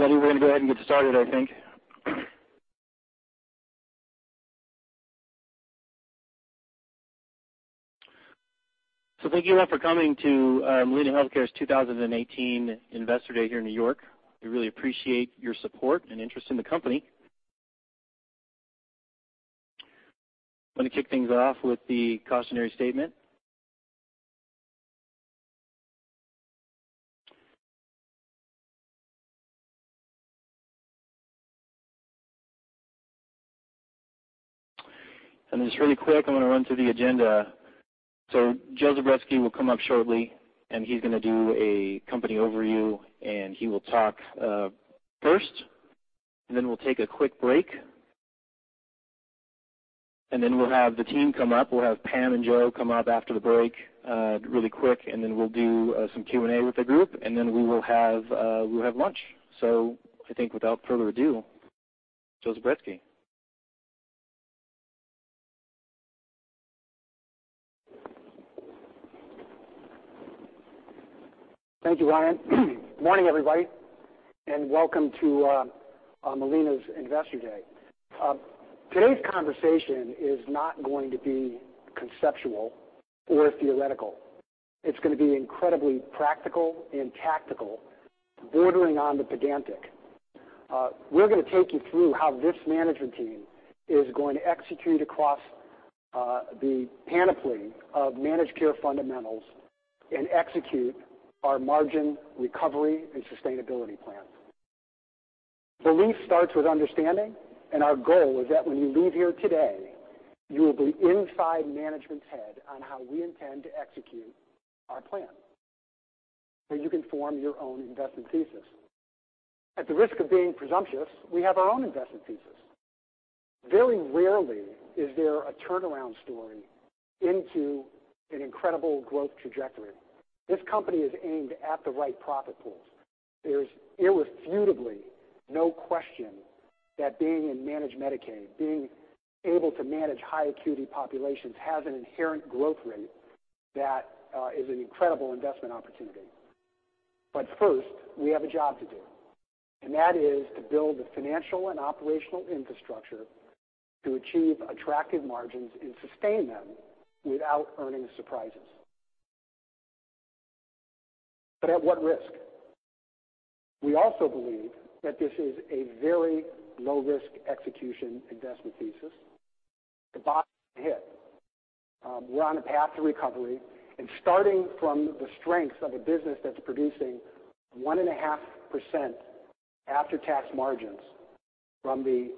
Everybody, we're going to go ahead and get started. Thank you all for coming to Molina Healthcare's 2018 Investor Day here in New York. We really appreciate your support and interest in the company. I'm going to kick things off with the cautionary statement. Then just really quick, I'm going to run through the agenda. Joe Zubretsky will come up shortly, and he's going to do a company overview, and he will talk first. Then we'll take a quick break. Then we'll have the team come up. We'll have Pam and Joe come up after the break really quick, and then we'll do some Q&A with the group, and then we will have lunch. Without further ado, Joe Zubretsky. Thank you, Ryan. Morning, everybody, and welcome to Molina's Investor Day. Today's conversation is not going to be conceptual or theoretical. It's going to be incredibly practical and tactical, bordering on the pedantic. We're going to take you through how this management team is going to execute across the panoply of managed care fundamentals and execute our margin recovery and sustainability plan. Our goal is that when you leave here today, you will be inside management's head on how we intend to execute our plan, so you can form your own investment thesis. At the risk of being presumptuous, we have our own investment thesis. Very rarely is there a turnaround story into an incredible growth trajectory. This company is aimed at the right profit pools. There's irrefutably no question that being in managed Medicaid, being able to manage high acuity populations, has an inherent growth rate that is an incredible investment opportunity. First, we have a job to do, and that is to build the financial and operational infrastructure to achieve attractive margins and sustain them without earning surprises. At what risk? We also believe that this is a very low-risk execution investment thesis. The bottom has hit. We're on a path to recovery, and starting from the strength of a business that's producing 1.5% after-tax margins from the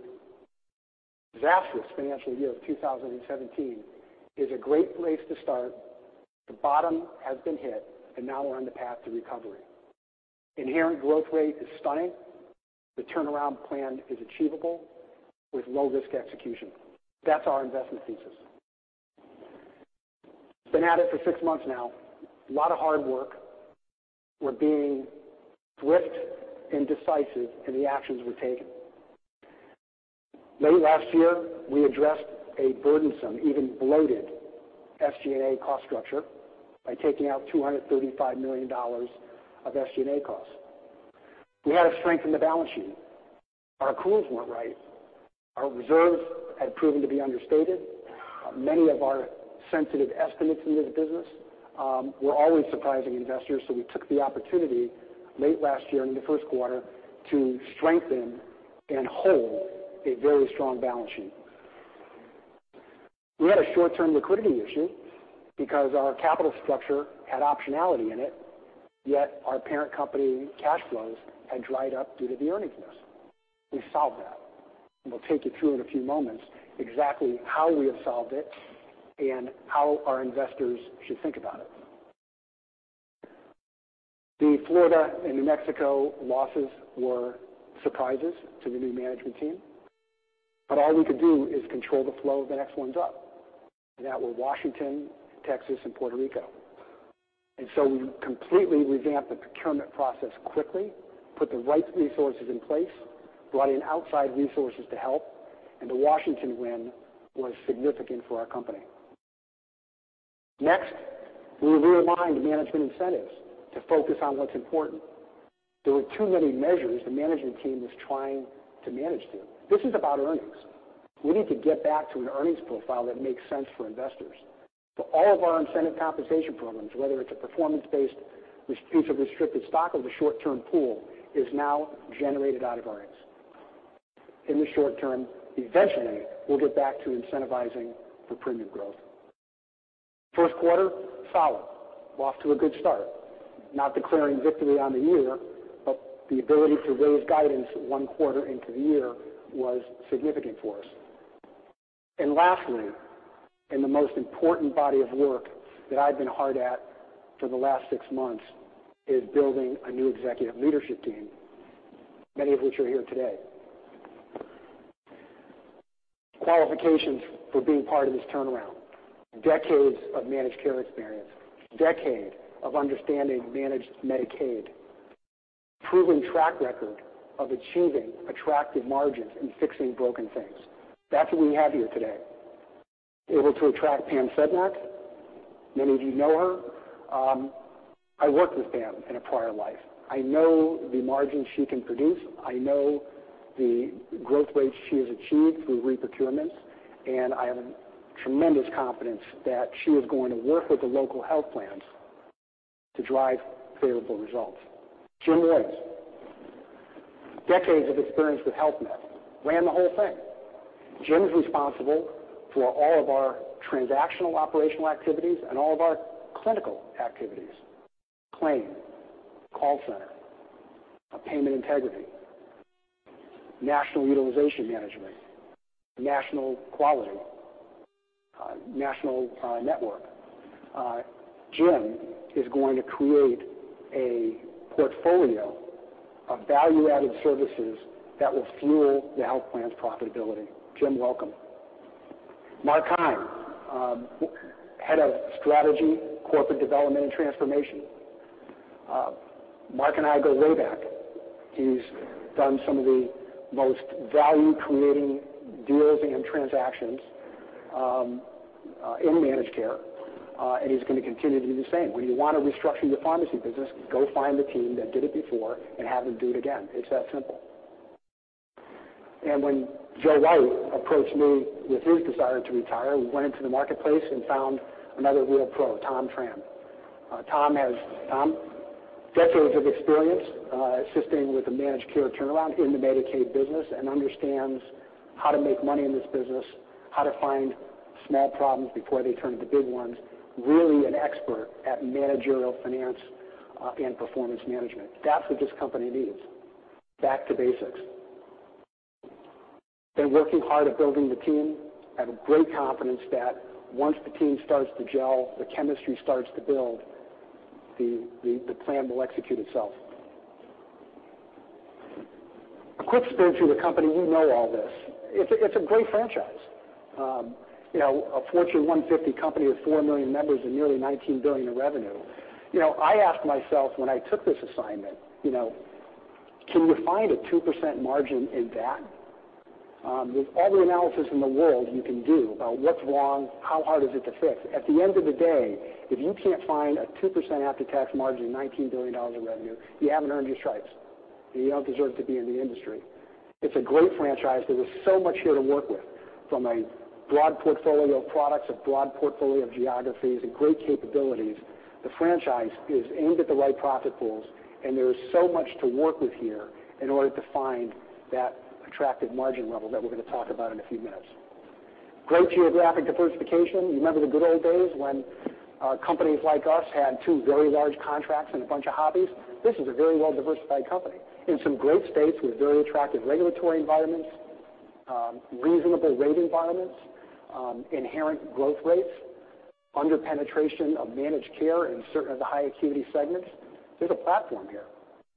disastrous financial year of 2017 is a great place to start. Now we're on the path to recovery. Inherent growth rate is stunning. The turnaround plan is achievable with low-risk execution. That's our investment thesis. Been at it for 6 months now. A lot of hard work. We're being swift and decisive in the actions we're taking. Late last year, we addressed a burdensome, even bloated, SG&A cost structure by taking out $235 million of SG&A costs. We had to strengthen the balance sheet. Our accruals weren't right. Our reserves had proven to be understated. Many of our sensitive estimates in the business were always surprising investors. We took the opportunity late last year in the first quarter to strengthen and hold a very strong balance sheet. We had a short-term liquidity issue because our capital structure had optionality in it, yet our parent company cash flows had dried up due to the earnings miss. We solved that. We'll take you through in a few moments exactly how we have solved it and how our investors should think about it. The Florida and New Mexico losses were surprises to the new management team, all we could do is control the flow of the next ones up, that were Washington, Texas, and Puerto Rico. We completely revamped the procurement process quickly, put the right resources in place, brought in outside resources to help, the Washington win was significant for our company. Next, we realigned management incentives to focus on what's important. There were too many measures the management team was trying to manage to. This is about earnings. We need to get back to an earnings profile that makes sense for investors. All of our incentive compensation programs, whether it's a performance-based piece of restricted stock or the short-term pool, is now generated out of earnings. In the short term, eventually, we'll get back to incentivizing for premium growth. First quarter, solid. We're off to a good start. Not declaring victory on the year, the ability to raise guidance one quarter into the year was significant for us. Lastly, the most important body of work that I've been hard at for the last six months is building a new executive leadership team, many of which are here today. Qualifications for being part of this turnaround, decades of managed care experience, decade of understanding managed Medicaid, proven track record of achieving attractive margins and fixing broken things. That's what we have here today. Able to attract Pam Sedmak. Many of you know her. I worked with Pam in a prior life. I know the margins she can produce. I know the growth rates she has achieved through re-procurement, I have tremendous confidence that she is going to work with the local health plans to drive favorable results. Jim Woys. Decades of experience with Health Net. Ran the whole thing. Jim's responsible for all of our transactional operational activities and all of our clinical activities. Claim, call center, payment integrity, national utilization management, national quality, national network. Jim is going to create a portfolio of value-added services that will fuel the health plan's profitability. Jim, welcome. Mark Keim, Head of Strategy, Corporate Development, and Transformation. Mark and I go way back. He's done some of the most value-creating deals and transactions in managed care, he's going to continue to do the same. When you want to restructure your pharmacy business, go find the team that did it before and have them do it again. It's that simple. When Joe White approached me with his desire to retire, we went into the marketplace and found another real pro, Tom Tran. Tom has decades of experience assisting with the managed care turnaround in the Medicaid business, understands how to make money in this business, how to find small problems before they turn into big ones. Really an expert at managerial finance and performance management. That's what this company needs. Back to basics. I've been working hard at building the team. I have great confidence that once the team starts to gel, the chemistry starts to build, the plan will execute itself. A quick spin through the company. You know all this. It's a great franchise. A Fortune 150 company with 4 million members and nearly $19 billion in revenue. I asked myself when I took this assignment, can you find a 2% margin in that? With all the analysis in the world you can do about what's wrong, how hard is it to fix? At the end of the day, if you can't find a 2% after-tax margin in $19 billion of revenue, you haven't earned your stripes, and you don't deserve to be in the industry. It's a great franchise. There is so much here to work with. From a broad portfolio of products, a broad portfolio of geographies, and great capabilities. The franchise is aimed at the right profit pools, and there is so much to work with here in order to find that attractive margin level that we're going to talk about in a few minutes. Great geographic diversification. You remember the good old days when companies like us had two very large contracts and a bunch of hobbies? This is a very well-diversified company in some great states with very attractive regulatory environments, reasonable rate environments, inherent growth rates, under-penetration of managed care in certain of the high-acuity segments.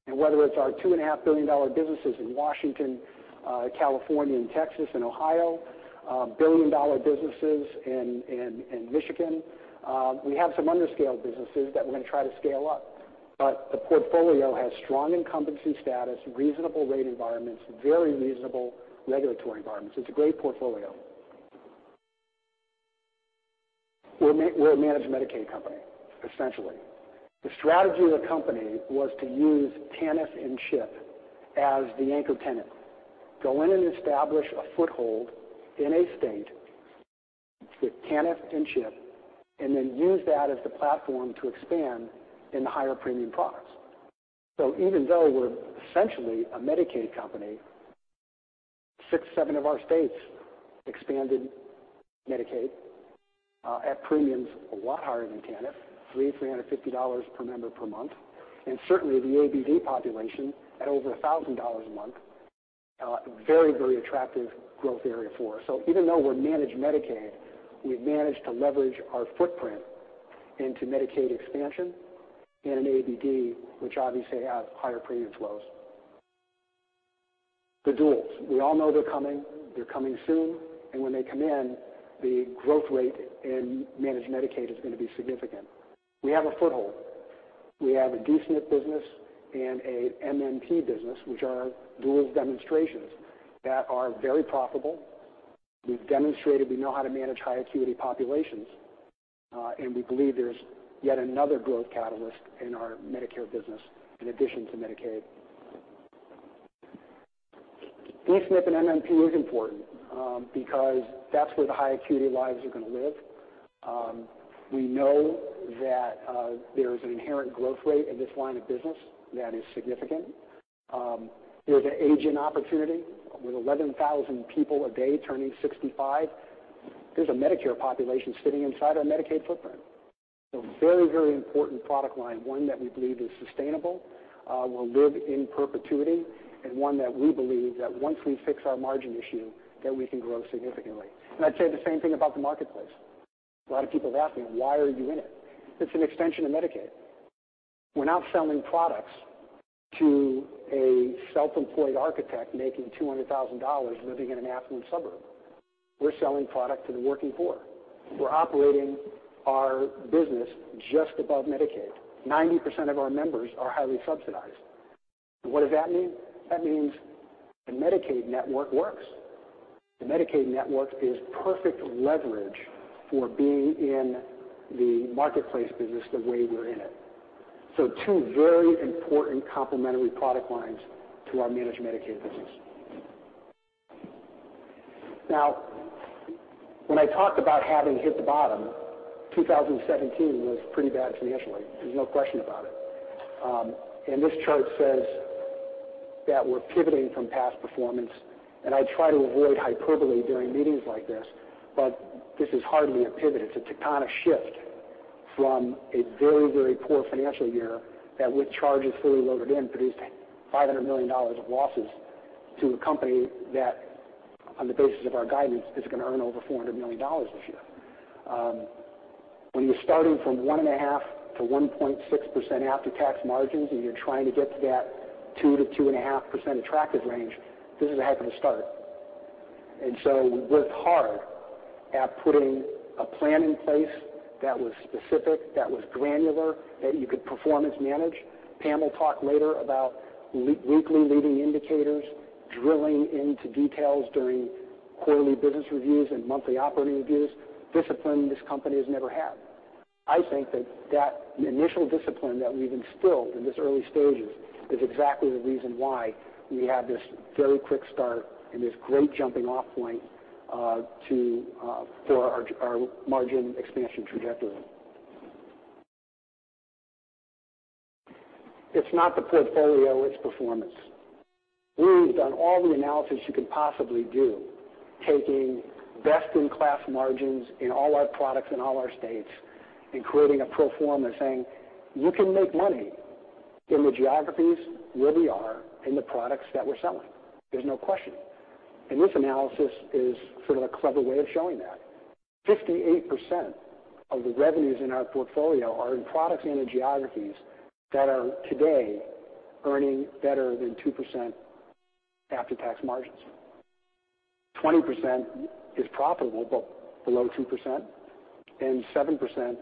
Whether it's our $2.5 billion businesses in Washington, California, and Texas, and Ohio, billion-dollar businesses in Michigan. We have some under-scale businesses that we're going to try to scale up. But the portfolio has strong incumbency status, reasonable rate environments, very reasonable regulatory environments. It's a great portfolio. We're a managed Medicaid company, essentially. The strategy of the company was to use TANF and CHIP as the anchor tenant. Go in and establish a foothold in a state with TANF and CHIP, and then use that as the platform to expand in the higher premium products. Even though we're essentially a Medicaid company, six, seven of our states expanded Medicaid at premiums a lot higher than TANF, $300, $350 per member, per month. And certainly the ABD population at over $1,000 a month, a very attractive growth area for us. Even though we're managed Medicaid, we've managed to leverage our footprint into Medicaid expansion and ABD, which obviously have higher premium flows. The duals. We all know they're coming, they're coming soon. When they come in, the growth rate in managed Medicaid is going to be significant. We have a foothold. We have a D-SNP business and a MMP business, which are duals demonstrations that are very profitable. We've demonstrated we know how to manage high-acuity populations. And we believe there's yet another growth catalyst in our Medicare business in addition to Medicaid. D-SNP and MMP is important because that's where the high-acuity lives are going to live. We know that there is an inherent growth rate in this line of business that is significant. There's an aging opportunity with 11,000 people a day turning 65. There's a Medicare population sitting inside our Medicaid footprint. Very important product line. One that we believe is sustainable, will live in perpetuity, and one that we believe that once we fix our margin issue, that we can grow significantly. I'd say the same thing about the marketplace. A lot of people have asked me, "Why are you in it?" It's an extension of Medicaid. We're not selling products to a self-employed architect making $200,000 living in an affluent suburb. We're selling product to the working poor. We're operating our business just above Medicaid. 90% of our members are highly subsidized. And what does that mean? That means the Medicaid network works. The Medicaid network is perfect leverage for being in the marketplace business the way we're in it. So two very important complementary product lines to our managed Medicaid business. When I talked about having hit the bottom, 2017 was pretty bad financially. There's no question about it. This chart says that we're pivoting from past performance. I try to avoid hyperbole during meetings like this, but this is hardly a pivot. It's a tectonic shift from a very poor financial year that with charges fully loaded in, produced $500 million of losses to a company that, on the basis of our guidance, is going to earn over $400 million this year. When you're starting from 1.5%-1.6% after-tax margins and you're trying to get to that 2%-2.5% attractive range, this is a heck of a start. We worked hard at putting a plan in place that was specific, that was granular, that you could performance manage. Pam will talk later about weekly leading indicators, drilling into details during quarterly business reviews and monthly operating reviews, discipline this company has never had. I think that initial discipline that we've instilled in these early stages is exactly the reason why we have this very quick start and this great jumping-off point for our margin expansion trajectory. It's not the portfolio, it's performance. We've done all the analysis you could possibly do, taking best-in-class margins in all our products in all our states and creating a pro forma saying, "You can make money in the geographies where we are and the products that we're selling." There's no question. This analysis is sort of a clever way of showing that. 58% of the revenues in our portfolio are in products and in geographies that are today earning better than 2% after-tax margins. 20% is profitable but below 2%, and 7%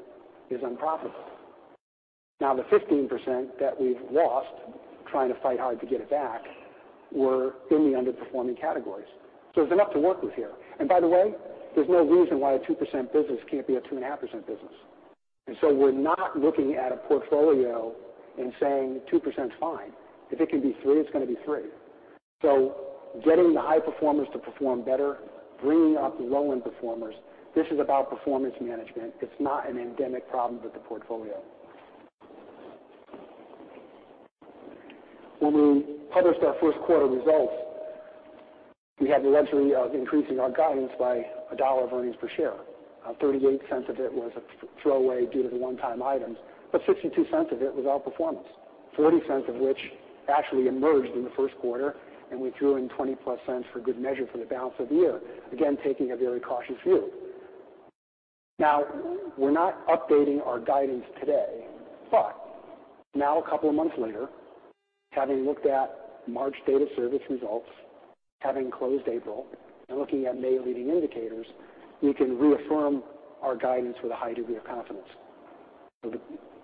is unprofitable. The 15% that we've lost, trying to fight hard to get it back, were in the underperforming categories. There's enough to work with here. By the way, there's no reason why a 2% business can't be a 2.5% business. We're not looking at a portfolio and saying 2% is fine. If it can be three, it's going to be three. Getting the high performers to perform better, bringing up the low-end performers, this is about performance management. It's not an endemic problem with the portfolio. When we published our first quarter results, we had the luxury of increasing our guidance by $1 of earnings per share. $0.38 of it was a throwaway due to the one-time items, but $0.62 of it was outperformance. $0.40 of which actually emerged in the first quarter, and we threw in $0.20 plus for good measure for the balance of the year. Again, taking a very cautious view. We're not updating our guidance today. A couple of months later, having looked at March data service results, having closed April, and looking at May leading indicators, we can reaffirm our guidance with a high degree of confidence. The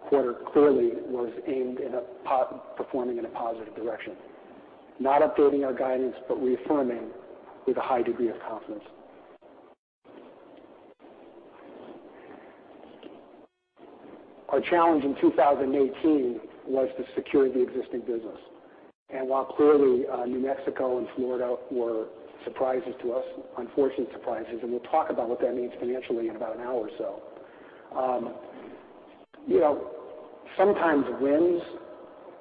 quarter clearly was aimed and performing in a positive direction. Not updating our guidance, but reaffirming with a high degree of confidence. Our challenge in 2018 was to secure the existing business. While clearly New Mexico and Florida were surprises to us, unfortunate surprises, and we'll talk about what that means financially in about an hour or so. Sometimes wins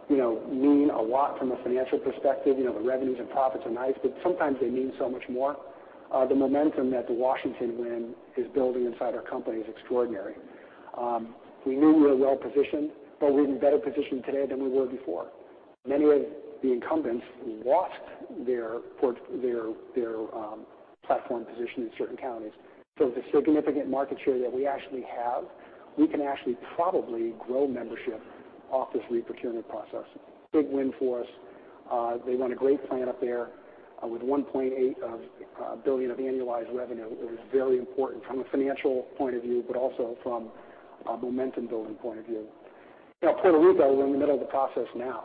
mean a lot from a financial perspective. The revenues and profits are nice, but sometimes they mean so much more. The momentum that the Washington win is building inside our company is extraordinary. We knew we were well-positioned, but we're in better position today than we were before. The significant market share that we actually have, we can actually probably grow membership off this re-procurement process. Big win for us. They run a great plan up there with $1.8 billion of annualized revenue. It was very important from a financial point of view, but also from a momentum building point of view. Puerto Rico, we're in the middle of the process now.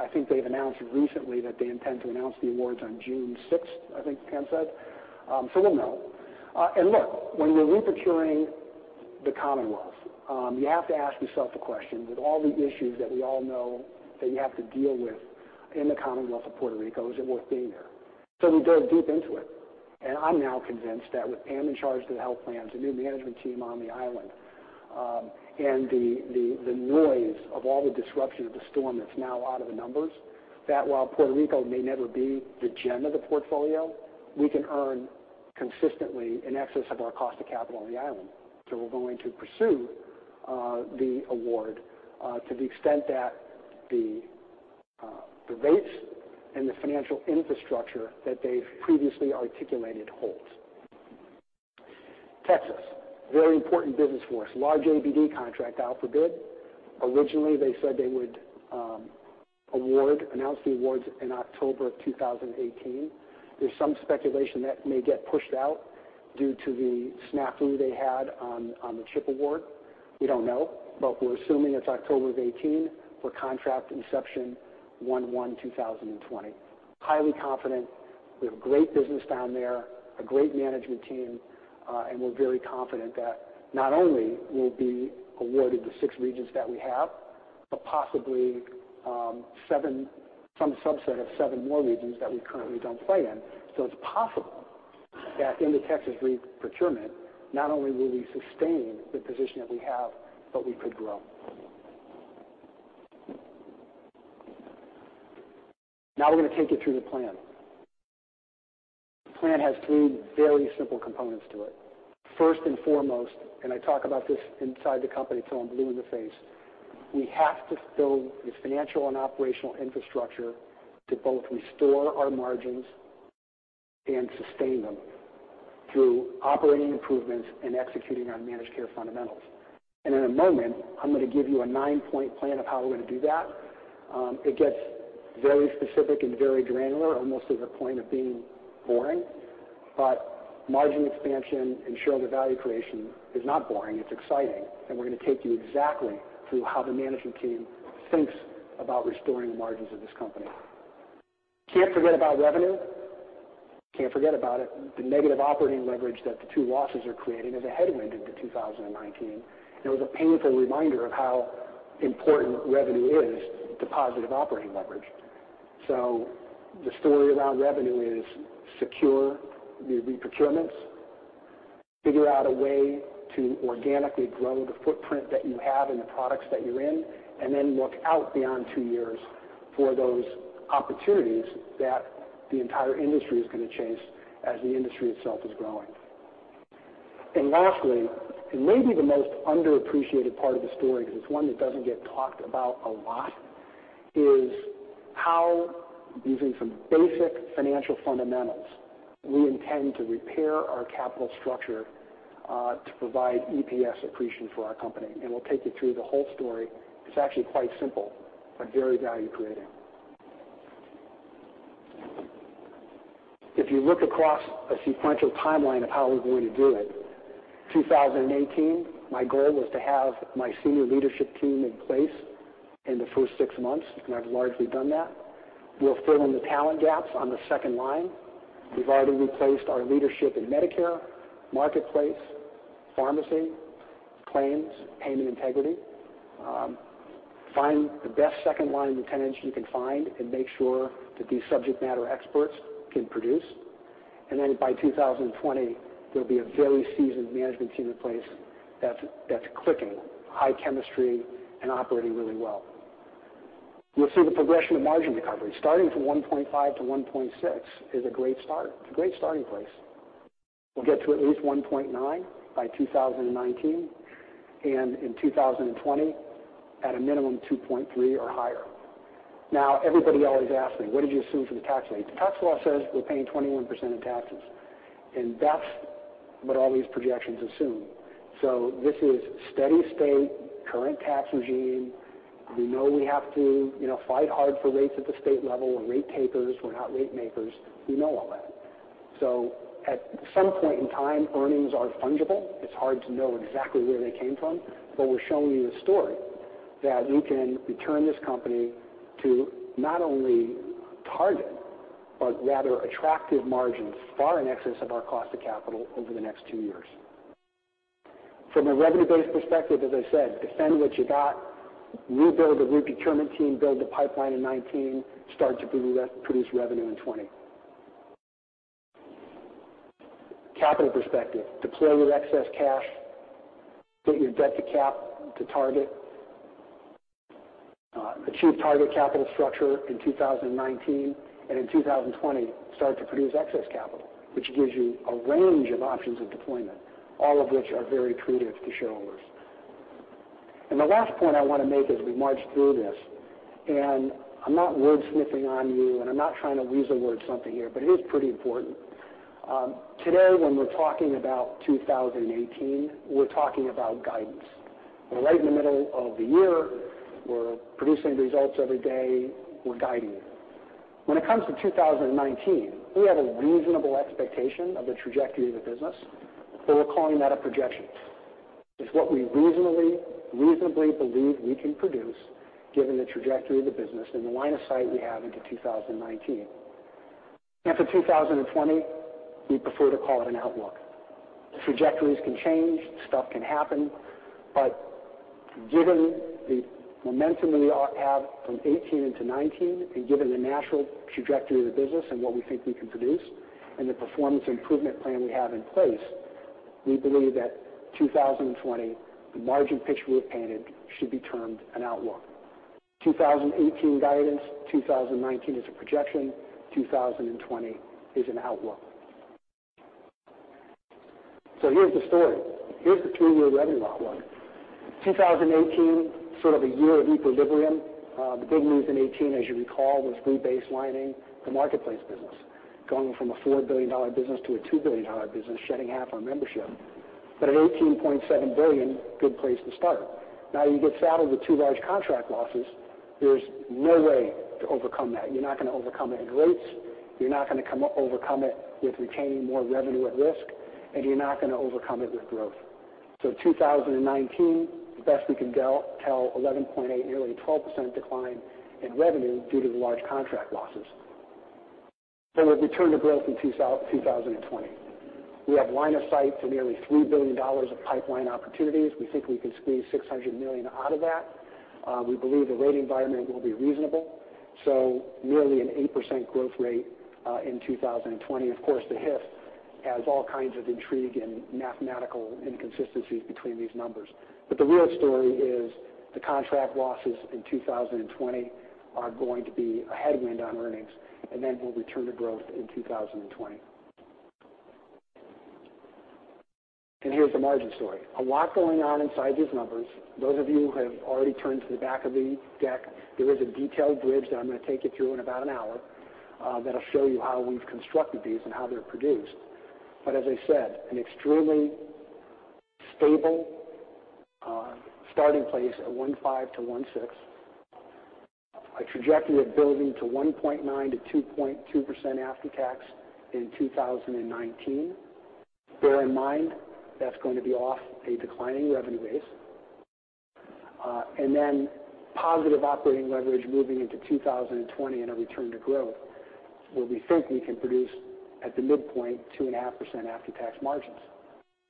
I think they've announced recently that they intend to announce the awards on June 6th, I think Pam said. We'll know. Look, when you're re-procuring the Commonwealth, you have to ask yourself the question, with all the issues that we all know that you have to deal with in the Commonwealth of Puerto Rico, is it worth being there? We dove deep into it, and I'm now convinced that with Pam in charge of the health plans, a new management team on the island, and the noise of all the disruption of the storm that's now out of the numbers, that while Puerto Rico may never be the gem of the portfolio, we can earn consistently in excess of our cost of capital on the island. We're going to pursue the award to the extent that the rates and the financial infrastructure that they've previously articulated holds. Texas, very important business for us. Large ABD contract out for bid. Originally, they said they would announce the awards in October of 2018. There's some speculation that may get pushed out due to the snafu they had on the CHIP award. We don't know, but we're assuming it's October of 2018 for contract inception, 01/01/2020. Highly confident. We have great business down there, a great management team, and we're very confident that not only will be awarded the six regions that we have, but possibly some subset of seven more regions that we currently don't play in. It's possible that in the Texas reprocurement, not only will we sustain the position that we have, but we could grow. We're going to take you through the plan. The plan has three very simple components to it. First and foremost, I talk about this inside the company till I'm blue in the face, we have to build the financial and operational infrastructure to both restore our margins and sustain them through operating improvements and executing our managed care fundamentals. In a moment, I'm going to give you a nine-point plan of how we're going to do that. It gets very specific and very granular, almost to the point of being boring. Margin expansion and shareholder value creation is not boring. It's exciting, we're going to take you exactly through how the management team thinks about restoring the margins of this company. Can't forget about revenue. Can't forget about it. The negative operating leverage that the two losses are creating is a headwind into 2019, and it was a painful reminder of how important revenue is to positive operating leverage. The story around revenue is secure the reprocurements, figure out a way to organically grow the footprint that you have and the products that you're in, and then look out beyond two years for those opportunities that the entire industry is going to chase as the industry itself is growing. Lastly, and maybe the most underappreciated part of the story, because it's one that doesn't get talked about a lot, is how using some basic financial fundamentals, we intend to repair our capital structure, to provide EPS accretion for our company. We'll take you through the whole story. It's actually quite simple, but very value creating. If you look across a sequential timeline of how we're going to do it, 2018, my goal was to have my senior leadership team in place in the first six months, and I've largely done that. We'll fill in the talent gaps on the second line. We've already replaced our leadership in Medicare, Marketplace, pharmacy, claims, payment integrity. Find the best second-line lieutenants you can find and make sure that these subject matter experts can produce. By 2020, there'll be a very seasoned management team in place that's clicking, high chemistry, and operating really well. We'll see the progression of margin recovery. Starting from 1.5%-1.6% is a great start. It's a great starting place. We'll get to at least 1.9% by 2019, and in 2020, at a minimum, 2.3% or higher. Everybody always asks me, "What did you assume for the tax rate?" The tax law says we're paying 21% in taxes, and that's what all these projections assume. This is steady state, current tax regime. We know we have to fight hard for rates at the state level. We're rate takers. We're not rate makers. We know all that. At some point in time, earnings are fungible. It's hard to know exactly where they came from. We're showing you the story that we can return this company to not only target, but rather attractive margins far in excess of our cost of capital over the next two years. From a revenue-based perspective, as I said, defend what you got, rebuild the reprocurement team, build the pipeline in 2019, start to produce revenue in 2020. Capital perspective. Deploy your excess cash, get your debt-to-cap to target, achieve target capital structure in 2019, and in 2020, start to produce excess capital, which gives you a range of options of deployment, all of which are very accretive to shareholders. The last point I want to make as we march through this, I'm not word-smithing on you, I'm not trying to weasel word something here, but it is pretty important. Today, when we're talking about 2018, we're talking about guidance. We're right in the middle of the year. We're producing results every day. We're guiding you. When it comes to 2019, we have a reasonable expectation of the trajectory of the business, but we're calling that a projection. It's what we reasonably believe we can produce given the trajectory of the business and the line of sight we have into 2019. For 2020, we prefer to call it an outlook. Trajectories can change, stuff can happen. Given the momentum that we have from 2018 into 2019, given the natural trajectory of the business, what we think we can produce and the performance improvement plan we have in place, we believe that 2020, the margin picture we have painted should be termed an outlook. 2018 guidance, 2019 is a projection, 2020 is an outlook. Here's the story. Here's the three-year revenue outlook. 2018, sort of a year of equilibrium. The big news in 2018, as you recall, was rebaselining the marketplace business, going from a $4 billion business to a $2 billion business, shedding half our membership. At $18.7 billion, good place to start. Now you get saddled with two large contract losses. There's no way to overcome that. You're not going to overcome it in rates, you're not going to overcome it with retaining more revenue at risk, and you're not going to overcome it with growth. 2019, the best we can tell, 11.8%, nearly 12% decline in revenue due to the large contract losses. We'll return to growth in 2020. We have line of sight to nearly $3 billion of pipeline opportunities. We think we can squeeze $600 million out of that. We believe the rate environment will be reasonable, nearly an 8% growth rate, in 2020. Of course, the if has all kinds of intrigue and mathematical inconsistencies between these numbers. The real story is the contract losses in 2020 are going to be a headwind on earnings, we'll return to growth in 2020. Here's the margin story. A lot going on inside these numbers. Those of you who have already turned to the back of the deck, there is a detailed bridge that I'm going to take you through in about an hour, that'll show you how we've constructed these and how they're produced. As I said, an extremely stable starting place at 1.5%-1.6%. A trajectory of building to 1.9%-2.2% after tax in 2019. Bear in mind, that's going to be off a declining revenue base. Positive operating leverage moving into 2020 and a return to growth, where we think we can produce, at the midpoint, 2.5% after-tax margins.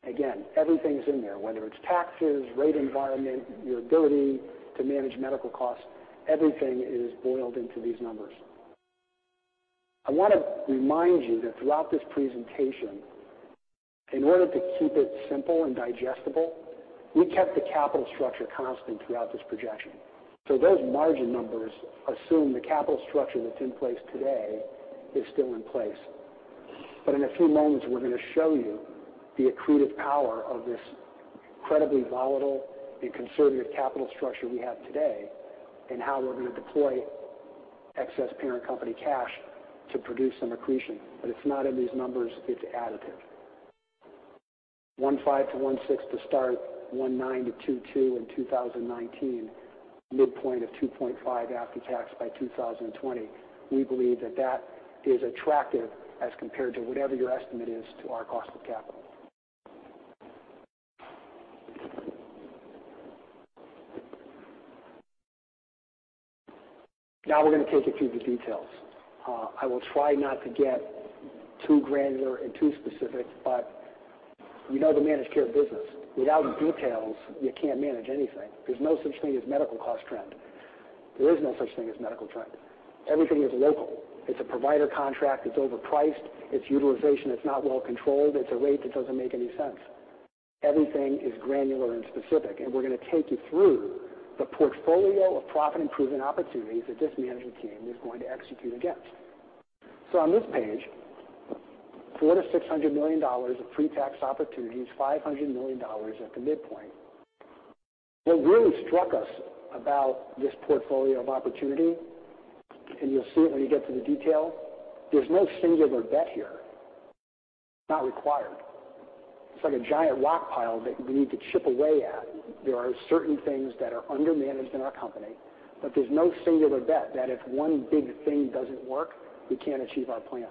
Again, everything's in there, whether it's taxes, rate environment, your ability to manage medical costs, everything is boiled into these numbers. I want to remind you that throughout this presentation, in order to keep it simple and digestible, we kept the capital structure constant throughout this projection. Those margin numbers assume the capital structure that's in place today is still in place. In a few moments, we're going to show you the accretive power of this incredibly volatile and conservative capital structure we have today, and how we're going to deploy excess parent company cash to produce some accretion. It's not in these numbers, it's additive. 1.5%-1.6% to start, 1.9%-2.2% in 2019, midpoint of 2.5% after tax by 2020. We believe that that is attractive as compared to whatever your estimate is to our cost of capital. We're going to take you through the details. I will try not to get too granular and too specific, but you know the managed care business. Without details, you can't manage anything. There's no such thing as medical cost trend. There is no such thing as medical trend. Everything is local. It's a provider contract that's overpriced. It's utilization that's not well controlled. It's a rate that doesn't make any sense. Everything is granular and specific, and we're going to take you through the portfolio of profit improvement opportunities that this management team is going to execute against. On this page, $400 million-$600 million of pre-tax opportunities, $500 million at the midpoint. What really struck us about this portfolio of opportunity, and you'll see it when you get to the detail, there's no singular bet here. Not required. It's like a giant rock pile that we need to chip away at. There are certain things that are undermanaged in our company, but there's no singular bet that if one big thing doesn't work, we can't achieve our plan.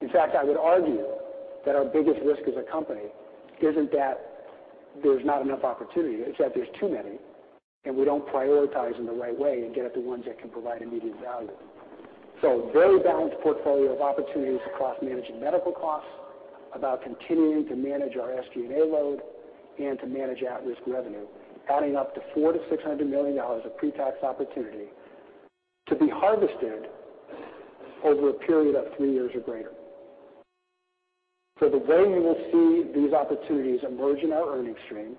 In fact, I would argue that our biggest risk as a company isn't that there's not enough opportunity, it's that there's too many, and we don't prioritize in the right way and get at the ones that can provide immediate value. A very balanced portfolio of opportunities across managing medical costs, about continuing to manage our SG&A load and to manage at-risk revenue, adding up to $400 million-$600 million of pre-tax opportunity to be harvested over a period of three years or greater. The way you will see these opportunities emerge in our earnings stream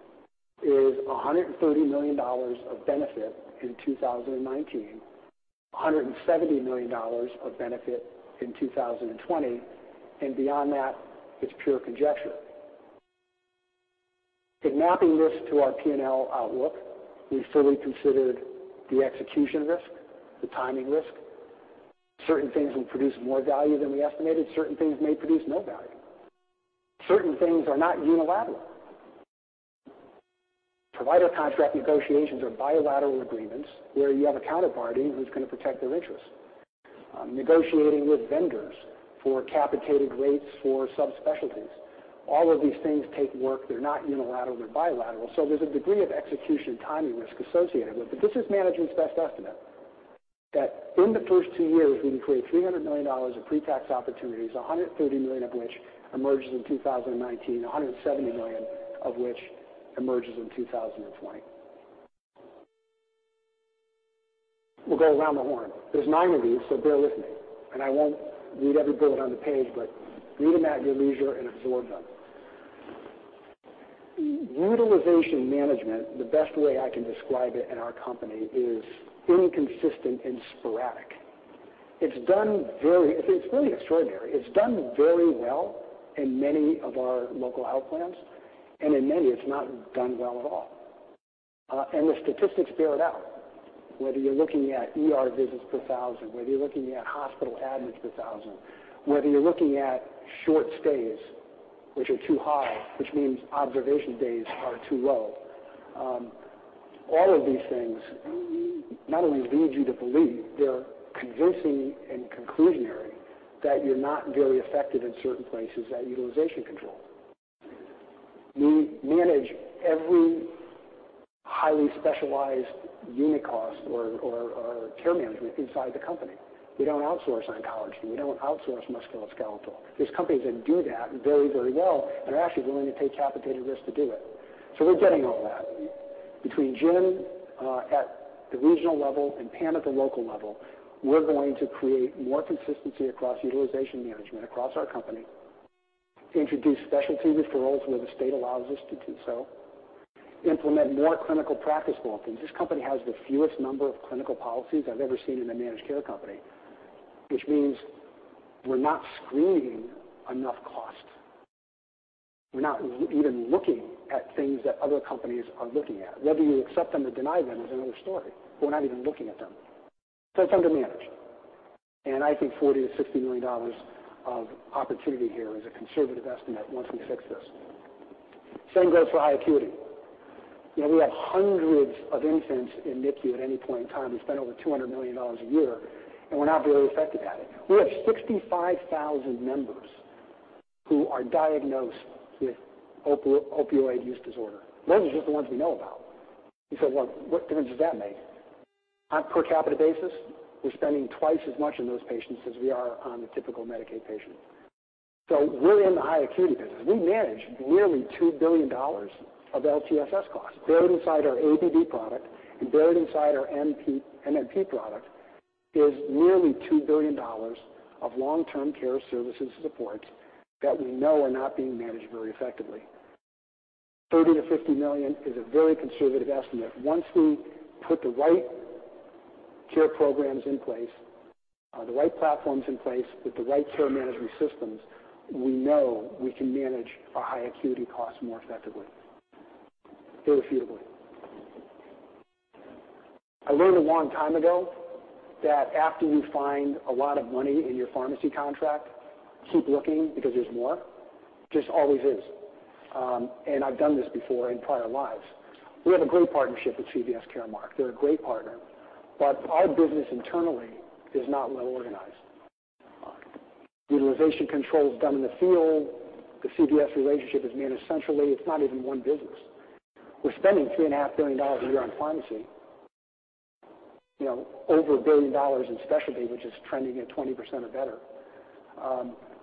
is $130 million of benefit in 2019, $170 million of benefit in 2020, and beyond that, it's pure conjecture. In mapping risk to our P&L outlook, we fully considered the execution risk, the timing risk. Certain things will produce more value than we estimated. Certain things may produce no value. Certain things are not unilateral. Provider contract negotiations are bilateral agreements where you have a counterparty who's going to protect their interests. Negotiating with vendors for capitated rates for subspecialties. All of these things take work. They're not unilateral, they're bilateral, so there's a degree of execution timing risk associated with it. But this is management's best estimate, that in the first two years, we can create $300 million of pre-tax opportunities, $130 million of which emerges in 2019, $170 million of which emerges in 2020. We'll go around the horn. There's nine of these, so bear with me. I won't read every bullet on the page, but read them at your leisure and absorb them. Utilization management, the best way I can describe it in our company is inconsistent and sporadic. It's really extraordinary. It's done very well in many of our local health plans, and in many, it's not done well at all. And the statistics bear it out. Whether you're looking at ER visits per 1,000, whether you're looking at hospital admits per 1,000, whether you're looking at short stays, which are too high, which means observation days are too low. All of these things not only lead you to believe, they're convincing and conclusionary that you're not very effective in certain places at utilization control. We manage every highly specialized unit cost or care management inside the company. We don't outsource oncology. We don't outsource musculoskeletal. There's companies that do that very well and are actually willing to take capitated risk to do it. We're getting all that. Between Jim at the regional level and Pam at the local level, we're going to create more consistency across utilization management across our company, introduce specialty referrals where the state allows us to do so, implement more clinical practice bulletins. This company has the fewest number of clinical policies I've ever seen in a managed care company, which means we're not screening enough cost. We're not even looking at things that other companies are looking at. Whether you accept them or deny them is another story. We're not even looking at them. It's under managed. I think $40 million-$60 million of opportunity here is a conservative estimate once we fix this. Same goes for high acuity. We have hundreds of infants in NICU at any point in time. We spend over $200 million a year, and we're not very effective at it. We have 65,000 members who are diagnosed with opioid use disorder. Those are just the ones we know about. You say, "Well, what difference does that make?" On a per capita basis, we're spending twice as much on those patients as we are on the typical Medicaid patient. We're in the high acuity business. We manage nearly $2 billion of LTSS costs buried inside our ABD product and buried inside our MMP product is nearly $2 billion of long-term care services support that we know are not being managed very effectively. $30 million-$50 million is a very conservative estimate. Once we put the right care programs in place, the right platforms in place with the right care management systems, we know we can manage our high acuity costs more effectively. Irrefutably. I learned a long time ago that after you find a lot of money in your pharmacy contract, keep looking because there's more. Just always is. I've done this before in prior lives. We have a great partnership with CVS Caremark. They're a great partner, but our business internally is not well organized. Utilization control is done in the field. The CVS relationship is managed centrally. It's not even one business. We're spending $3.5 billion a year on pharmacy, over $1 billion in specialty, which is trending at 20% or better.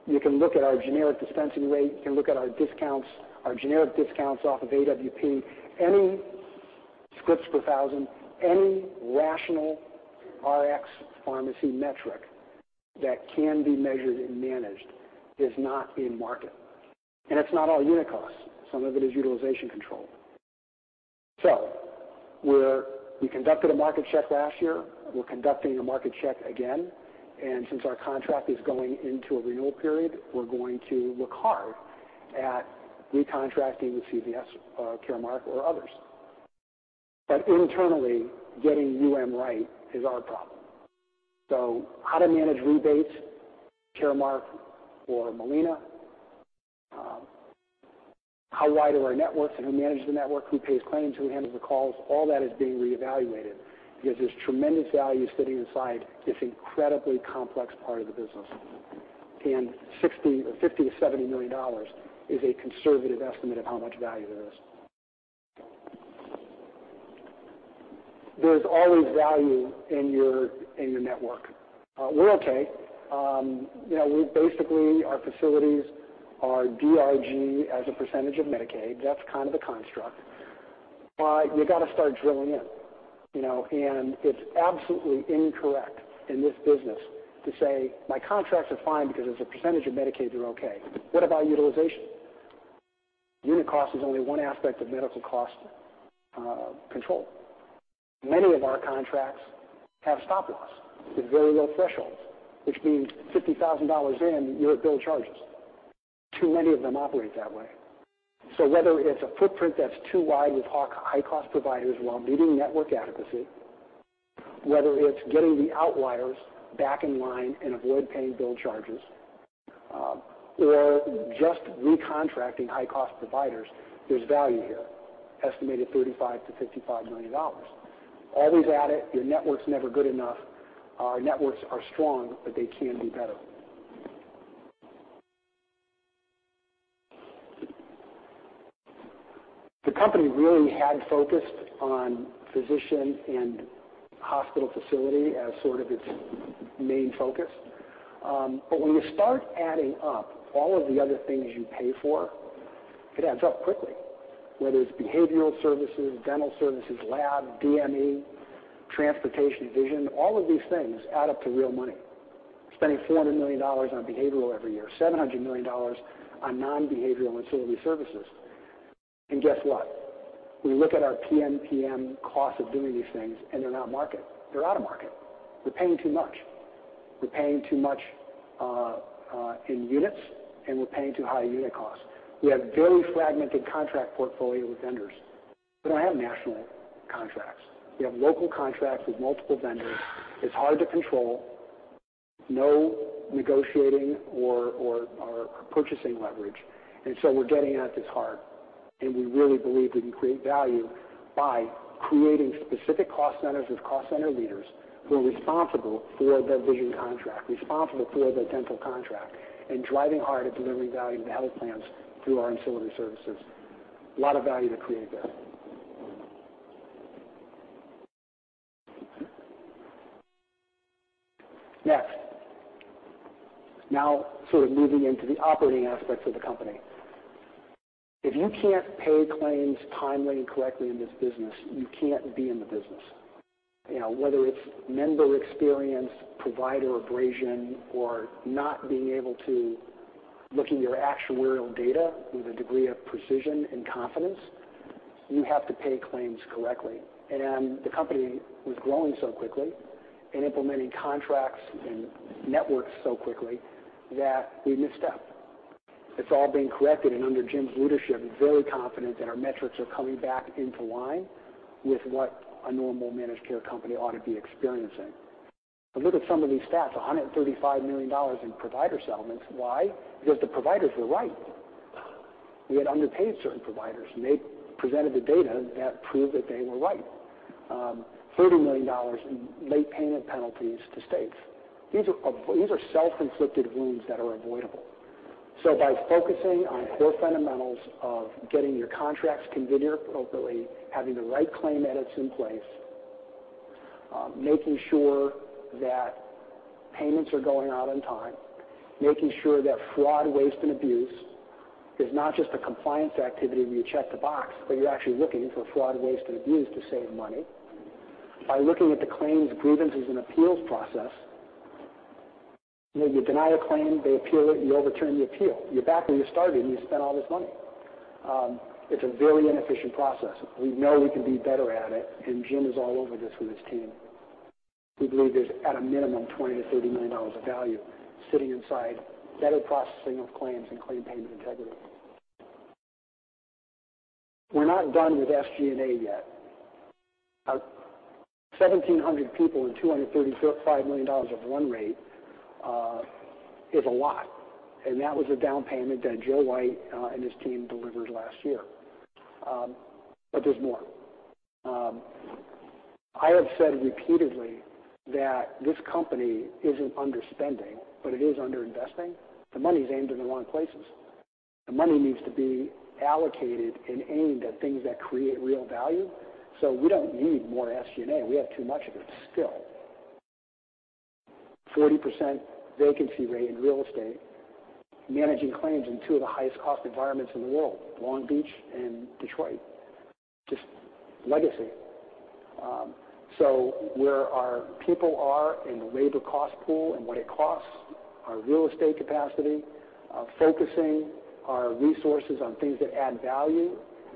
You can look at our generic dispensing rate, you can look at our discounts, our generic discounts off of AWP, any scripts per thousand, any rational RX pharmacy metric that can be measured and managed is not in market. It's not all unit costs. Some of it is utilization control. We conducted a market check last year. We're conducting a market check again, and since our contract is going into a renewal period, we're going to look hard at recontracting with CVS or Caremark or others. Internally, getting UM right is our problem. How to manage rebates, Caremark or Molina, how wide are our networks and who manages the network, who pays claims, who handles the calls, all that is being reevaluated because there's tremendous value sitting inside this incredibly complex part of the business. $50 million-$70 million is a conservative estimate of how much value there is. There's always value in your network. We're okay. Basically our facilities are DRG as a percentage of Medicaid. That's kind of the construct. You got to start drilling in. It's absolutely incorrect in this business to say, "My contracts are fine because as a percentage of Medicaid, they're okay." What about utilization? Unit cost is only one aspect of medical cost control. Many of our contracts have stop-loss with very low thresholds, which means $50,000 in, you're at billed charges. Too many of them operate that way. Whether it's a footprint that's too wide with high cost providers while meeting network adequacy, whether it's getting the outliers back in line and avoid paying billed charges, or just recontracting high cost providers, there's value here, estimated $35 million-$55 million. Always at it. Your network's never good enough. Our networks are strong, but they can be better. The company really had focused on physician and hospital facility as sort of its main focus. When you start adding up all of the other things you pay for, it adds up quickly. Whether it's behavioral services, dental services, lab, DME, transportation, vision, all of these things add up to real money. Spending $400 million on behavioral every year, $700 million on non-behavioral ancillary services. Guess what? We look at our PMPM cost of doing these things, they're not market. They're out of market. We're paying too much in units, and we're paying too high unit costs. We have very fragmented contract portfolio with vendors. We don't have national contracts. We have local contracts with multiple vendors. It's hard to control, no negotiating or purchasing leverage. We're getting at this hard, and we really believe we can create value by creating specific cost centers with cost center leaders who are responsible for their vision contract, responsible for their dental contract, and driving hard at delivering value to the health plans through our ancillary services. A lot of value to create there. Next. Moving into the operating aspects of the company. If you can't pay claims timely and correctly in this business, you can't be in the business. Whether it's member experience, provider abrasion, or not being able to look at your actuarial data with a degree of precision and confidence, you have to pay claims correctly. The company was growing so quickly and implementing contracts and networks so quickly that we missed a step. It's all being corrected, and under Jim Woys' leadership, I'm very confident that our metrics are coming back into line with what a normal managed care company ought to be experiencing. Look at some of these stats, $135 million in provider settlements. Why? Because the providers were right. We had underpaid certain providers, and they presented the data that proved that they were right. $30 million in late payment penalties to states. These are self-inflicted wounds that are avoidable. By focusing on core fundamentals of getting your contracts configured appropriately, having the right claim edits in place, making sure that payments are going out on time, making sure that fraud, waste, and abuse is not just a compliance activity where you check the box, but you're actually looking for fraud, waste, and abuse to save money. By looking at the claims grievances and appeals process, you deny a claim, they appeal it, you overturn the appeal. You're back where you started, and you spent all this money. It's a very inefficient process. We know we can be better at it, and Jim Woys is all over this with his team. We believe there's, at a minimum, $20 million-$30 million of value sitting inside better processing of claims and claim payment integrity. We're not done with SG&A yet. 1,700 people and $235 million of run rate is a lot, and that was a down payment that Joe White and his team delivered last year. There's more. I have said repeatedly that this company isn't underspending, but it is underinvesting. The money's aimed in the wrong places. The money needs to be allocated and aimed at things that create real value. We don't need more SG&A. We have too much of it still. 40% vacancy rate in real estate, managing claims in two of the highest cost environments in the world, Long Beach and Detroit. Just legacy. Where our people are in the labor cost pool and what it costs, our real estate capacity, focusing our resources on things that add value,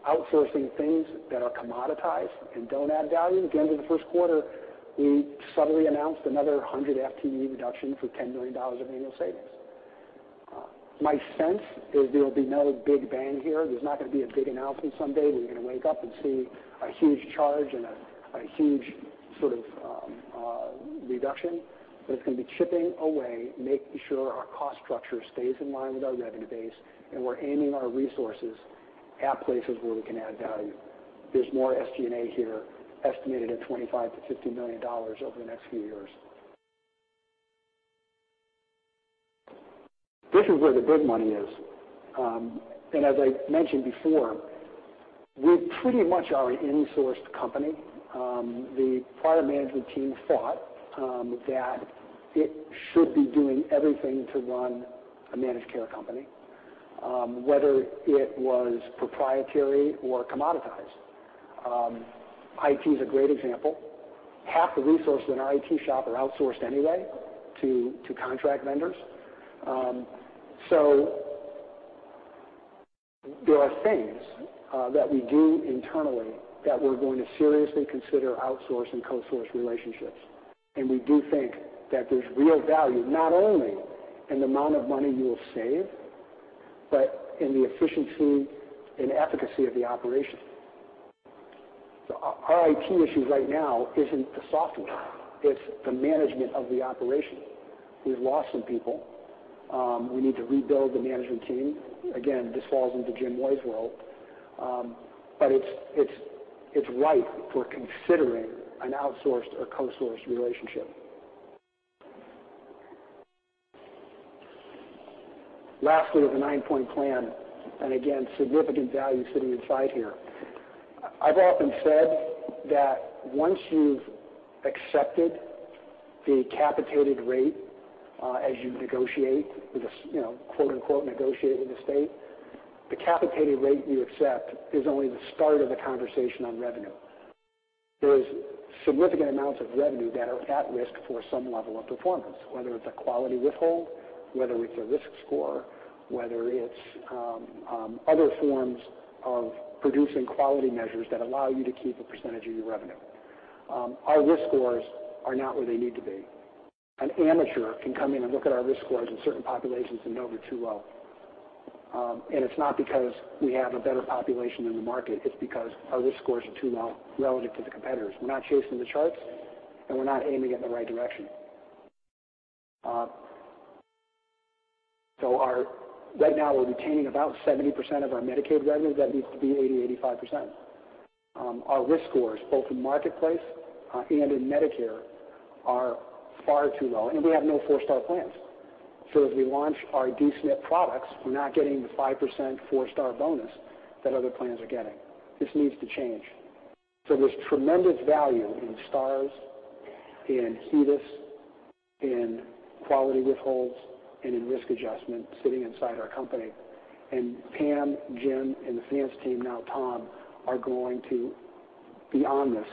outsourcing things that are commoditized and don't add value. At the end of the first quarter, we suddenly announced another 100 FTE reduction for $10 million of annual savings. My sense is there will be no big bang here. There's not going to be a big announcement someday where you're going to wake up and see a huge charge and a huge sort of reduction. It's going to be chipping away, making sure our cost structure stays in line with our revenue base, and we're aiming our resources at places where we can add value. There's more SG&A here, estimated at $25 million-$50 million over the next few years. This is where the big money is. As I mentioned before, we pretty much are an in-sourced company. The prior management team thought that it should be doing everything to run a managed care company, whether it was proprietary or commoditized. IT is a great example. Half the resources in our IT shop are outsourced anyway to contract vendors. There are things that we do internally that we're going to seriously consider outsource and co-source relationships. We do think that there's real value, not only in the amount of money you will save, but in the efficiency and efficacy of the operation. Our IT issues right now isn't the software, it's the management of the operation. We've lost some people. We need to rebuild the management team. Again, this falls into Joe White's world. It's ripe for considering an outsourced or co-sourced relationship. Lastly, with the nine-point plan, and again, significant value sitting inside here. I've often said that once you've accepted the capitated rate as you negotiate with the, quote-unquote, "negotiate with the state," the capitated rate you accept is only the start of the conversation on revenue. There is significant amounts of revenue that are at risk for some level of performance, whether it's a quality withhold, whether it's a risk score, whether it's other forms of producing quality measures that allow you to keep a percentage of your revenue. Our risk scores are not where they need to be. An amateur can come in and look at our risk scores in certain populations and know they're too low. It's not because we have a better population in the market, it's because our risk scores are too low relative to the competitors. We're not chasing the charts, and we're not aiming in the right direction. Right now we're retaining about 70% of our Medicaid revenue. That needs to be 80%-85%. Our risk scores, both in Health Insurance Marketplace and in Medicare, are far too low, and we have no four-star plans. As we launch our D-SNP products, we're not getting the 5% four-star bonus that other plans are getting. This needs to change. There's tremendous value in stars, in HEDIS, in quality withholds, and in risk adjustment sitting inside our company. Pam, Jim Woys, and the finance team, now Tom, are going to be on this.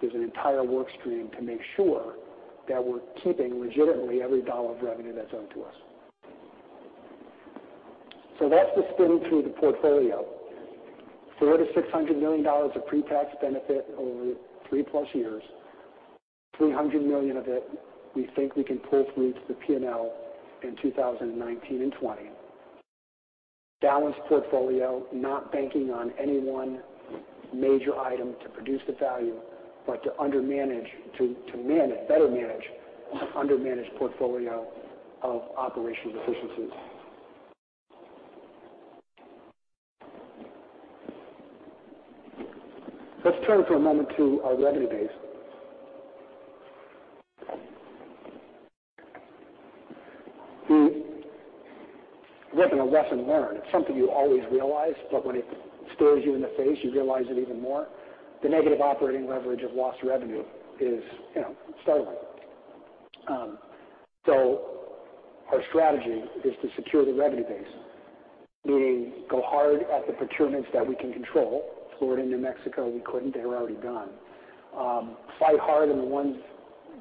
There's an entire work stream to make sure that we're keeping, legitimately, every dollar of revenue that's owed to us. That's the spin through the portfolio. $400 million-$600 million of pre-tax benefit over 3+ years, $300 million of it we think we can pull through to the P&L in 2019 and 2020. Balanced portfolio, not banking on any one major item to produce the value, but to better manage an under-managed portfolio of operational deficiencies. Let's turn for a moment to our revenue base. The lesson learned, it's something you always realize, but when it stares you in the face, you realize it even more. The negative operating leverage of lost revenue is startling. Our strategy is to secure the revenue base, meaning go hard at the procurements that we can control. Florida and New Mexico, we couldn't. They were already gone. Fight hard in the ones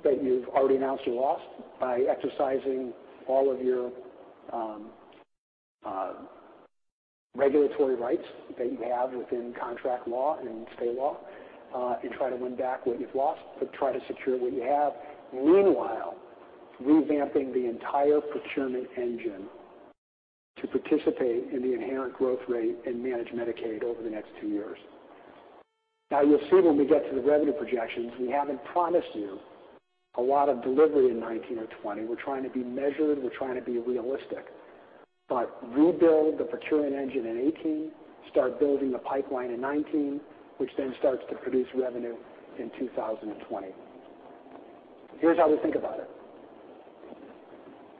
that you've already announced you lost by exercising all of your regulatory rights that you have within contract law and state law, and try to win back what you've lost, but try to secure what you have. Meanwhile, revamping the entire procurement engine to participate in the inherent growth rate and manage Medicaid over the next two years. You'll see when we get to the revenue projections, we haven't promised you a lot of delivery in 2019 or 2020. We're trying to be measured. We're trying to be realistic. Rebuild the procurement engine in 2018, start building the pipeline in 2019, which then starts to produce revenue in 2020. Here's how we think about it.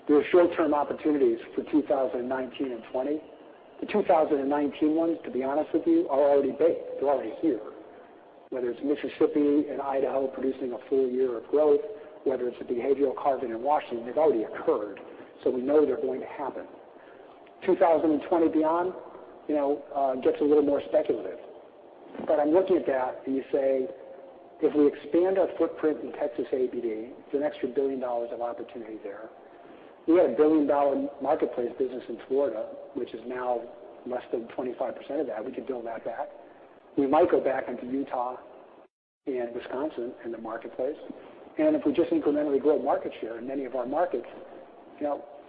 There are short-term opportunities for 2019 and 2020. The 2019 ones, to be honest with you, are already baked. They're already here. Whether it's Mississippi and Idaho producing a full year of growth, whether it's a behavioral carve in in Washington, they've already occurred, so we know they're going to happen. 2020 beyond gets a little more speculative. I'm looking at that, and you say, if we expand our footprint in Texas ABD, it's an extra $1 billion of opportunity there. We had a $1 billion-dollar marketplace business in Florida, which is now less than 25% of that. We could build that back. We might go back into Utah and Wisconsin in the marketplace. If we just incrementally grow market share in many of our markets,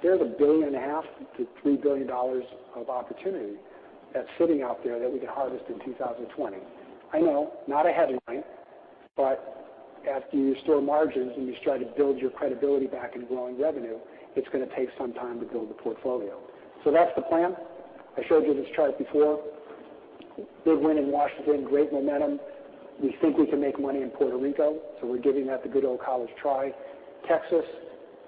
there's $1.5 billion-$3 billion of opportunity that's sitting out there that we could harvest in 2020. I know, not a headline, but after you restore margins and you start to build your credibility back in growing revenue, it's going to take some time to build the portfolio. That's the plan. I showed you this chart before. Big win in Washington, great momentum. We think we can make money in Puerto Rico, so we're giving that the good old college try. Texas,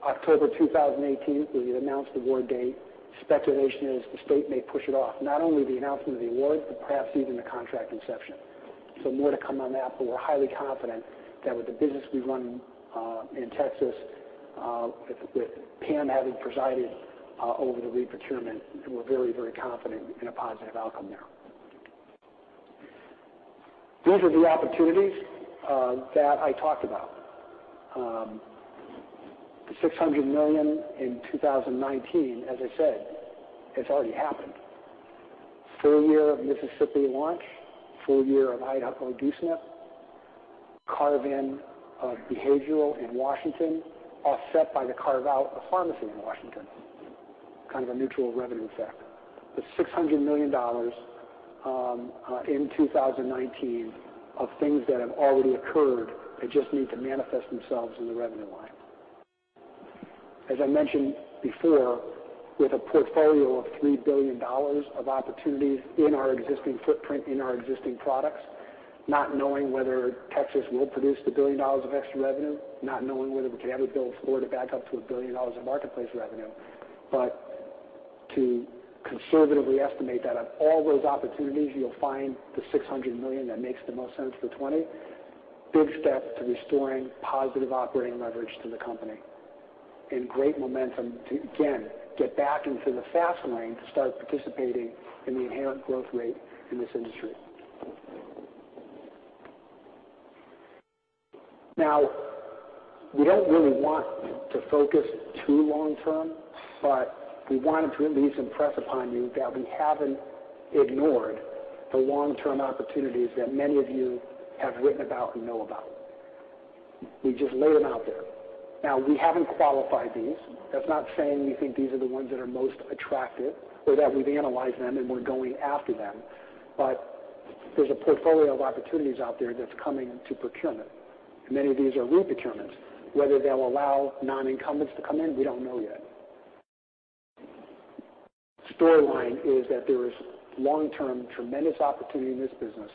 October 2018, we announce the award date. Speculation is the state may push it off. Not only the announcement of the award, but perhaps even the contract inception. More to come on that, but we're highly confident that with the business we run in Texas, with Pam having presided over the re-procurement, we're very confident in a positive outcome there. These are the opportunities that I talked about. The $600 million in 2019, as I said, it's already happened. Full year of Mississippi launch, full year of Idaho D-SNP, carve in of behavioral in Washington, offset by the carve-out of pharmacy in Washington. Kind of a neutral revenue effect. The $600 million in 2019 of things that have already occurred and just need to manifest themselves in the revenue line. As I mentioned before, with a portfolio of $3 billion of opportunities in our existing footprint, in our existing products, not knowing whether Texas will produce the $1 billion of extra revenue, not knowing whether we can ever build Florida back up to a $1 billion of marketplace revenue. To conservatively estimate that on all those opportunities, you'll find the $600 million that makes the most sense for 2020. Big step to restoring positive operating leverage to the company. Great momentum to, again, get back into the fast lane to start participating in the inherent growth rate in this industry. We don't really want to focus too long term, we wanted to at least impress upon you that we haven't ignored the long-term opportunities that many of you have written about and know about. We just lay them out there. We haven't qualified these. That's not saying we think these are the ones that are most attractive or that we've analyzed them and we're going after them. There's a portfolio of opportunities out there that's coming to procurement. Many of these are re-procurements. Whether they'll allow non-incumbents to come in, we don't know yet. Storyline is that there is long-term tremendous opportunity in this business,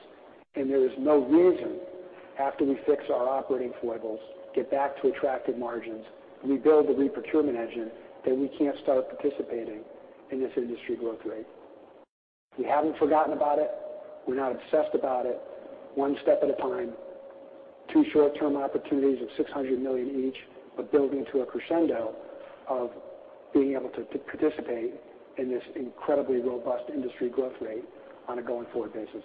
there is no reason, after we fix our operating foibles, get back to attractive margins, rebuild the re-procurement engine, that we can't start participating in this industry growth rate. We haven't forgotten about it. We're not obsessed about it. One step at a time. Two short-term opportunities of $600 million each are building to a crescendo of being able to participate in this incredibly robust industry growth rate on a going-forward basis.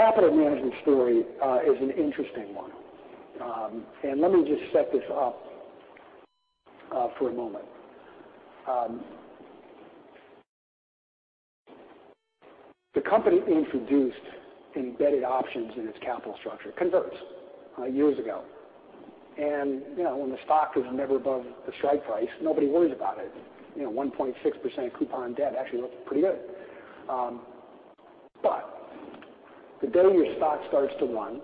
The capital management story is an interesting one. Let me just set this up for a moment. The company introduced embedded options in its capital structure converts years ago. When the stock was never above the strike price, nobody worries about it. 1.6% coupon debt actually looked pretty good. The day your stock starts to run,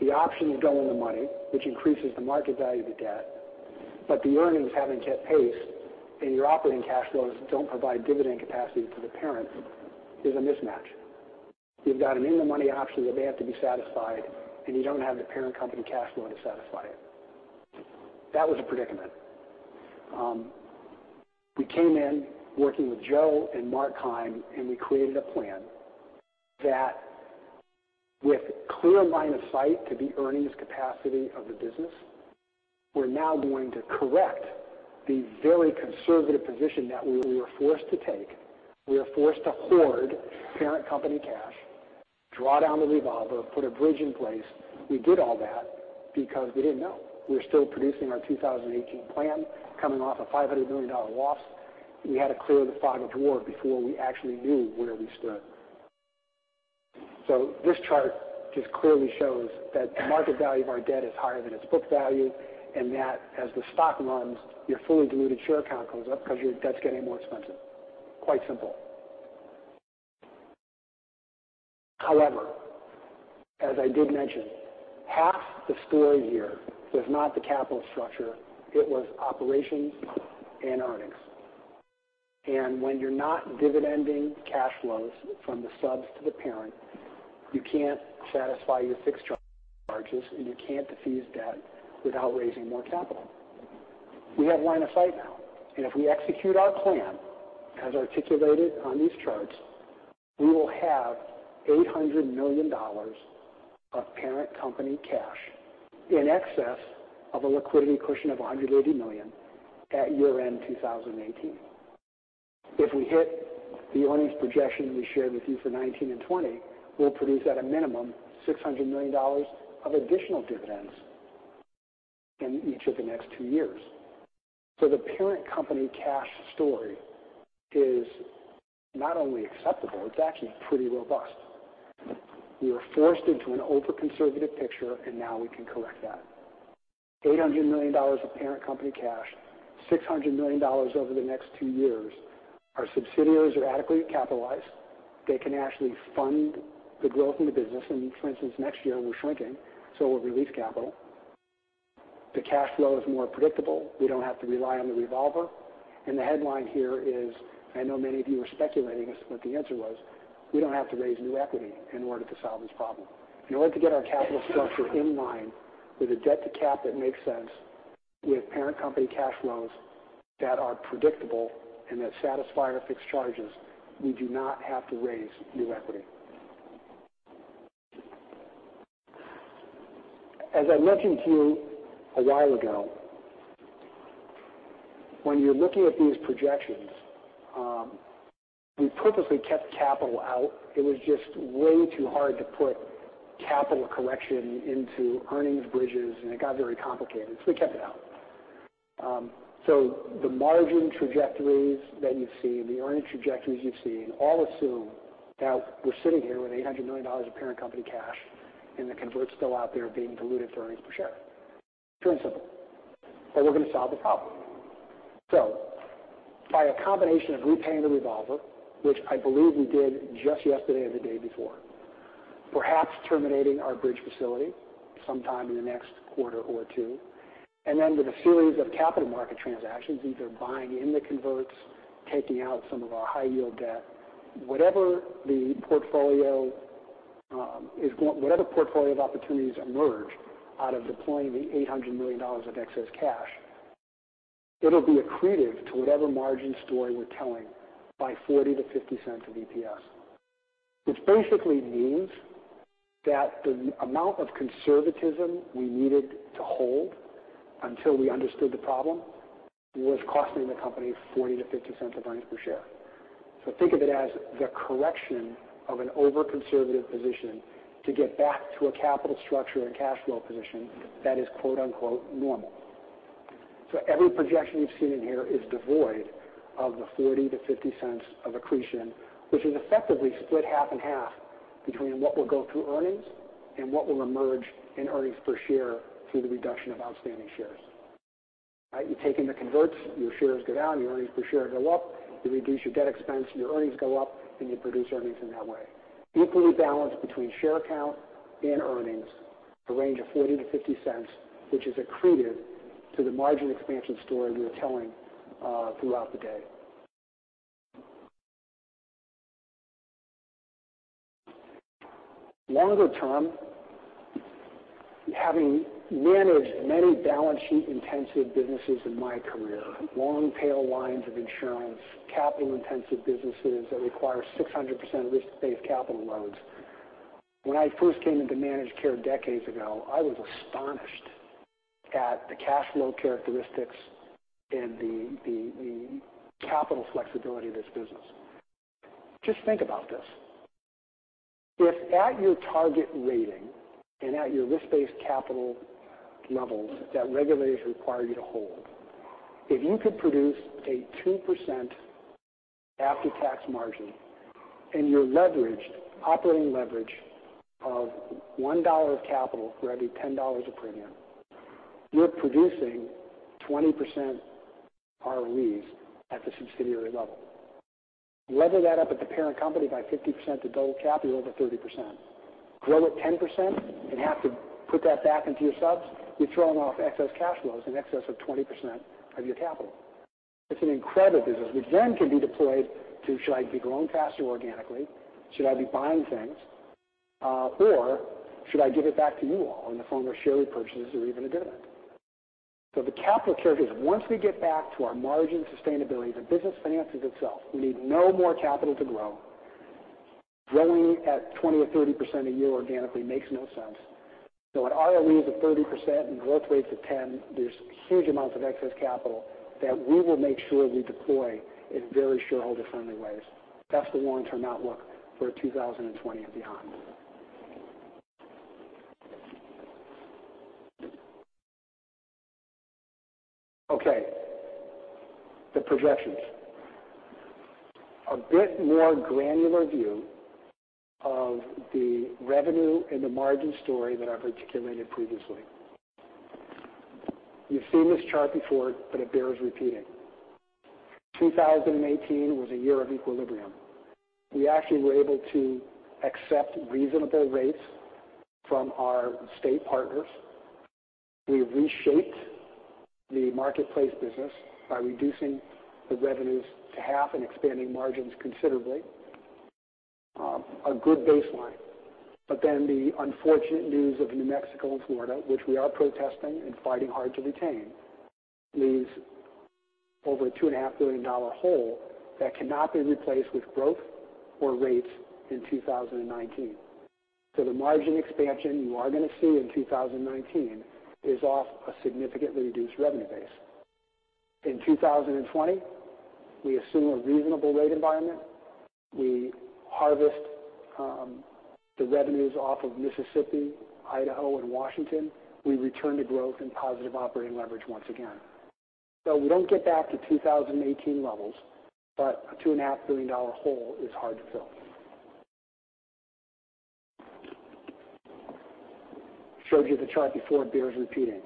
the options go in the money, which increases the market value of the debt. The earnings haven't kept pace, your operating cash flows don't provide dividend capacity to the parent, is a mismatch. You've got an in-the-money option that they have to be satisfied, you don't have the parent company cash flow to satisfy it. That was a predicament. We came in working with Joe and Mark Keim, we created a plan that with clear line of sight to the earnings capacity of the business, we're now going to correct the very conservative position that we were forced to take. We were forced to hoard parent company cash, draw down the revolver, put a bridge in place. We did all that because we didn't know. We were still producing our 2018 plan, coming off a $500 million loss. We had to clear the fog of war before we actually knew where we stood. This chart just clearly shows that the market value of our debt is higher than its book value, and that as the stock runs, your fully diluted share count goes up because your debt's getting more expensive. Quite simple. However, as I did mention, half the story here was not the capital structure, it was operations and earnings. When you're not dividending cash flows from the subs to the parent, you can't satisfy your fixed charges, you can't defease debt without raising more capital. We have line of sight now. If we execute our plan as articulated on these charts, we will have $800 million of parent company cash in excess of a liquidity cushion of $180 million at year-end 2018. If we hit the earnings projection we shared with you for 2019 and 2020, we'll produce at a minimum $600 million of additional dividends in each of the next two years. The parent company cash story is not only acceptable, it's actually pretty robust. We were forced into an over-conservative picture, and now we can correct that. $800 million of parent company cash, $600 million over the next two years. Our subsidiaries are adequately capitalized. They can actually fund the growth in the business. For instance, next year we're shrinking, we'll release capital. The cash flow is more predictable. We don't have to rely on the revolver. The headline here is, I know many of you were speculating as to what the answer was. We don't have to raise new equity in order to solve this problem. In order to get our capital structure in line with a debt-to-cap that makes sense, with parent company cash flows that are predictable and that satisfy our fixed charges, we do not have to raise new equity. As I mentioned to you a while ago, when you're looking at these projections, we purposely kept capital out. It was just way too hard to put capital correction into earnings bridges, it got very complicated. We kept it out. The margin trajectories that you've seen, the earnings trajectories you've seen, all assume that we're sitting here with $800 million of parent company cash and the converts still out there being diluted to earnings per share. Pretty simple. We're going to solve the problem. By a combination of repaying the revolver, which I believe we did just yesterday or the day before, perhaps terminating our bridge facility sometime in the next quarter or two, and then with a series of capital market transactions, either buying in the converts, taking out some of our high-yield debt, whatever portfolio of opportunities emerge out of deploying the $800 million of excess cash, it'll be accretive to whatever margin story we're telling by $0.40 to $0.50 of EPS, which basically means that the amount of conservatism we needed to hold until we understood the problem was costing the company $0.40 to $0.50 of earnings per share. Think of it as the correction of an over-conservative position to get back to a capital structure and cash flow position that is "normal." Every projection you've seen in here is devoid of the $0.40 to $0.50 of accretion, which is effectively split half and half between what will go through earnings and what will emerge in earnings per share through the reduction of outstanding shares. Right? You've taken the converts, your shares go down, your earnings per share go up. You reduce your debt expense, your earnings go up, and you produce earnings in that way. Equally balanced between share count and earnings, a range of $0.40 to $0.50, which is accreted to the margin expansion story we were telling throughout the day. Longer term, having managed many balance sheet intensive businesses in my career, long tail lines of insurance, capital intensive businesses that require 600% risk-based capital loads. When I first came into managed care decades ago, I was astonished at the cash flow characteristics and the capital flexibility of this business. Just think about this. If at your target rating and at your risk-based capital levels that regulators require you to hold, if you could produce a 2% after-tax margin and you're leveraged, operating leverage of $1 of capital for every $10 of premium, you're producing 20% ROEs at the subsidiary level. Level that up at the parent company by 50% to double capital over 30%. Grow it 10% and have to put that back into your subs. You're throwing off excess cash flows in excess of 20% of your capital. It's an incredible business, which then can be deployed to should I be growing faster organically? Should I be buying things? Or should I give it back to you all in the form of share repurchases or even a dividend? The capital characteristics, once we get back to our margin sustainability, the business finances itself. We need no more capital to grow. Growing at 20% or 30% a year organically makes no sense. At ROEs of 30% and growth rates of 10%, there's huge amounts of excess capital that we will make sure we deploy in very shareholder-friendly ways. That's the long-term outlook for 2020 and beyond. Okay. The projections. A bit more granular view of the revenue and the margin story that I've articulated previously. You've seen this chart before, but it bears repeating. 2018 was a year of equilibrium. We actually were able to accept reasonable rates from our state partners. We reshaped the marketplace business by reducing the revenues to half and expanding margins considerably. A good baseline. The unfortunate news of New Mexico and Florida, which we are protesting and fighting hard to retain, leaves over a $2.5 billion hole that cannot be replaced with growth or rates in 2019. The margin expansion you are going to see in 2019 is off a significantly reduced revenue base. In 2020, we assume a reasonable rate environment. We harvest the revenues off of Mississippi, Idaho, and Washington. We return to growth and positive operating leverage once again. We don't get back to 2018 levels, but a $2.5 billion hole is hard to fill. Showed you the chart before. It bears repeating.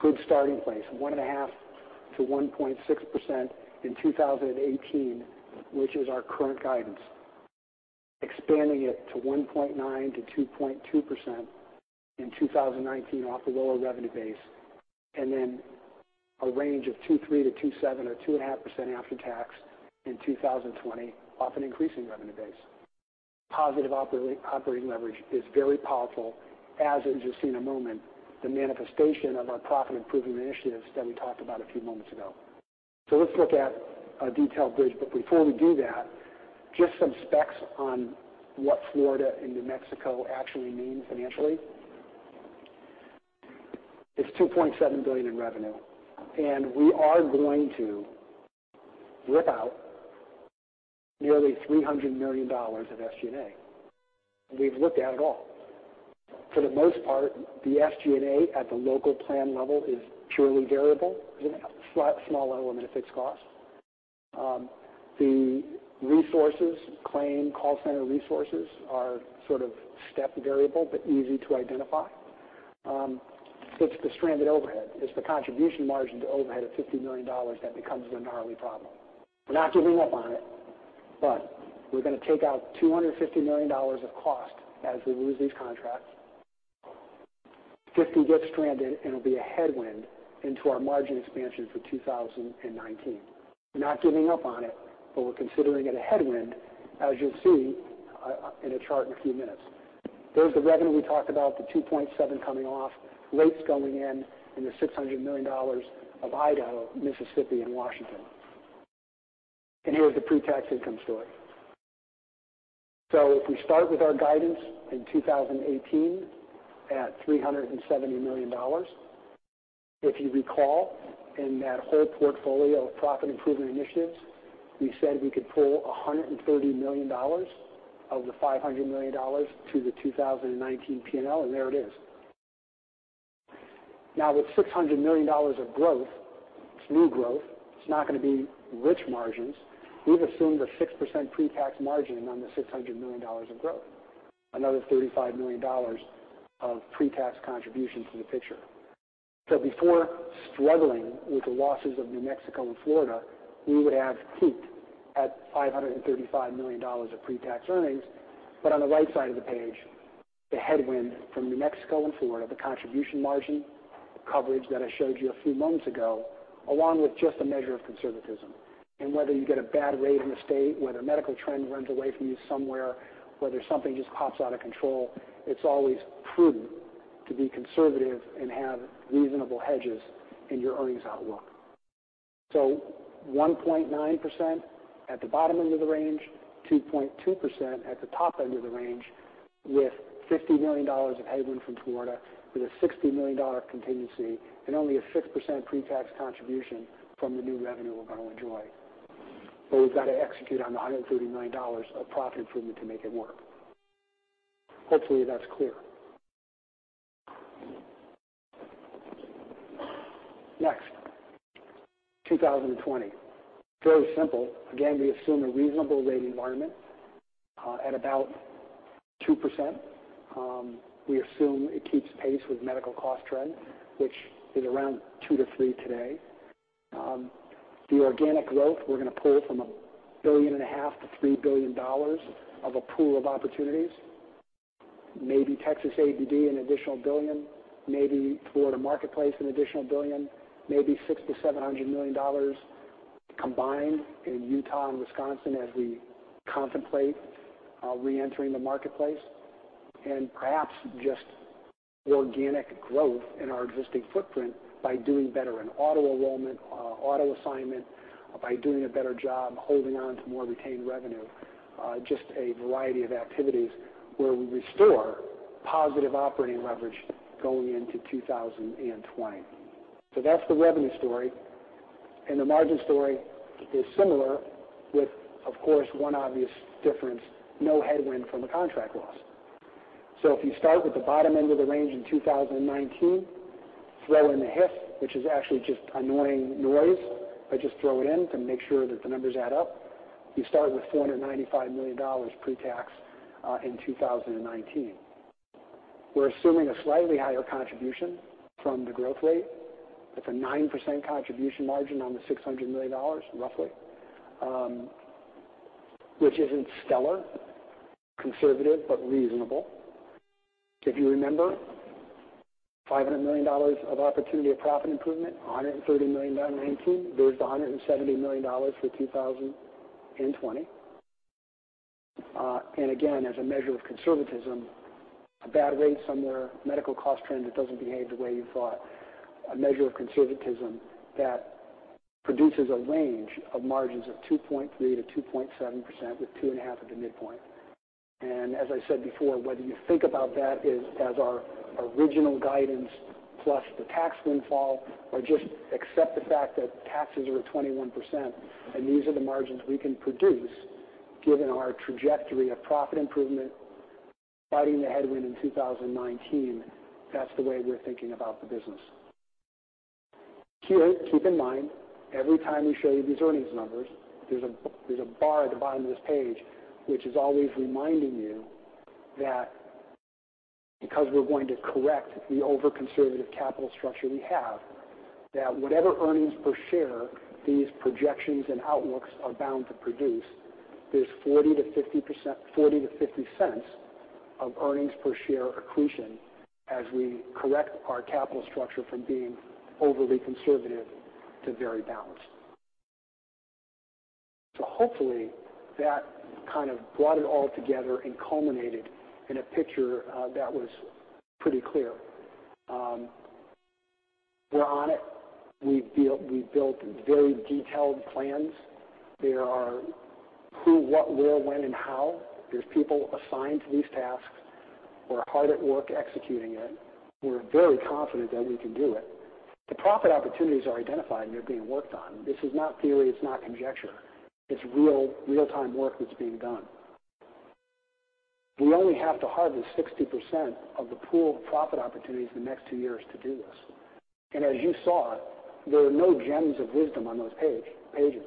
Good starting place. 1.5%-1.6% in 2018, which is our current guidance. Expanding it to 1.9%-2.2% in 2019 off a lower revenue base, and then a range of 2.3%-2.7% or 2.5% after tax in 2020 off an increasing revenue base. Positive operating leverage is very powerful, as you'll just see in a moment, the manifestation of our profit improvement initiatives that we talked about a few moments ago. Let's look at a detailed bridge. Before we do that, just some specs on what Florida and New Mexico actually mean financially. It's $2.7 billion in revenue, and we are going to rip out nearly $300 million of SG&A. We've looked at it all. For the most part, the SG&A at the local plan level is purely variable with a small element of fixed cost. The resources claim, call center resources are sort of step variable, but easy to identify. It's the stranded overhead. It's the contribution margin to overhead of $50 million that becomes the gnarly problem. We're not giving up on it, but we're going to take out $250 million of cost as we lose these contracts. $50 gets stranded, and it'll be a headwind into our margin expansion for 2019. We're not giving up on it, but we're considering it a headwind, as you'll see in a chart in a few minutes. There's the revenue we talked about, the $2.7 billion coming off, rates going in, and the $600 million of Idaho, Mississippi, and Washington. Here is the pre-tax income story. If we start with our guidance in 2018 at $370 million, if you recall in that whole portfolio of profit improvement initiatives, we said we could pull $130 million of the $500 million to the 2019 P&L, and there it is. Now with $600 million of growth, it's new growth. It's not going to be rich margins. We've assumed a 6% pre-tax margin on the $600 million of growth, another $35 million of pre-tax contribution to the picture. Before struggling with the losses of New Mexico and Florida, we would have peaked at $535 million of pre-tax earnings. On the right side of the page, the headwind from New Mexico and Florida, the contribution margin, the coverage that I showed you a few moments ago, along with just a measure of conservatism. Whether you get a bad rate in a state, whether a medical trend runs away from you somewhere, whether something just pops out of control, it's always prudent to be conservative and have reasonable hedges in your earnings outlook. 1.9% at the bottom end of the range, 2.2% at the top end of the range, with $50 million of headwind from Florida with a $60 million contingency and only a 6% pre-tax contribution from the new revenue we're going to enjoy. We've got to execute on the $139 of profit improvement to make it work. Hopefully that's clear. Next, 2020. Very simple. Again, we assume a reasonable rate environment at about 2%. We assume it keeps pace with medical cost trend, which is around two to three today. The organic growth we're going to pull from a billion and a half to $3 billion of a pool of opportunities. Maybe Texas ABD, an additional $1 billion, maybe Florida marketplace, an additional $1 billion, maybe $600 million to $700 million combined in Utah and Wisconsin as we contemplate reentering the marketplace. Perhaps just organic growth in our existing footprint by doing better in auto enrollment, auto assignment, by doing a better job holding on to more retained revenue. Just a variety of activities where we restore positive operating leverage going into 2020. That's the revenue story. The margin story is similar with, of course, one obvious difference, no headwind from a contract loss. If you start with the bottom end of the range in 2019, throw in the HIF, which is actually just annoying noise. I just throw it in to make sure that the numbers add up. You start with $495 million pre-tax in 2019. We're assuming a slightly higher contribution from the growth rate. It's a 9% contribution margin on the $600 million, roughly, which isn't stellar. Conservative, but reasonable. If you remember, $500 million of opportunity of profit improvement, $130 million in 2019. There's the $170 million for 2020. Again, as a measure of conservatism, a bad rate somewhere, medical cost trend that doesn't behave the way you thought. A measure of conservatism that produces a range of margins of 2.3%-2.7%, with two and a half at the midpoint. As I said before, whether you think about that as our original guidance plus the tax windfall, or just accept the fact that taxes are at 21% and these are the margins we can produce given our trajectory of profit improvement, fighting the headwind in 2019. That's the way we're thinking about the business. Here, keep in mind, every time we show you these earnings numbers, there's a bar at the bottom of this page which is always reminding you that because we're going to correct the over-conservative capital structure we have, that whatever earnings per share these projections and outlooks are bound to produce, there's $0.40-$0.50 of earnings per share accretion as we correct our capital structure from being overly conservative to very balanced. Hopefully, that kind of brought it all together and culminated in a picture that was pretty clear. We're on it. We've built very detailed plans. There are who, what, where, when, and how. There's people assigned to these tasks who are hard at work executing it. We're very confident that we can do it. The profit opportunities are identified, and they're being worked on. This is not theory. It's not conjecture. It's real-time work that's being done. We only have to harvest 60% of the pool of profit opportunities in the next two years to do this. As you saw, there are no gems of wisdom on those pages.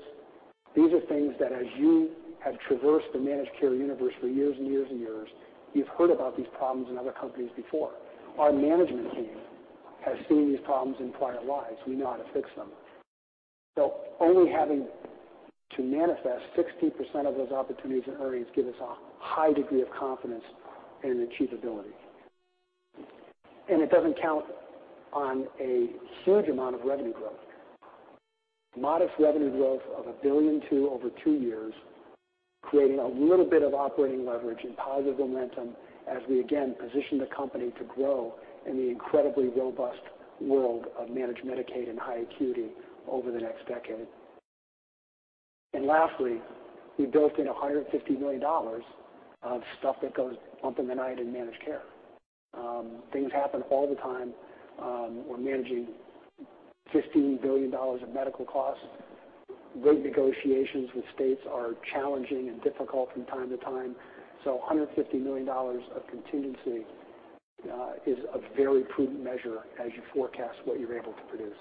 These are things that as you have traversed the managed care universe for years and years and years, you've heard about these problems in other companies before. Our management team has seen these problems in prior lives. We know how to fix them. Only having to manifest 60% of those opportunities in earnings give us a high degree of confidence in achievability. It doesn't count on a huge amount of revenue growth. Modest revenue growth of $1.2 billion over two years, creating a little bit of operating leverage and positive momentum as we again position the company to grow in the incredibly robust world of managed Medicaid and high acuity over the next decade. Lastly, we built in $150 million of stuff that goes bump in the night in managed care. Things happen all the time. We're managing $15 billion of medical costs. Rate negotiations with states are challenging and difficult from time to time. $150 million of contingency is a very prudent measure as you forecast what you're able to produce.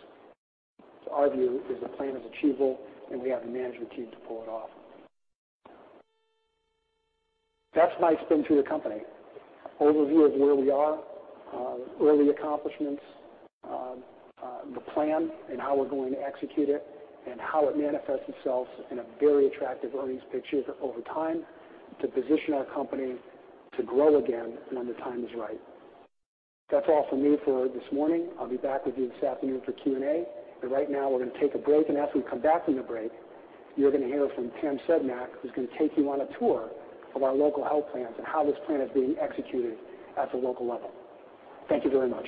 Our view is the plan is achievable, and we have the management team to pull it off. That's my spin to the company. Overview of where we are, early accomplishments, the plan, and how we're going to execute it, and how it manifests itself in a very attractive earnings picture over time to position our company to grow again when the time is right. That's all from me for this morning. I'll be back with you this afternoon for Q&A. Right now, we're going to take a break, and as we come back from the break, you're going to hear from Pam Sedmak, who's going to take you on a tour of our local health plans and how this plan is being executed at the local level. Thank you very much.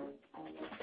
Hey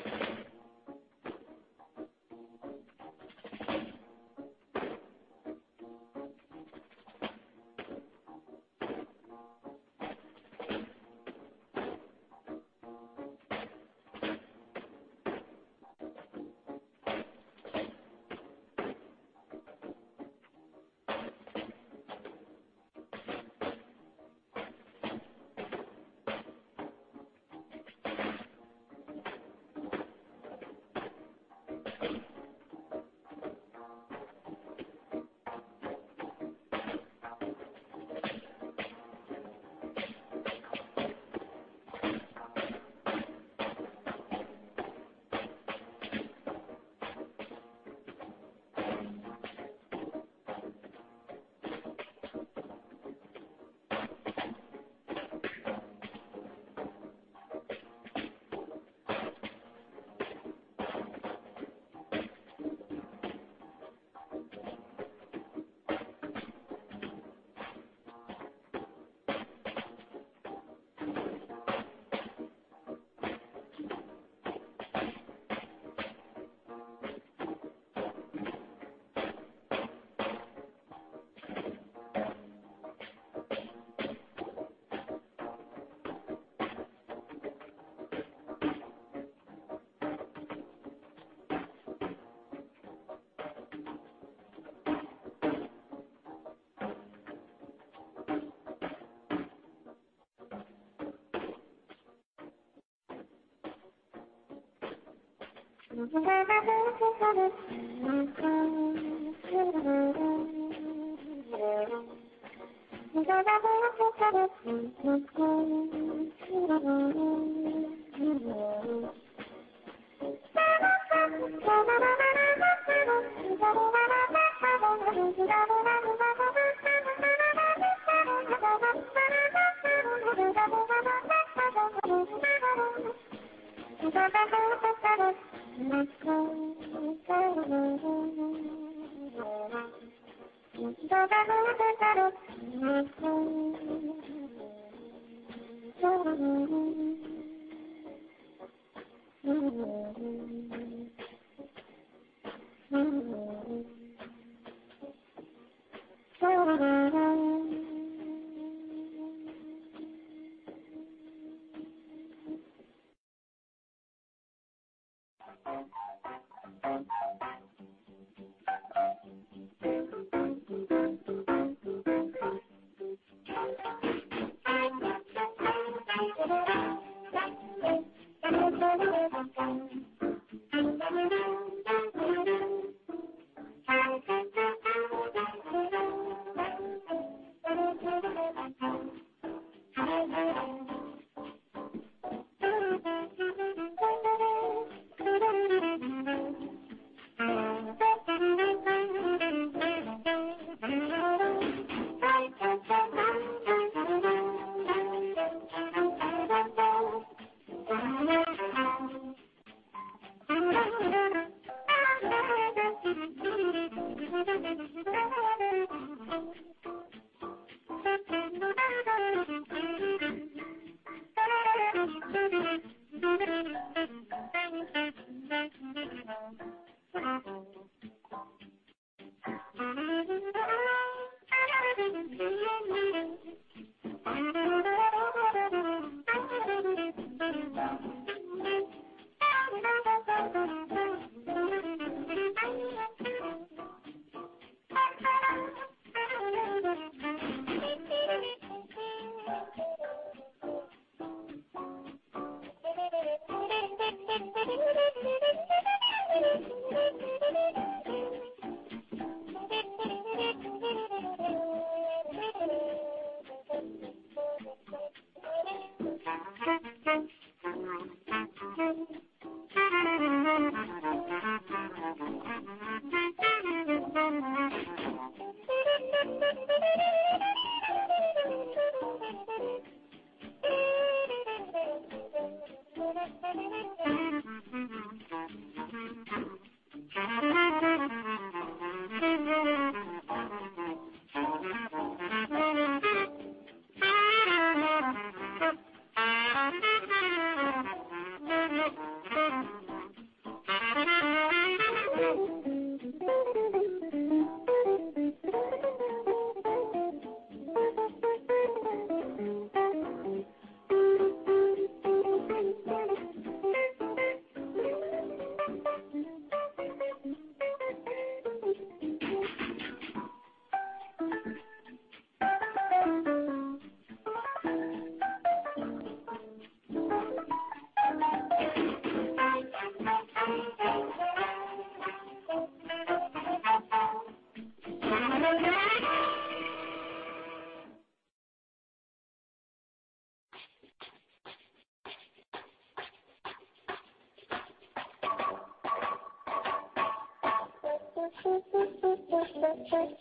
everybody,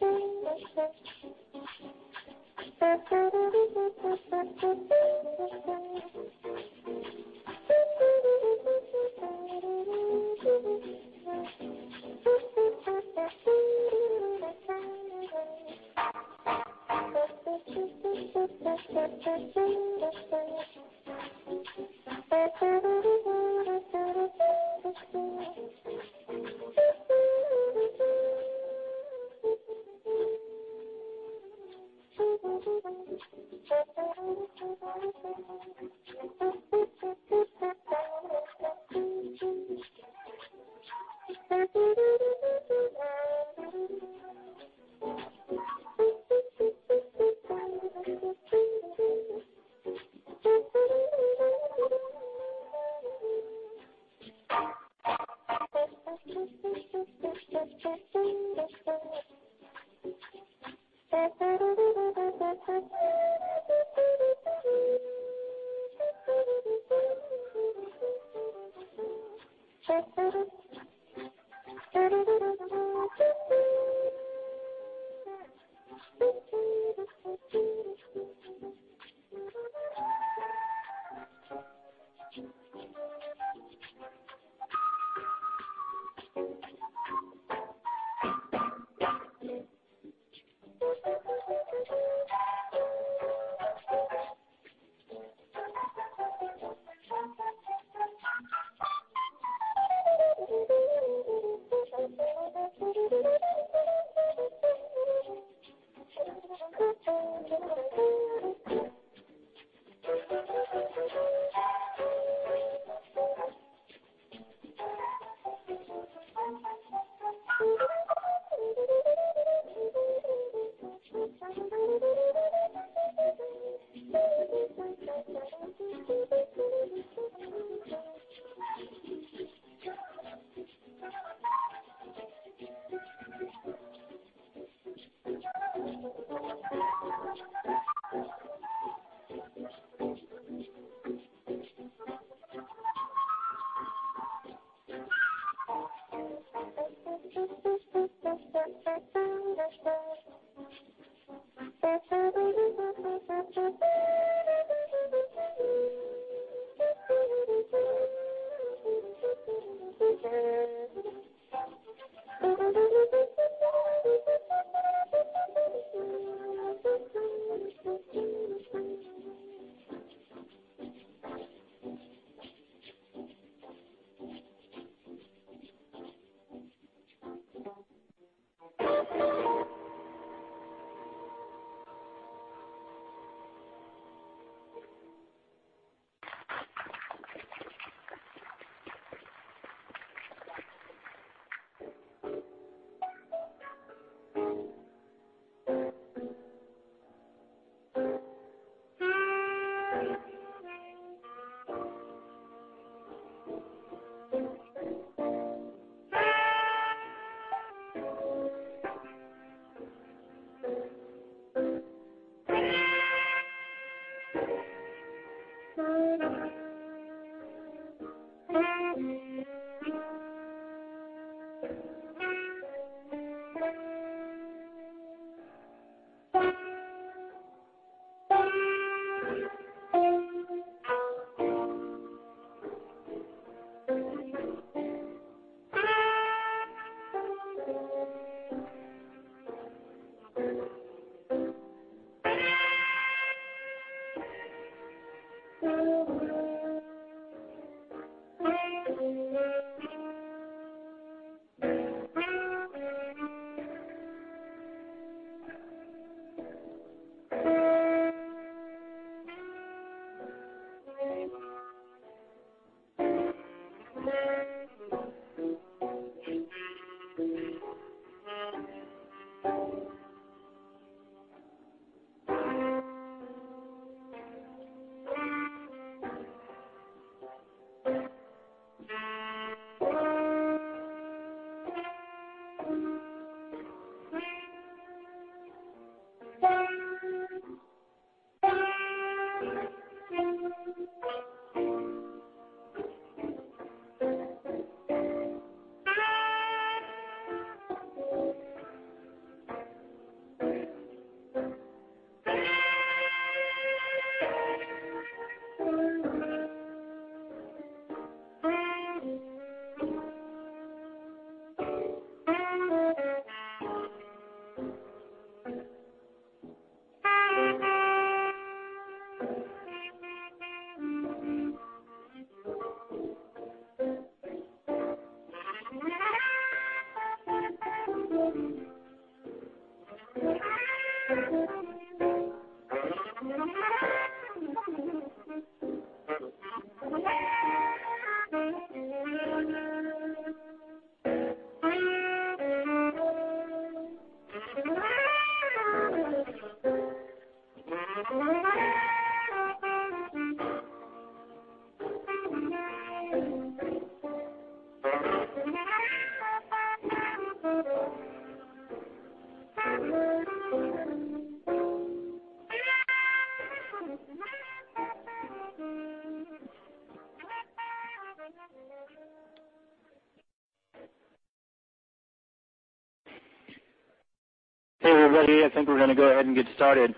I think we're going to go ahead and get started.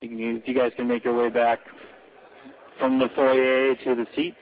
If you guys can make your way back from the foyer to the seats.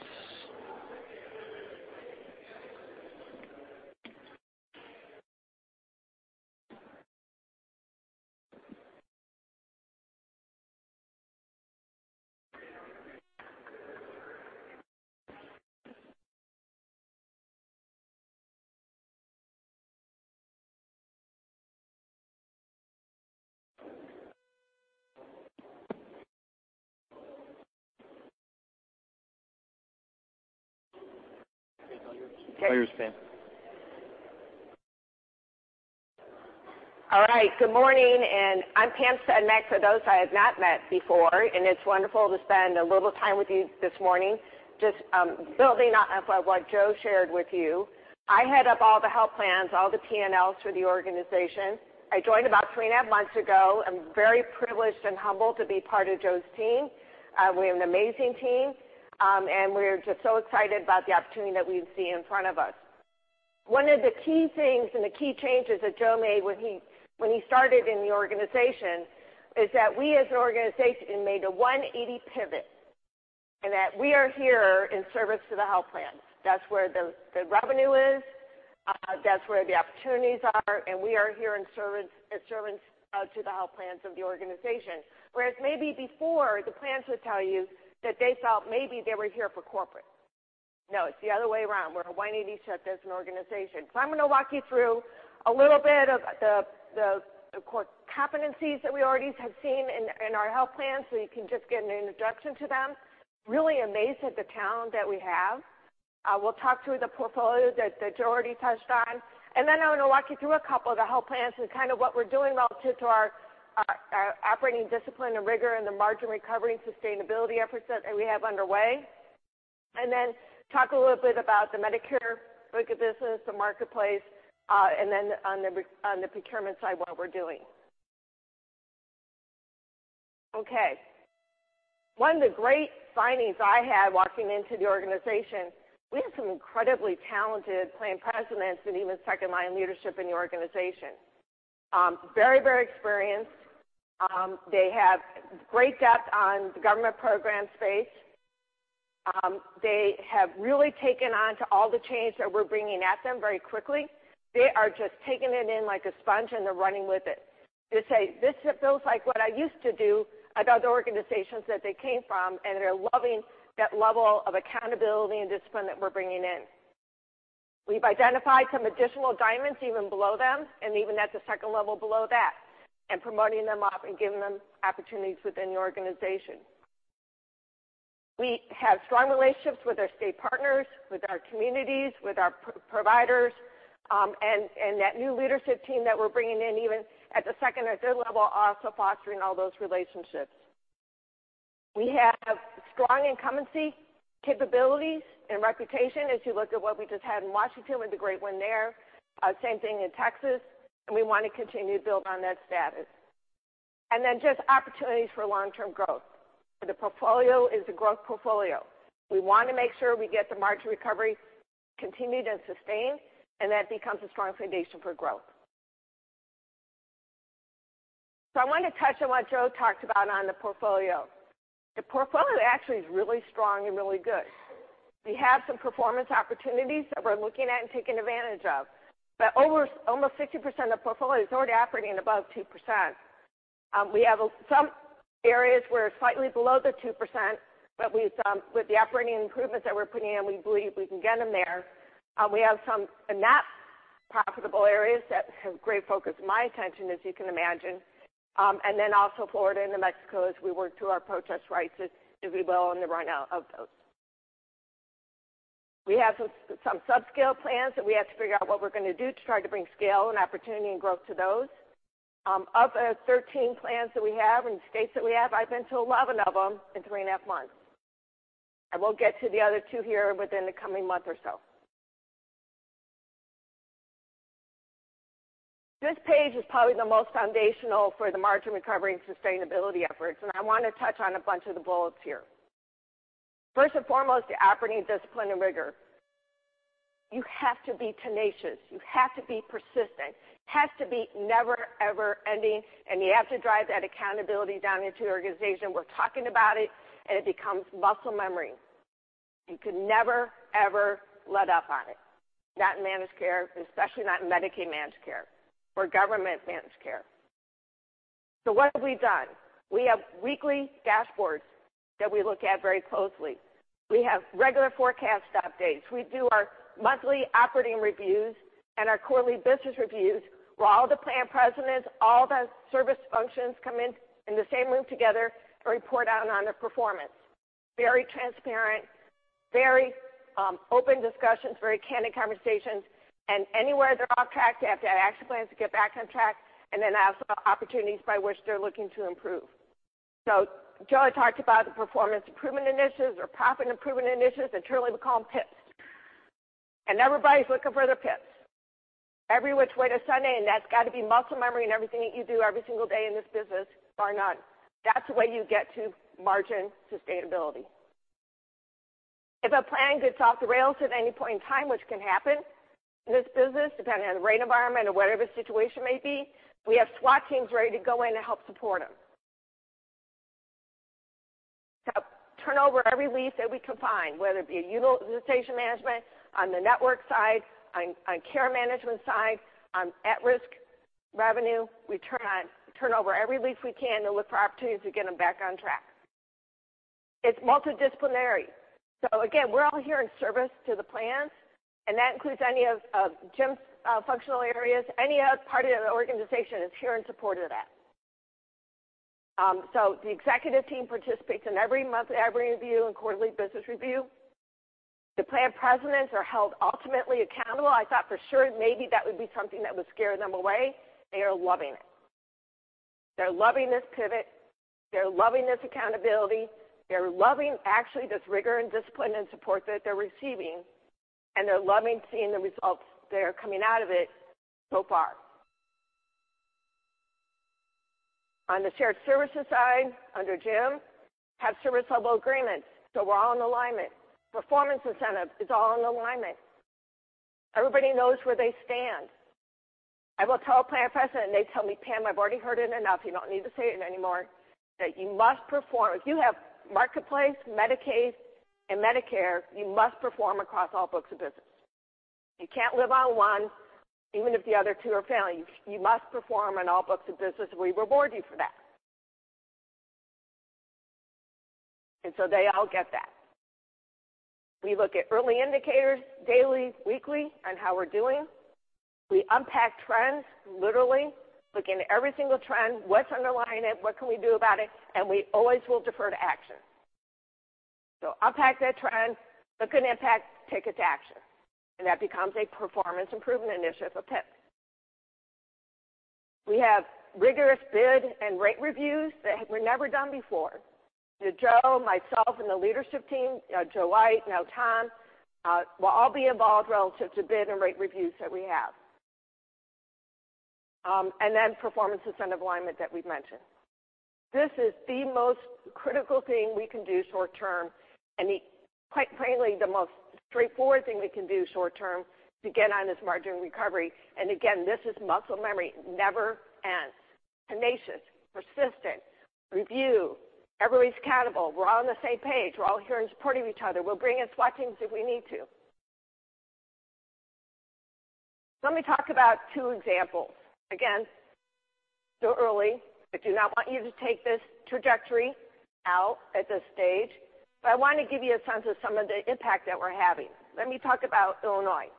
All yours, Pam. Good morning. I'm Pam Sedmak for those I have not met before, and it's wonderful to spend a little time with you this morning. Just building up off of what Joe shared with you, I head up all the health plans, all the P&Ls for the organization. I joined about three and a half months ago. I'm very privileged and humbled to be part of Joe's team. We have an amazing team, and we're just so excited about the opportunity that we see in front of us. One of the key things and the key changes that Joe made when he started in the organization is that we as an organization made a 180 pivot, and that we are here in service to the health plan. That's where the revenue is, that's where the opportunities are. We are here in service to the health plans of the organization. Whereas maybe before, the plans would tell you that they felt maybe they were here for corporate. No, it's the other way around. We're 180 shift as an organization. I'm going to walk you through a little bit of the core competencies that we already have seen in our health plans so you can just get an introduction to them. Really amazed at the talent that we have. We'll talk through the portfolio that Joe already touched on. I'm going to walk you through a couple of the health plans and kind of what we're doing relative to our operating discipline and rigor and the margin recovery and sustainability efforts that we have underway. Talk a little bit about the Medicare line of business, the marketplace. On the procurement side, what we're doing. Okay. One of the great findings I had walking into the organization, we have some incredibly talented plan presidents and even second-line leadership in the organization. Very experienced. They have great depth on the government program space. They have really taken on to all the change that we're bringing at them very quickly. They are just taking it in like a sponge. They're running with it. They say, "This feels like what I used to do at other organizations" that they came from. They're loving that level of accountability and discipline that we're bringing in. We've identified some additional diamonds even below them and even at the second level below that. Promoting them up and giving them opportunities within the organization. We have strong relationships with our state partners, with our communities, with our providers. That new leadership team that we're bringing in, even at the second or third level, also fostering all those relationships. We have strong incumbency capabilities and reputation, as you look at what we just had in Washington with the great win there. Same thing in Texas. We want to continue to build on that status. Just opportunities for long-term growth. The portfolio is a growth portfolio. We want to make sure we get the margin recovery continued and sustained. That becomes a strong foundation for growth. I want to touch on what Joe talked about on the portfolio. The portfolio actually is really strong and really good. We have some performance opportunities that we're looking at and taking advantage of, almost 50% of the portfolio is already operating above 2%. We have some areas where it's slightly below the 2%, but with the operating improvements that we're putting in, we believe we can get them there. We have some not profitable areas that have great focus of my attention, as you can imagine. Also Florida and New Mexico as we work through our protest rights as we will in the run out of those. We have some sub-scale plans that we have to figure out what we're going to do to try to bring scale and opportunity and growth to those. Of the 13 plans that we have and states that we have, I've been to 11 of them in three and a half months. I will get to the other two here within the coming month or so. This page is probably the most foundational for the margin recovery and sustainability efforts, I want to touch on a bunch of the bullets here. First and foremost, operating discipline and rigor. You have to be tenacious. You have to be persistent, have to be never, ever ending, you have to drive that accountability down into the organization. We're talking about it becomes muscle memory. You can never, ever let up on it. Not in managed care, especially not in Medicaid managed care or government managed care. What have we done? We have weekly dashboards that we look at very closely. We have regular forecast updates. We do our monthly operating reviews and our quarterly business reviews where all the plan presidents, all the service functions come in the same room together and report out on their performance. Very transparent, very open discussions, very candid conversations. Anywhere they're off track, they have to have action plans to get back on track also opportunities by which they're looking to improve. Joe had talked about the performance improvement initiatives or profit improvement initiatives. Internally, we call them PIPS. Everybody's looking for their PIPS. Every which way to Sunday, that's got to be muscle memory in everything that you do every single day in this business, bar none. That's the way you get to margin sustainability. If a plan gets off the rails at any point in time, which can happen in this business, depending on the rate environment or whatever the situation may be, we have SWAT teams ready to go in to help support them. Turn over every leaf that we can find, whether it be utilization management on the network side, on care management side, on at-risk revenue. We turn over every leaf we can look for opportunities to get them back on track. It's multidisciplinary. Again, we're all here in service to the plans, that includes any of Jim's functional areas. Any other part of the organization is here in support of that. The executive team participates in every month E=every review and quarterly business review. The plan presidents are held ultimately accountable. I thought for sure maybe that would be something that would scare them away. They are loving it. They're loving this pivot. They're loving this accountability. They're loving actually this rigor and discipline and support that they're receiving. They're loving seeing the results that are coming out of it so far. On the shared services side, under Jim, have service level agreements. We're all in alignment. Performance incentive is all in alignment. Everybody knows where they stand. I will tell a plan president, they tell me, "Pam, I've already heard it enough. You don't need to say it anymore." That you must perform. If you have Marketplace, Medicaid, and Medicare, you must perform across all books of business. You can't live on one, even if the other two are failing. You must perform on all books of business, and we reward you for that. They all get that. We look at early indicators daily, weekly on how we're doing. We unpack trends, literally look into every single trend, what's underlying it, what can we do about it. We always will defer to action. Unpack that trend, look at impact, take it to action, and that becomes a performance improvement initiative, a PIP. We have rigorous bid and rate reviews that were never done before. Joe, myself, and the leadership team, Joe White, now Tom, will all be involved relative to bid and rate reviews that we have. Performance incentive alignment that we've mentioned. This is the most critical thing we can do short term, and quite frankly, the most straightforward thing we can do short term to get on this margin recovery. Again, this is muscle memory. It never ends. Tenacious, persistent, review, everybody's accountable. We're all on the same page. We're all here in support of each other. We'll bring in SWAT teams if we need to. Let me talk about two examples. Again, still early. I do not want you to take this trajectory out at this stage. I want to give you a sense of some of the impact that we're having. Let me talk about Illinois.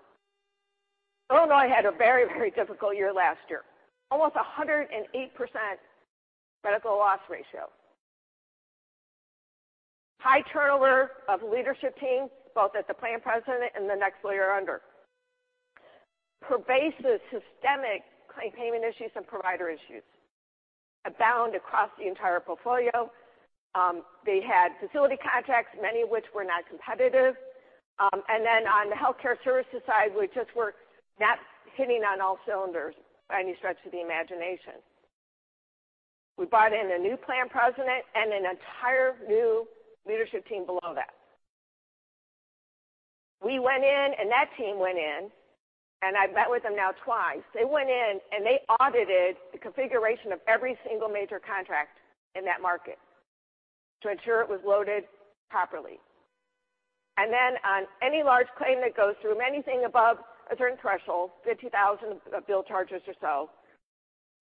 Illinois had a very difficult year last year, almost 108% medical loss ratio. High turnover of leadership team, both at the plan president and the next layer under. Pervasive systemic claim payment issues and provider issues abound across the entire portfolio. They had facility contracts, many of which were not competitive. On the healthcare services side, we just were not hitting on all cylinders by any stretch of the imagination. We brought in a new plan president and an entire new leadership team below that. We went in and that team went in, and I've met with them now twice. They went in and they audited the configuration of every single major contract in that market to ensure it was loaded properly. On any large claim that goes through, anything above a certain threshold, 50,000 bill charges or so,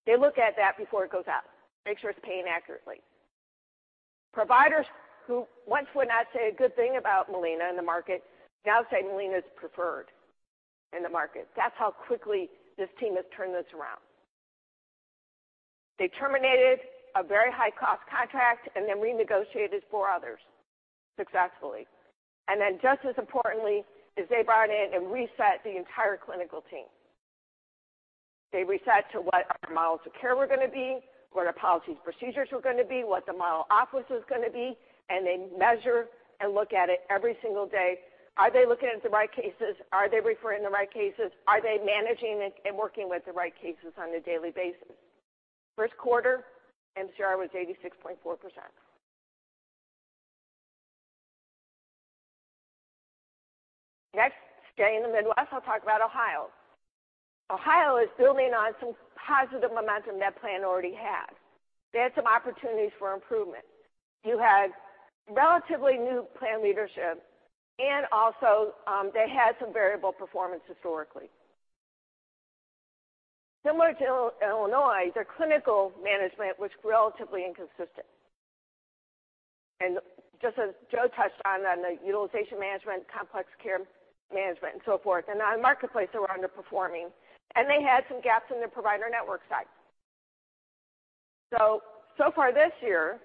they look at that before it goes out, make sure it's paying accurately. Providers who once would not say a good thing about Molina in the market now say Molina's preferred in the market. That's how quickly this team has turned this around. They terminated a very high-cost contract. Renegotiated four others successfully. Just as importantly is they brought in and reset the entire clinical team. They reset to what our models of care were going to be, what our policies and procedures were going to be, what the model office was going to be, and they measure and look at it every single day. Are they looking at the right cases? Are they referring the right cases? Are they managing it and working with the right cases on a daily basis? First quarter MCR was 86.4%. Staying in the Midwest, I'll talk about Ohio. Ohio is building on some positive momentum that plan already had. They had some opportunities for improvement. You had relatively new plan leadership, and also, they had some variable performance historically. Similar to Illinois, their clinical management was relatively inconsistent. Just as Joe touched on the utilization management, complex care management, and so forth, and on Marketplace, they were underperforming, and they had some gaps in their provider network side. So far this year,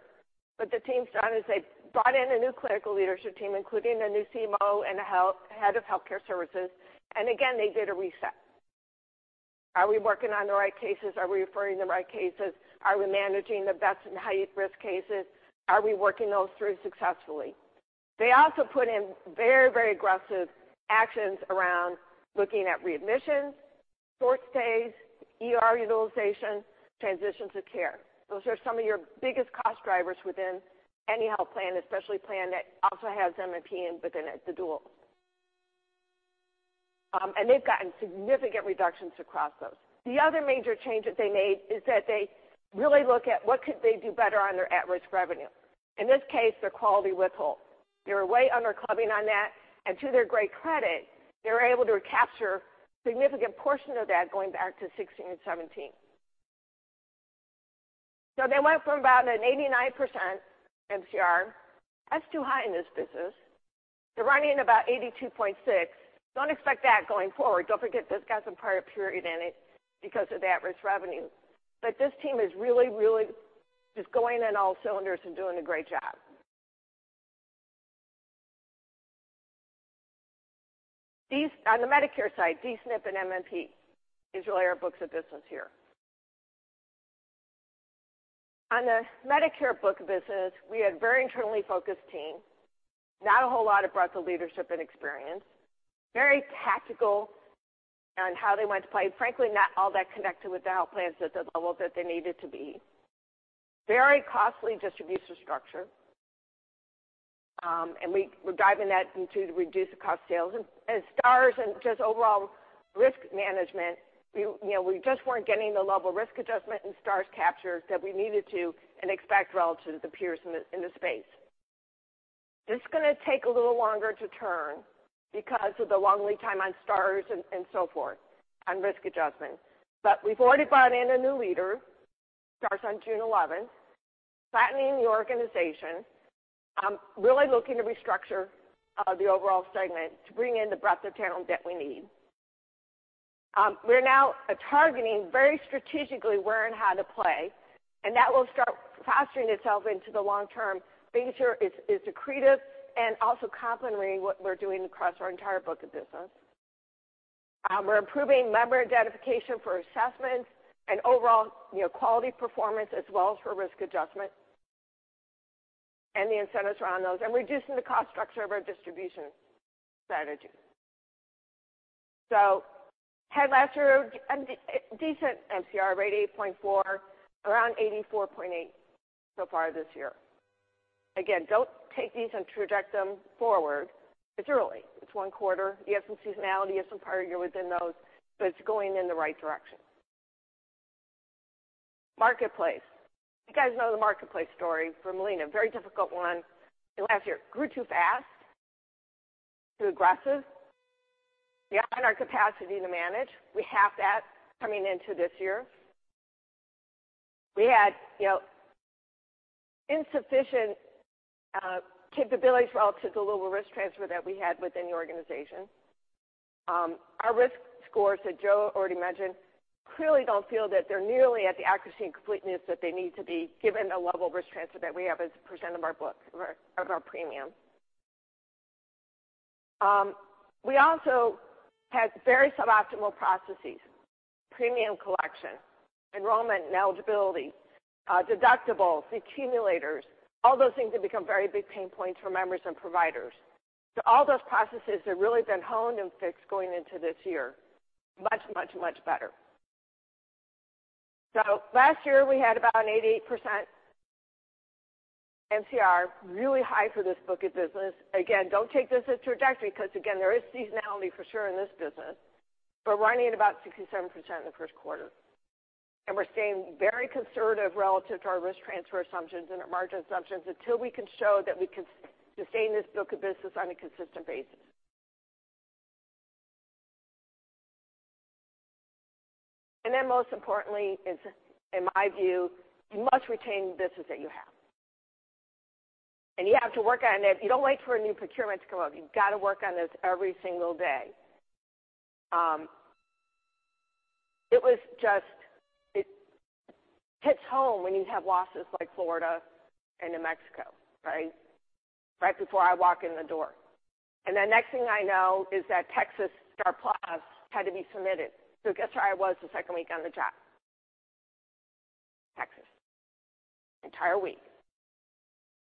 what the team's done is they've brought in a new clinical leadership team, including a new CMO and a head of healthcare services. Again, they did a reset. Are we working on the right cases? Are we referring the right cases? Are we managing the best and highest-risk cases? Are we working those through successfully? They also put in very aggressive actions around looking at readmissions Short stays, ER utilization, transition to care. Those are some of your biggest cost drivers within any health plan, especially plan that also has MMP within it, the dual. They've gotten significant reductions across those. The other major change that they made is that they really look at what could they do better on their at-risk revenue. In this case, their quality withhold. They were way under clawing back on that, and to their great credit, they were able to recapture significant portion of that going back to 2016 and 2017. They went from about an 89% MCR. That's too high in this business. They're running about 82.6%. Don't expect that going forward. Don't forget this got some prior period in it because of the at-risk revenue. This team is really just going on all cylinders and doing a great job. On the Medicare side, D-SNP and MMP is really our books of business here. On the Medicare book of business, we had very internally focused team, not a whole lot of breadth of leadership and experience, very tactical on how they went to play, frankly, not all that connected with the health plans at the level that they needed to be. Very costly distribution structure, we're diving that into reduce the cost of sales and Stars and just overall risk management. We just weren't getting the level of risk adjustment and Stars capture that we needed to and expect relative to the peers in the space. This is going to take a little longer to turn because of the long lead time on Stars and so forth, on risk adjustment. We've already brought in a new leader, starts on June 11th, flattening the organization, really looking to restructure the overall segment to bring in the breadth of talent that we need. We're now targeting very strategically where and how to play, that will start posturing itself into the long term, making sure it's accretive and also complementary what we're doing across our entire book of business. We're improving member identification for assessments and overall quality performance as well as for risk adjustment and the incentives around those, reducing the cost structure of our distribution strategy. Head last year, a decent MCR rate, 88.4%, around 84.8% so far this year. Again, don't take these and traject them forward. It's early. It's one quarter. You have some seasonality, you have some prior year within those, but it's going in the right direction. Health Insurance Marketplace. You guys know the Health Insurance Marketplace story for Molina Healthcare. Very difficult one. Last year, grew too fast, too aggressive. We outgrew our capacity to manage. We halved that coming into this year. We had insufficient capabilities relative to the level of risk transfer that we had within the organization. Our risk scores that Joe already mentioned clearly don't feel that they're nearly at the accuracy and completeness that they need to be given the level of risk transfer that we have as a percent of our book, of our premium. We also had very suboptimal processes, premium collection, enrollment and eligibility, deductibles, accumulators, all those things have become very big pain points for members and providers. All those processes have really been honed and fixed going into this year, much better. Last year, we had about an 88% MCR, really high for this book of business. Again, don't take this as trajectory because again, there is seasonality for sure in this business, but we're running at about 67% in the first quarter. We're staying very conservative relative to our risk transfer assumptions and our margin assumptions until we can show that we can sustain this book of business on a consistent basis. Most importantly is, in my view, you must retain the business that you have. You have to work on it. You don't wait for a new procurement to come up. You've got to work on this every single day. It hits home when you have losses like Florida and New Mexico, right? Right before I walk in the door. Next thing I know is that STAR+PLUS had to be submitted. Guess where I was the second week on the job? Texas. Entire week.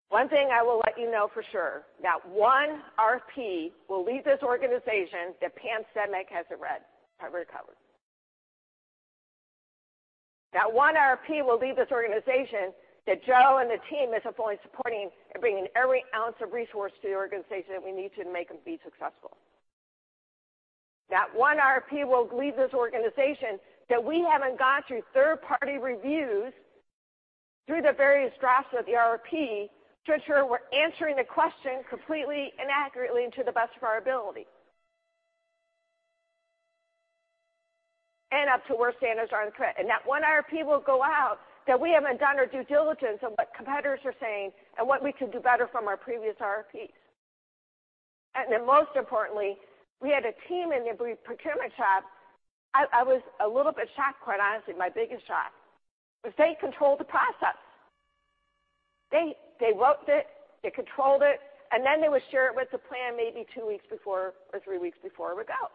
One thing I will let you know for sure, not one RFP will leave this organization that Pam Sedmak hasn't read or covered. Not one RFP will leave this organization that Joe and the team isn't fully supporting and bringing every ounce of resource to the organization that we need to make them be successful. Not one RFP will leave this organization that we haven't gone through third-party reviews through the various drafts of the RFP to ensure we're answering the question completely and accurately and to the best of our ability and up to where standards are. Not one RFP will go out that we haven't done our due diligence on what competitors are saying and what we could do better from our previous RFPs. Most importantly, we had a team in the procurement shop. I was a little bit shocked, quite honestly. My biggest shock was they controlled the process. They wrote it, they controlled it, then they would share it with the plan maybe two weeks before or three weeks before it would go.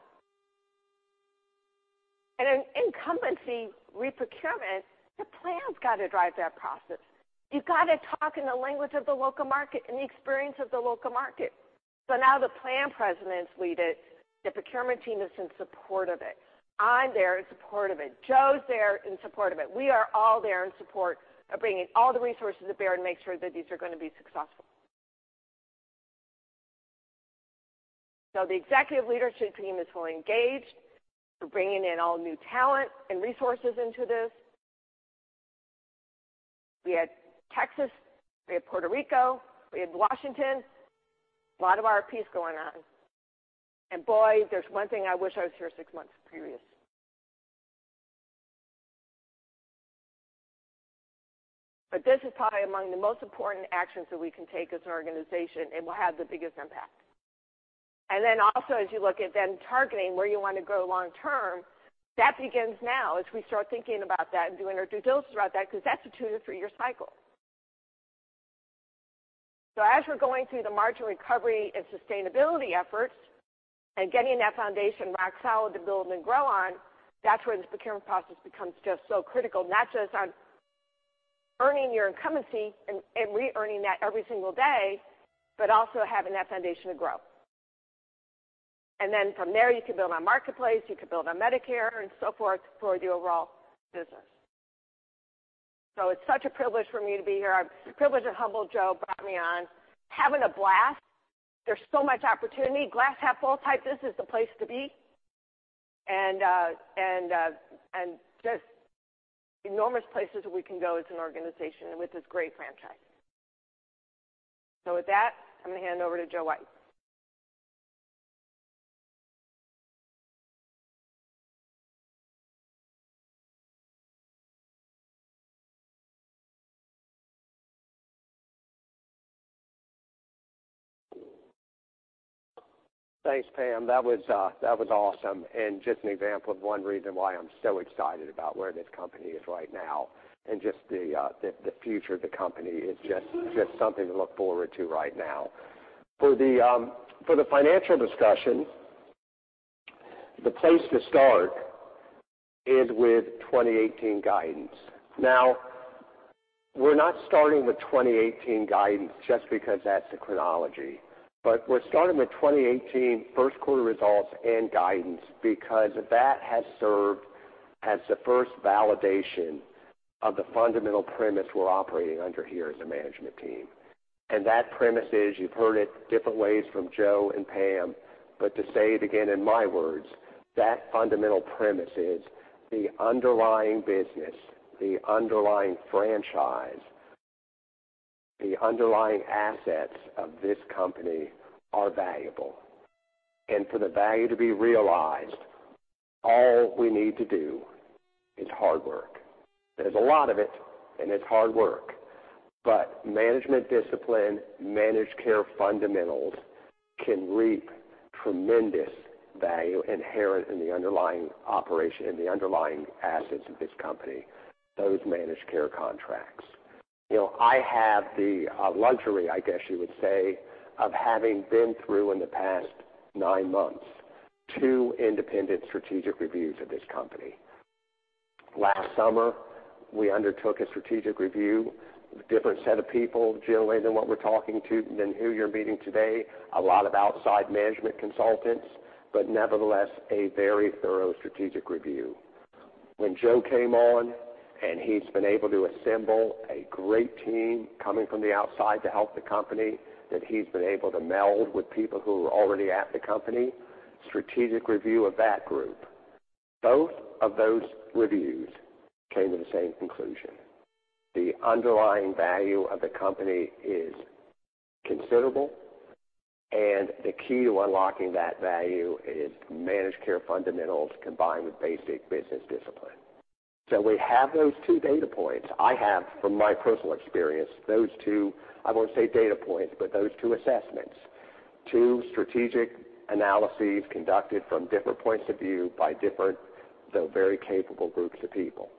In an incumbency re-procurement, the plan's got to drive that process. You've got to talk in the language of the local market and the experience of the local market. Now the plan president is leading it. The procurement team is in support of it. I'm there in support of it. Joe's there in support of it. We are all there in support of bringing all the resources to bear and make sure that these are going to be successful. The executive leadership team is fully engaged. We're bringing in all new talent and resources into this. We had Texas, we had Puerto Rico, we had Washington. A lot of RFPs going on. Boy, there's one thing I wish, I wish I was here six months previous. This is probably among the most important actions that we can take as an organization and will have the biggest impact. Also as you look at then targeting where you want to go long term, that begins now as we start thinking about that and doing our due diligence about that, because that's a two-to-three-year cycle. As we're going through the margin recovery and sustainability efforts and getting that foundation rock solid to build and grow on, that's where this procurement process becomes just so critical. Not just on earning your incumbency and re-earning that every single day, but also having that foundation to grow. From there, you can build on Marketplace, you can build on Medicare and so forth for the overall business. It's such a privilege for me to be here. I'm privileged and humbled Joe brought me on. Having a blast. There's so much opportunity. Glass half full type, this is the place to be. Just enormous places we can go as an organization and with this great franchise. With that, I'm going to hand it over to Joe White. Thanks, Pam. That was awesome and just an example of one reason why I'm so excited about where this company is right now, just the future of the company is just something to look forward to right now. For the financial discussion, the place to start is with 2018 guidance. We're not starting with 2018 guidance just because that's the chronology, but we're starting with 2018 first quarter results and guidance because that has served as the first validation of the fundamental premise we're operating under here as a management team. That premise is, you've heard it different ways from Joe and Pam, but to say it again in my words, that fundamental premise is the underlying business, the underlying franchise, the underlying assets of this company are valuable. For the value to be realized, all we need to do is hard work. There's a lot of it, and it's hard work. Management discipline, managed care fundamentals can reap tremendous value inherent in the underlying operation and the underlying assets of this company, those managed care contracts. I have the luxury, I guess you would say, of having been through in the past nine months, two independent strategic reviews of this company. Last summer, we undertook a strategic review with different set of people, generally than what we're talking to, than who you're meeting today. A lot of outside management consultants. Nevertheless, a very thorough strategic review. When Joe came on, he's been able to assemble a great team coming from the outside to help the company that he's been able to meld with people who were already at the company, strategic review of that group. Both of those reviews came to the same conclusion. The underlying value of the company is considerable, the key to unlocking that value is managed care fundamentals combined with basic business discipline. We have those two data points. I have, from my personal experience, those two, I won't say data points, but those two assessments. Two strategic analyses conducted from different points of view by different, though very capable, groups of people.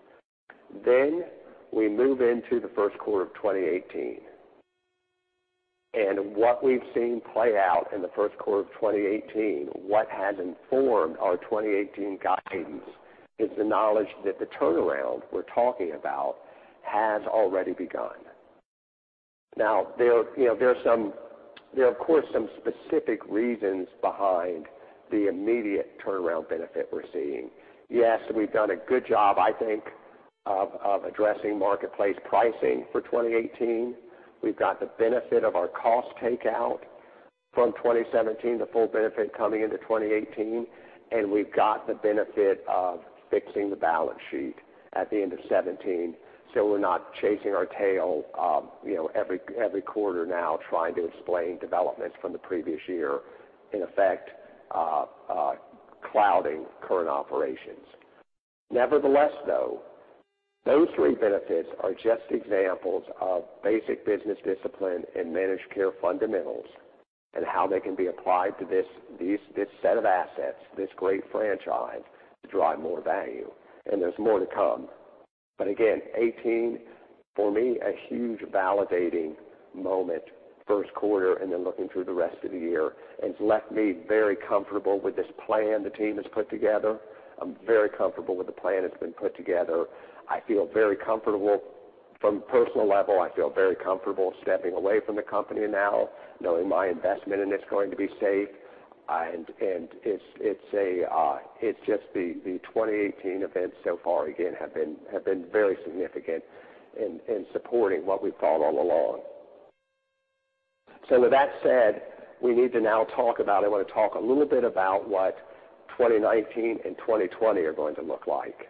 We move into the first quarter of 2018. What we've seen play out in the first quarter of 2018, what has informed our 2018 guidance is the knowledge that the turnaround we're talking about has already begun. Now, there are of course, some specific reasons behind the immediate turnaround benefit we're seeing. Yes, we've done a good job, I think, of addressing marketplace pricing for 2018. We've got the benefit of our cost takeout from 2017, the full benefit coming into 2018, we've got the benefit of fixing the balance sheet at the end of 2017 so we're not chasing our tail every quarter now trying to explain developments from the previous year, in effect, clouding current operations. Nevertheless, though, those three benefits are just examples of basic business discipline and managed care fundamentals and how they can be applied to this set of assets, this great franchise, to drive more value. There's more to come. Again, 2018, for me, a huge validating moment, first quarter, then looking through the rest of the year, has left me very comfortable with this plan the team has put together. I'm very comfortable with the plan that's been put together. From a personal level, I feel very comfortable stepping away from the company now, knowing my investment in it is going to be safe. It's just the 2018 events so far, again, have been very significant in supporting what we've thought all along. With that said, I want to talk a little bit about what 2019 and 2020 are going to look like.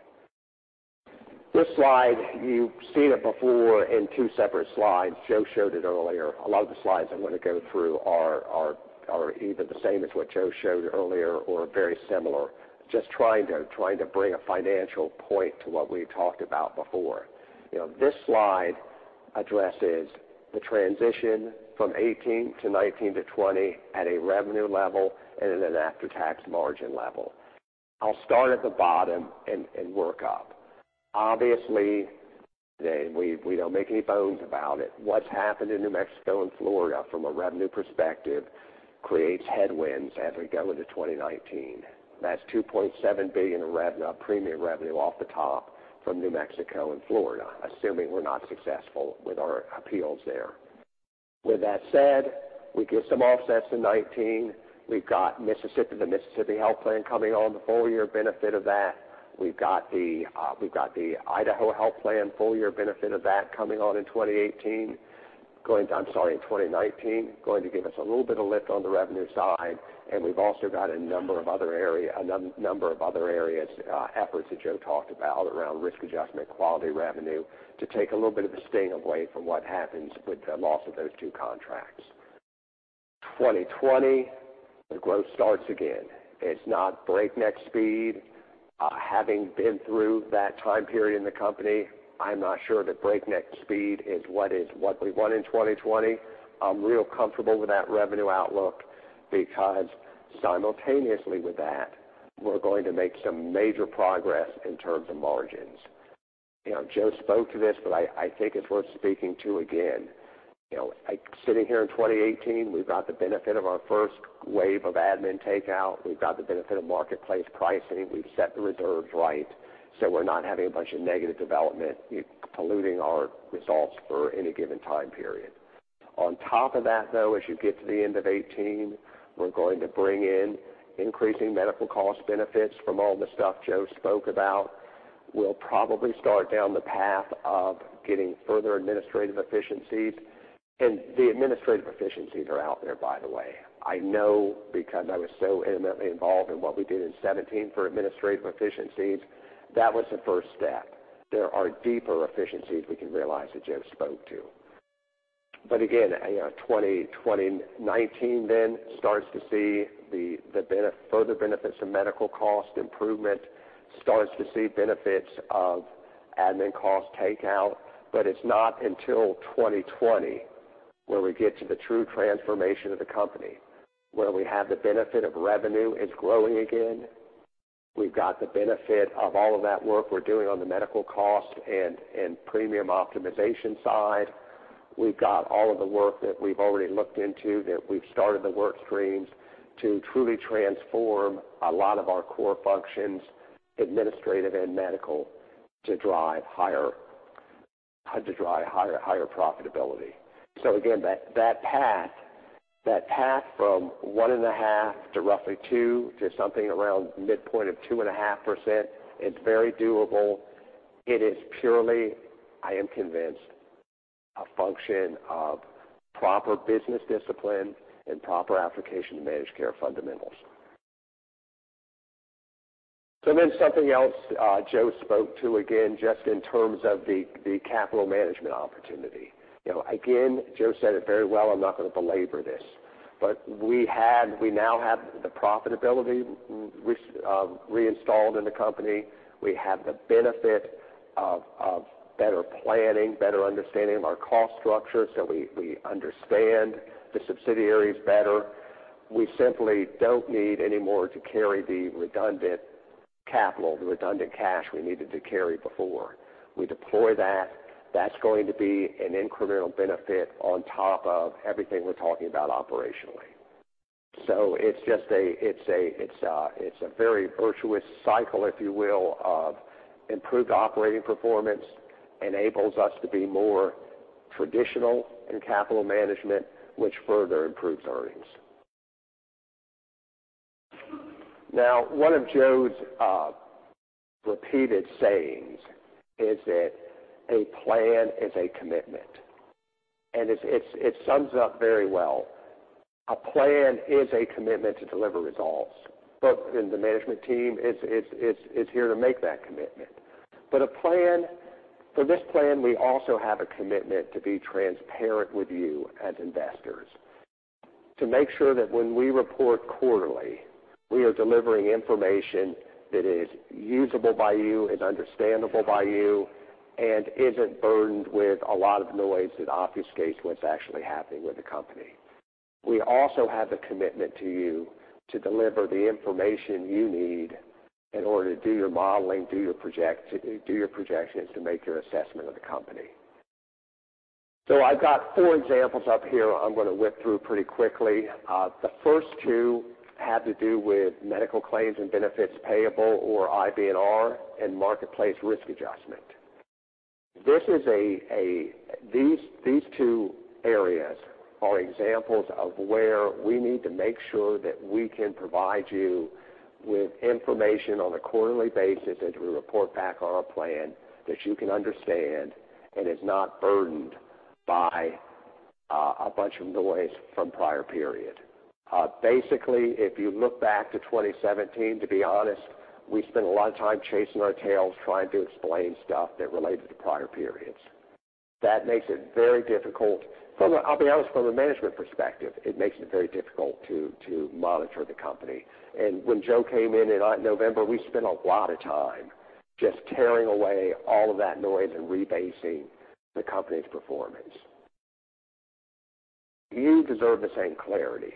This slide, you've seen it before in two separate slides. Joe showed it earlier. A lot of the slides I'm going to go through are either the same as what Joe showed earlier or very similar, just trying to bring a financial point to what we've talked about before. This slide addresses the transition from 2018 to 2019 to 2020 at a revenue level and at an after-tax margin level. I'll start at the bottom and work up. Obviously, we don't make any bones about it. What's happened in New Mexico and Florida from a revenue perspective creates headwinds as we go into 2019. That's $2.7 billion of premium revenue off the top from New Mexico and Florida, assuming we're not successful with our appeals there. With that said, we get some offsets in 2019. We've got the Mississippi Health Plan coming on, the full year benefit of that. We've got the Idaho Health Plan full year benefit of that coming on in 2018. I'm sorry, in 2019, going to give us a little bit of lift on the revenue side. We've also got a number of other areas, efforts that Joe talked about around risk adjustment, quality revenue, to take a little bit of the sting away from what happens with the loss of those two contracts. 2020, the growth starts again. It's not breakneck speed. Having been through that time period in the company, I'm not sure that breakneck speed is what we want in 2020. I'm real comfortable with that revenue outlook because simultaneously with that, we're going to make some major progress in terms of margins. Joe spoke to this, but I think it's worth speaking to again. Sitting here in 2018, we've got the benefit of our first wave of admin takeout. We've got the benefit of marketplace pricing. We've set the reserves right, so we're not having a bunch of negative development polluting our results for any given time period. On top of that, though, as you get to the end of 2018, we're going to bring in increasing medical cost benefits from all the stuff Joe spoke about. We'll probably start down the path of getting further administrative efficiencies. The administrative efficiencies are out there, by the way. I know because I was so intimately involved in what we did in 2017 for administrative efficiencies. That was the first step. There are deeper efficiencies we can realize that Joe spoke to. 2019 starts to see the further benefits of medical cost improvement, starts to see benefits of admin cost takeout. It's not until 2020 where we get to the true transformation of the company, where we have the benefit of revenue is growing again. We've got the benefit of all of that work we're doing on the medical cost and premium optimization side. We've got all of the work that we've already looked into, that we've started the work streams to truly transform a lot of our core functions, administrative and medical, to drive higher profitability. That path from 1.5% to roughly 2% to something around midpoint of 2.5%, it's very doable. It is purely, I am convinced, a function of proper business discipline and proper application of managed care fundamentals. Something else Joe spoke to, again, just in terms of the capital management opportunity. Again, Joe said it very well. I'm not going to belabor this. We now have the profitability reinstalled in the company. We have the benefit of better planning, better understanding of our cost structure so we understand the subsidiaries better. We simply don't need any more to carry the redundant capital, the redundant cash we needed to carry before. We deploy that. That's going to be an incremental benefit on top of everything we're talking about operationally. It's a very virtuous cycle, if you will, of improved operating performance enables us to be more traditional in capital management, which further improves earnings. One of Joe's repeated sayings is that a plan is a commitment, and it sums up very well. A plan is a commitment to deliver results. The management team is here to make that commitment. For this plan, we also have a commitment to be transparent with you as investors, to make sure that when we report quarterly, we are delivering information that is usable by you and understandable by you and isn't burdened with a lot of noise that obfuscates what's actually happening with the company. We also have the commitment to you to deliver the information you need in order to do your modeling, do your projections to make your assessment of the company. I've got 4 examples up here I'm going to whip through pretty quickly. The first two have to do with medical claims and benefits payable or IBNR and marketplace risk adjustment. These two areas are examples of where we need to make sure that we can provide you with information on a quarterly basis as we report back on our plan that you can understand and is not burdened by a bunch of noise from prior period. Basically, if you look back to 2017, to be honest, we spent a lot of time chasing our tails trying to explain stuff that related to prior periods. That makes it very difficult. I'll be honest, from a management perspective, it makes it very difficult to monitor the company. When Joe came in in November, we spent a lot of time just tearing away all of that noise and rebasing the company's performance. You deserve the same clarity.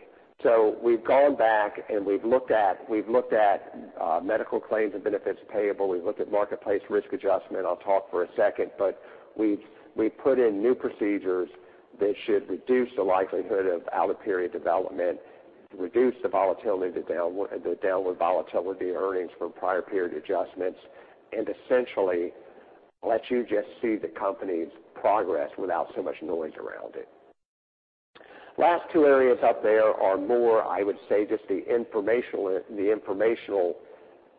We've gone back and we've looked at medical claims and benefits payable. We've looked at marketplace risk adjustment. I'll talk for a second. We've put in new procedures that should reduce the likelihood of out-of-period development, reduce the downward volatility in earnings from prior period adjustments, and essentially let you just see the company's progress without so much noise around it. Last two areas up there are more, I would say, just the informational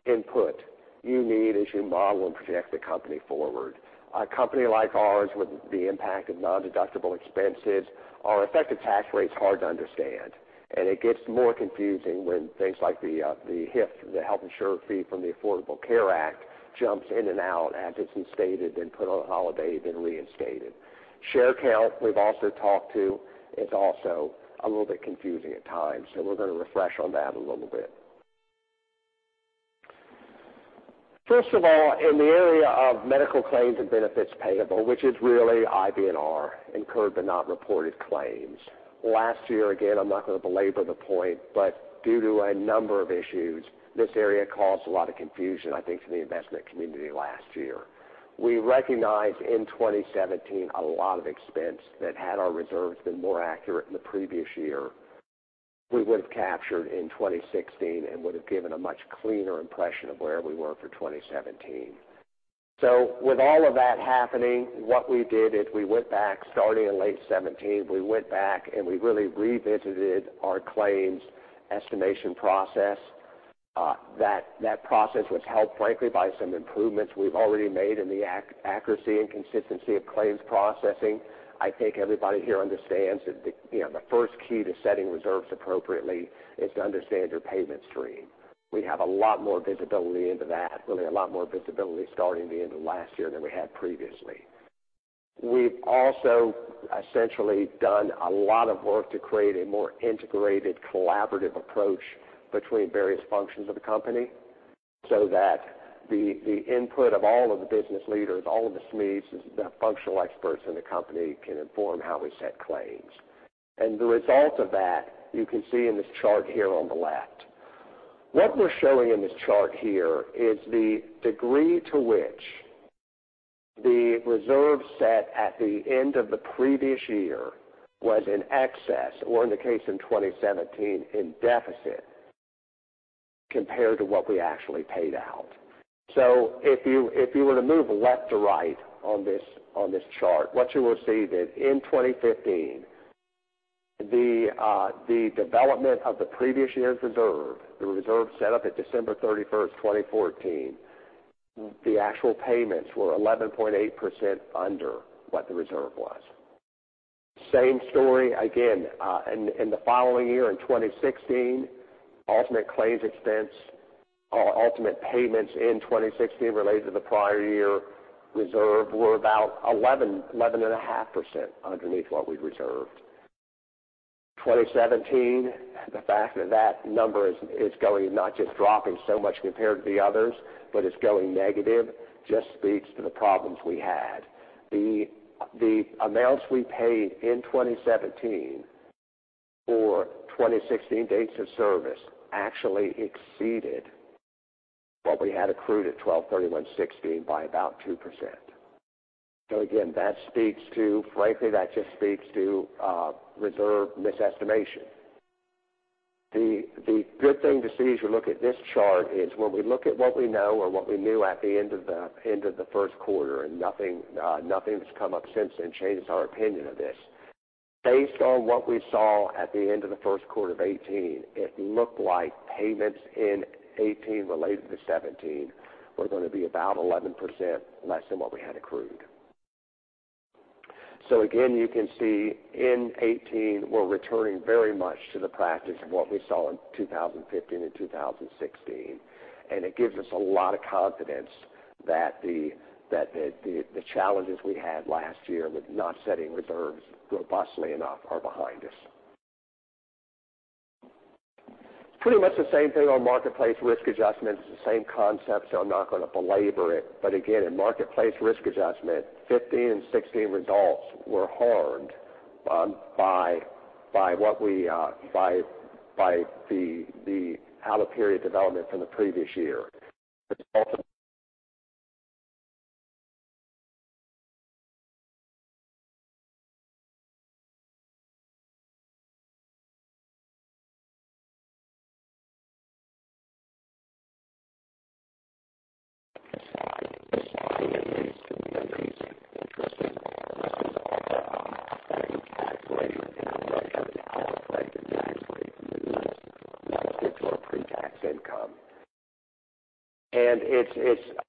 input you need as you model and project the company forward. A company like ours with the impact of non-deductible expenses, our effective tax rate's hard to understand. It gets more confusing when things like the HIF, the Health Insurance Fee from the Affordable Care Act, jumps in and out, added some stated, then put on holiday, then reinstated. Share count we've also talked to is also a little bit confusing at times. We're going to refresh on that a little bit. First of all, in the area of medical claims and benefits payable, which is really IBNR, Incurred But Not Reported claims. Last year, again, I'm not going to belabor the point. Due to a number of issues, this area caused a lot of confusion, I think, to the investment community last year. We recognized in 2017 a lot of expense that had our reserves been more accurate in the previous year, we would have captured in 2016 and would have given a much cleaner impression of where we were for 2017. With all of that happening, what we did is we went back starting in late 2017, we went back, and we really revisited our claims estimation process. That process was helped, frankly, by some improvements we've already made in the accuracy and consistency of claims processing. I think everybody here understands that the first key to setting reserves appropriately is to understand your payment stream. We have a lot more visibility into that, really a lot more visibility starting the end of last year than we had previously. We've also essentially done a lot of work to create a more integrated, collaborative approach between various functions of the company so that the input of all of the business leaders, all of the SMEs, the functional experts in the company can inform how we set claims. The result of that, you can see in this chart here on the left. What we're showing in this chart here is the degree to which the reserve set at the end of the previous year was in excess, or in the case in 2017, in deficit compared to what we actually paid out. If you were to move left to right on this chart, what you will see that in 2015, the development of the previous year's reserve, the reserve set up at December 31st, 2014, the actual payments were 11.8% under what the reserve was. Same story again, in the following year, in 2016, ultimate claims expense or ultimate payments in 2016 related to the prior year reserve were about 11.5% underneath what we'd reserved. 2017, the fact that that number is not just dropping so much compared to the others, but it's going negative, just speaks to the problems we had. The amounts we paid in 2017 for 2016 dates of service actually exceeded what we had accrued at 12/31/2016 by about 2%. Again, frankly, that just speaks to reserve misestimation. The good thing to see as you look at this chart is when we look at what we know or what we knew at the end of the first quarter, and nothing has come up since then changes our opinion of this. Based on what we saw at the end of the first quarter of 2018, it looked like payments in 2018 related to 2017 were going to be about 11% less than what we had accrued. Again, you can see in 2018, we're returning very much to the practice of what we saw in 2015 and 2016, and it gives us a lot of confidence that the challenges we had last year with not setting reserves robustly enough are behind us. It's pretty much the same thing on Marketplace risk adjustment. It's the same concept, so I'm not going to belabor it. Again, in Marketplace risk adjustment, 2015 and 2016 results were harmed by the out-of-period development from the previous year. The result of pre-tax income. Fixes in,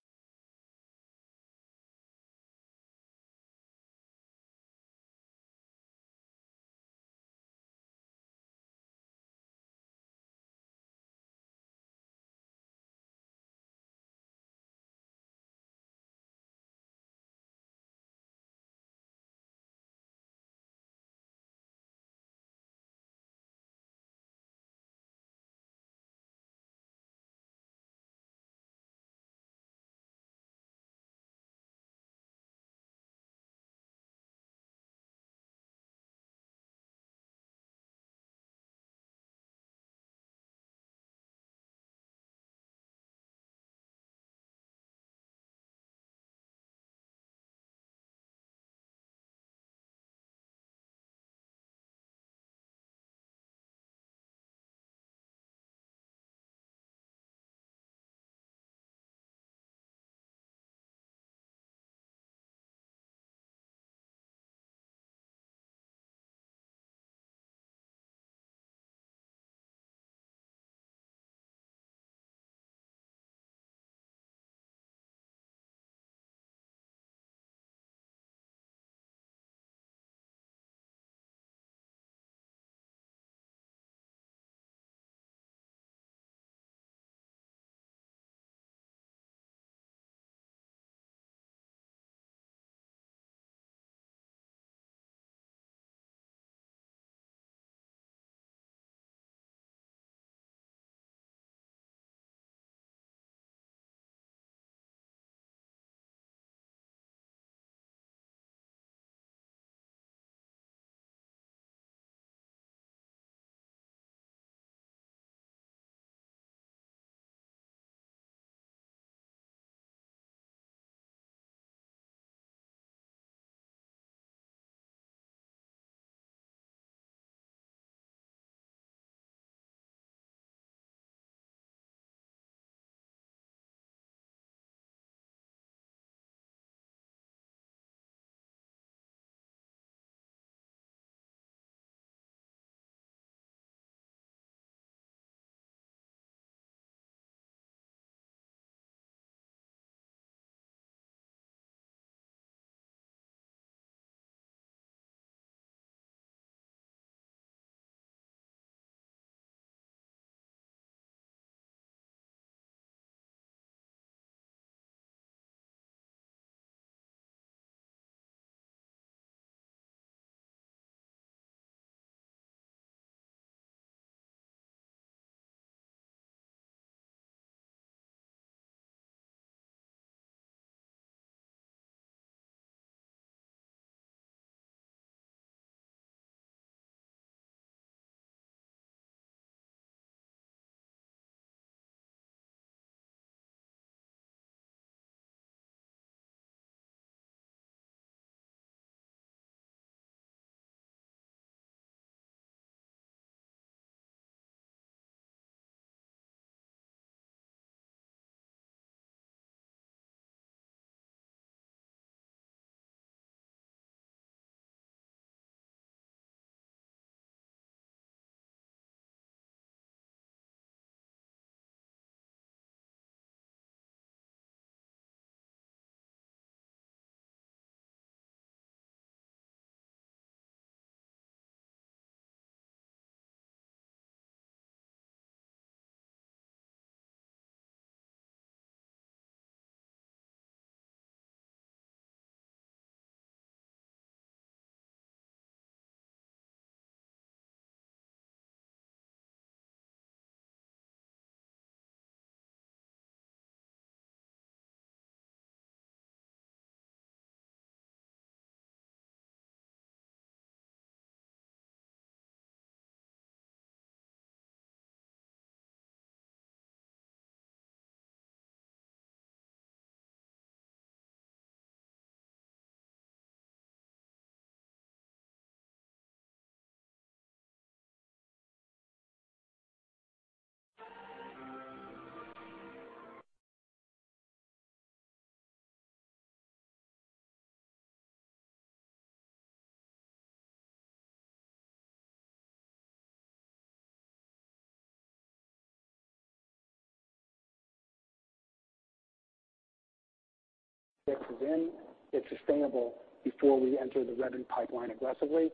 it's sustainable before we enter the revenue pipeline aggressively.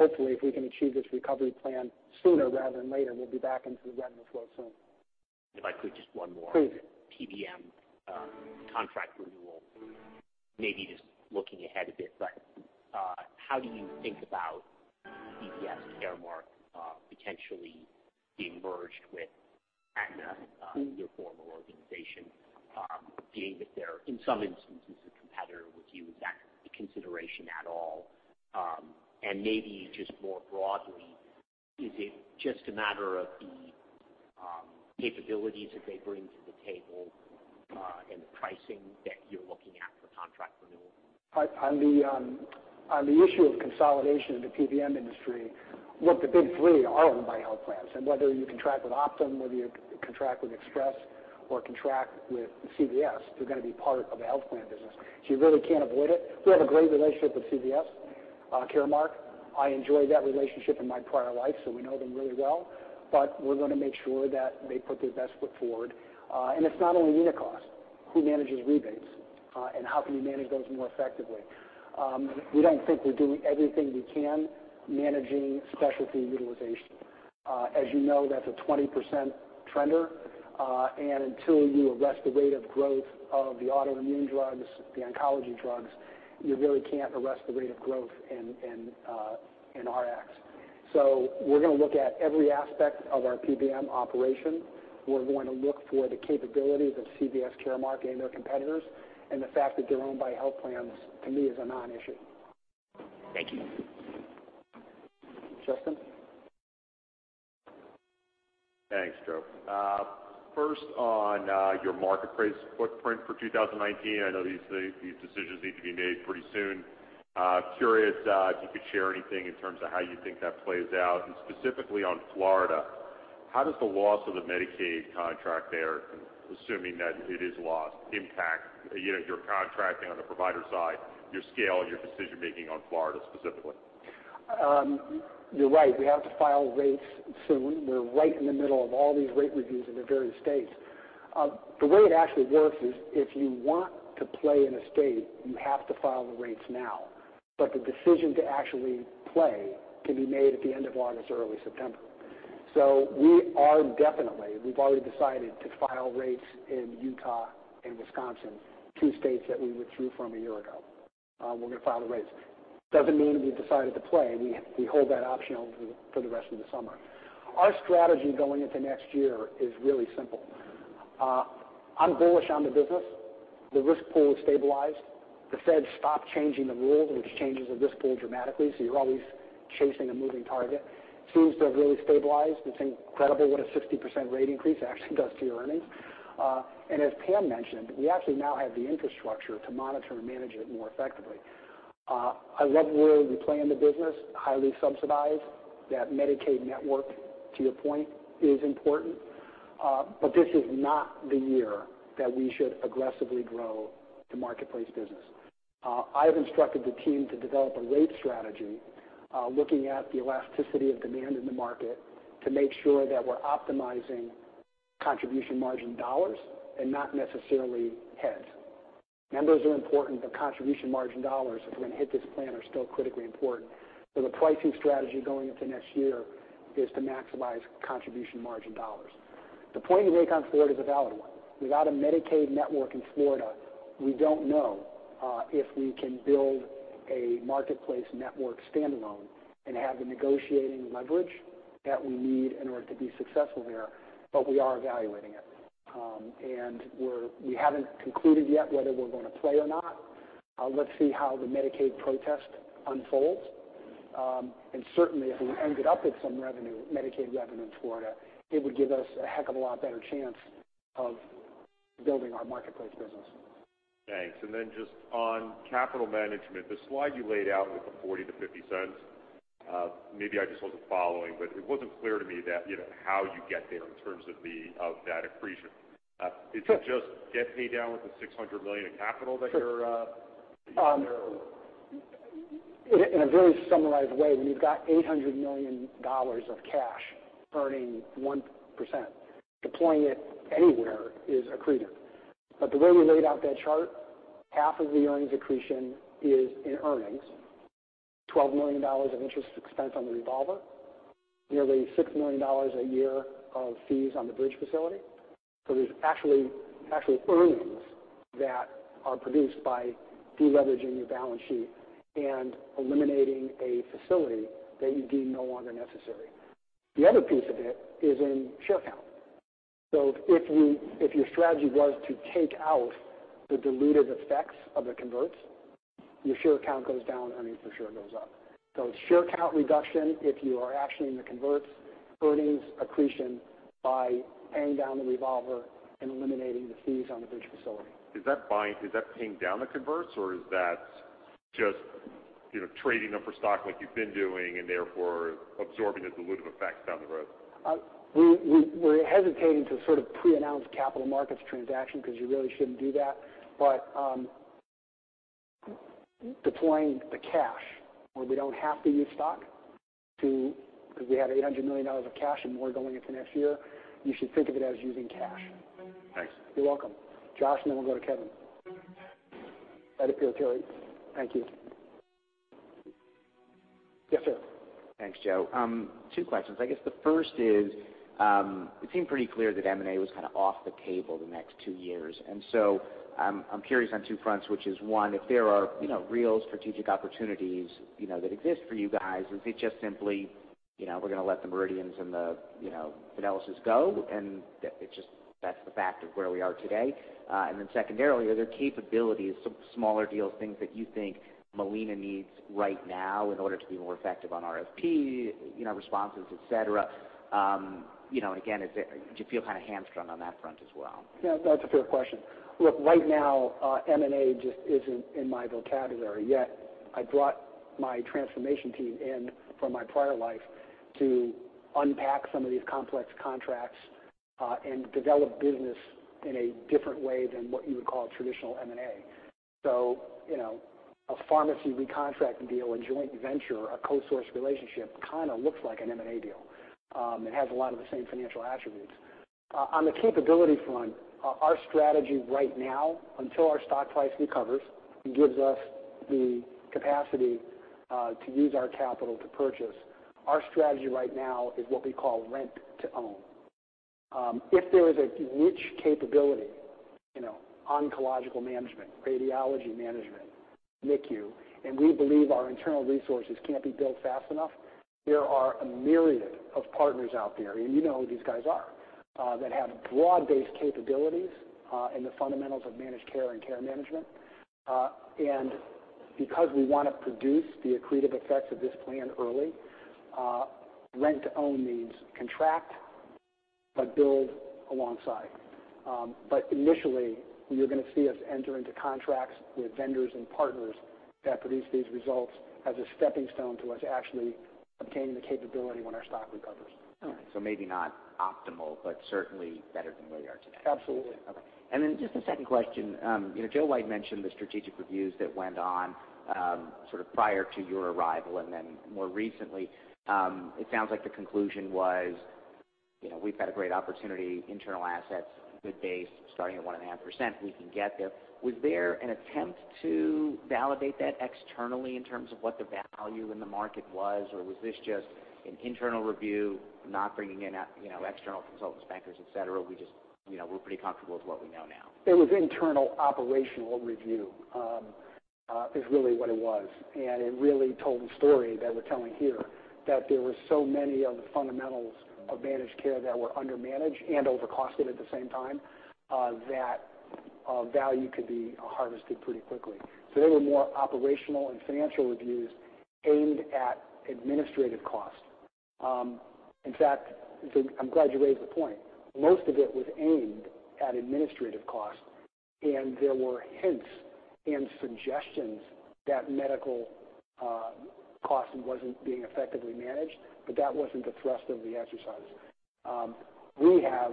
Hopefully, if we can achieve this recovery plan sooner rather than later, we'll be back into the revenue flow soon. If I could, just one more. Please. PBM contract renewal, maybe just looking ahead a bit, but how do you think about CVS and Caremark potentially being merged with Aetna? your former organization, dealing with their, in some instances into consideration at all? Maybe just more broadly, is it just a matter of the capabilities that they bring to the table and the pricing that you're looking at for contract renewal? On the issue of consolidation in the PBM industry, look, the big three are owned by health plans, and whether you contract with Optum, whether you contract with Express or contract with CVS, they're going to be part of a health plan business. You really can't avoid it. We have a great relationship with CVS Caremark. I enjoyed that relationship in my prior life, so we know them really well, but we're going to make sure that they put their best foot forward. It's not only unit cost. Who manages rebates, and how can you manage those more effectively? We don't think we're doing everything we can managing specialty utilization. As you know, that's a 20% trender, and until you arrest the rate of growth of the autoimmune drugs, the oncology drugs, you really can't arrest the rate of growth in RX. We're going to look at every aspect of our PBM operation. We're going to look for the capabilities of CVS Caremark and their competitors, the fact that they're owned by health plans, to me, is a non-issue. Thank you. Justin? Thanks, Joe. First on your marketplace footprint for 2019, I know these decisions need to be made pretty soon. Curious if you could share anything in terms of how you think that plays out, and specifically on Florida. How does the loss of the Medicaid contract there, assuming that it is lost, impact your contracting on the provider side, your scale, and your decision-making on Florida specifically? You're right. We have to file rates soon. We're right in the middle of all these rate reviews in the various states. The way it actually works is if you want to play in a state, you have to file the rates now, but the decision to actually play can be made at the end of August or early September. We've already decided to file rates in Utah and Wisconsin, two states that we withdrew from a year ago. We're going to file the rates. Doesn't mean we've decided to play. We hold that option open for the rest of the summer. Our strategy going into next year is really simple. I'm bullish on the business. The risk pool is stabilized. The Fed stopped changing the rules, which changes the risk pool dramatically, so you're always chasing a moving target. Seems to have really stabilized. It's incredible what a 60% rate increase actually does to your earnings. As Pam mentioned, we actually now have the infrastructure to monitor and manage it more effectively. I love where we play in the business, highly subsidized. That Medicaid network, to your point, is important. This is not the year that we should aggressively grow the marketplace business. I have instructed the team to develop a rate strategy, looking at the elasticity of demand in the market to make sure that we're optimizing contribution margin dollars and not necessarily heads. Members are important, but contribution margin dollars, if we're going to hit this plan, are still critically important. The pricing strategy going into next year is to maximize contribution margin dollars. The point you make on Florida is a valid one. Without a Medicaid network in Florida, we don't know if we can build a marketplace network standalone and have the negotiating leverage that we need in order to be successful there, but we are evaluating it. We haven't concluded yet whether we're going to play or not. Let's see how the Medicaid protest unfolds. Certainly, if we ended up with some revenue, Medicaid revenue in Florida, it would give us a heck of a lot better chance of building our marketplace business. Thanks. Then just on capital management, the slide you laid out with the $0.40 to $0.50, maybe I just wasn't following, but it wasn't clear to me how you get there in terms of that accretion. Sure. Is it just getting down with the $600 million in capital that you're there? In a very summarized way, when you've got $800 million of cash earning 1%, deploying it anywhere is accretive. The way we laid out that chart, half of the earnings accretion is in earnings, $12 million of interest expense on the revolver, nearly $6 million a year of fees on the bridge facility. There's actually earnings that are produced by de-leveraging your balance sheet and eliminating a facility that you deem no longer necessary. The other piece of it is in share count. If your strategy was to take out the dilutive effects of the converts, your share count goes down, earnings per share goes up. It's share count reduction, if you are actioning the converts, earnings accretion by paying down the revolver and eliminating the fees on the bridge facility. Is that paying down the converts, or is that just trading them for stock like you've been doing and therefore absorbing the dilutive effects down the road? We're hesitating to pre-announce capital markets transaction because you really shouldn't do that. Deploying the cash where we don't have to use stock because we have $800 million of cash and more going into next year, you should think of it as using cash. Thanks. You're welcome. Josh, and then we'll go to Kevin. Edip Yoakari. Thank you. Yes, sir. Thanks, Joe. Two questions. I guess the first is, it seemed pretty clear that M&A was off the table the next two years. So I'm curious on two fronts, which is, one, if there are real strategic opportunities that exist for you guys, is it just simply We're going to let the Meridians and the Fidelis' go, and that's the fact of where we are today. Then secondarily, are there capabilities, some smaller deals, things that you think Molina needs right now in order to be more effective on RFP responses, et cetera? Again, do you feel kind of hamstrung on that front as well? That's a fair question. Look, right now, M&A just isn't in my vocabulary yet. I brought my transformation team in from my prior life to unpack some of these complex contracts, and develop business in a different way than what you would call a traditional M&A. A pharmacy recontract deal, a joint venture, a co-source relationship kind of looks like an M&A deal, and has a lot of the same financial attributes. On the capability front, our strategy right now, until our stock price recovers and gives us the capacity to use our capital to purchase, our strategy right now is what we call rent to own. If there is a niche capability, oncological management, radiology management, NICU, and we believe our internal resources can't be built fast enough, there are a myriad of partners out there, and you know who these guys are, that have broad-based capabilities in the fundamentals of managed care and care management. Because we want to produce the accretive effects of this plan early, rent to own means contract but build alongside. Initially, you're going to see us enter into contracts with vendors and partners that produce these results as a stepping stone to us actually obtaining the capability when our stock recovers. All right. Maybe not optimal, certainly better than where you are today. Absolutely. Okay. Just a second question. Joe White mentioned the strategic reviews that went on sort of prior to your arrival, then more recently. It sounds like the conclusion was, we've got a great opportunity, internal assets, good base, starting at 1.5%, we can get there. Was there an attempt to validate that externally in terms of what the value in the market was? Was this just an internal review, not bringing in external consultants, bankers, et cetera? We're pretty comfortable with what we know now. It was internal operational review, is really what it was. It really told the story that we're telling here, that there were so many of the fundamentals of managed care that were under-managed and over-costed at the same time, that value could be harvested pretty quickly. They were more operational and financial reviews aimed at administrative costs. In fact, I'm glad you raised the point. Most of it was aimed at administrative costs, and there were hints and suggestions that medical costing wasn't being effectively managed. That wasn't the thrust of the exercise. We have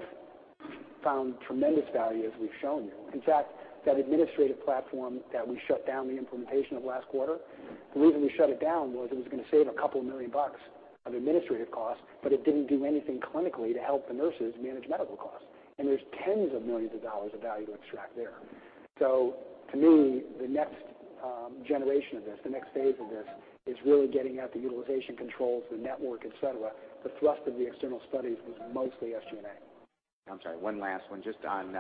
found tremendous value, as we've shown you. In fact, that administrative platform that we shut down the implementation of last quarter, the reason we shut it down was it was going to save a couple of million dollars of administrative costs, it didn't do anything clinically to help the nurses manage medical costs. There's tens of millions of dollars of value to extract there. To me, the next generation of this, the next phase of this, is really getting at the utilization controls, the network, et cetera. The thrust of the external studies was mostly SG&A. I'm sorry, one last one. Just on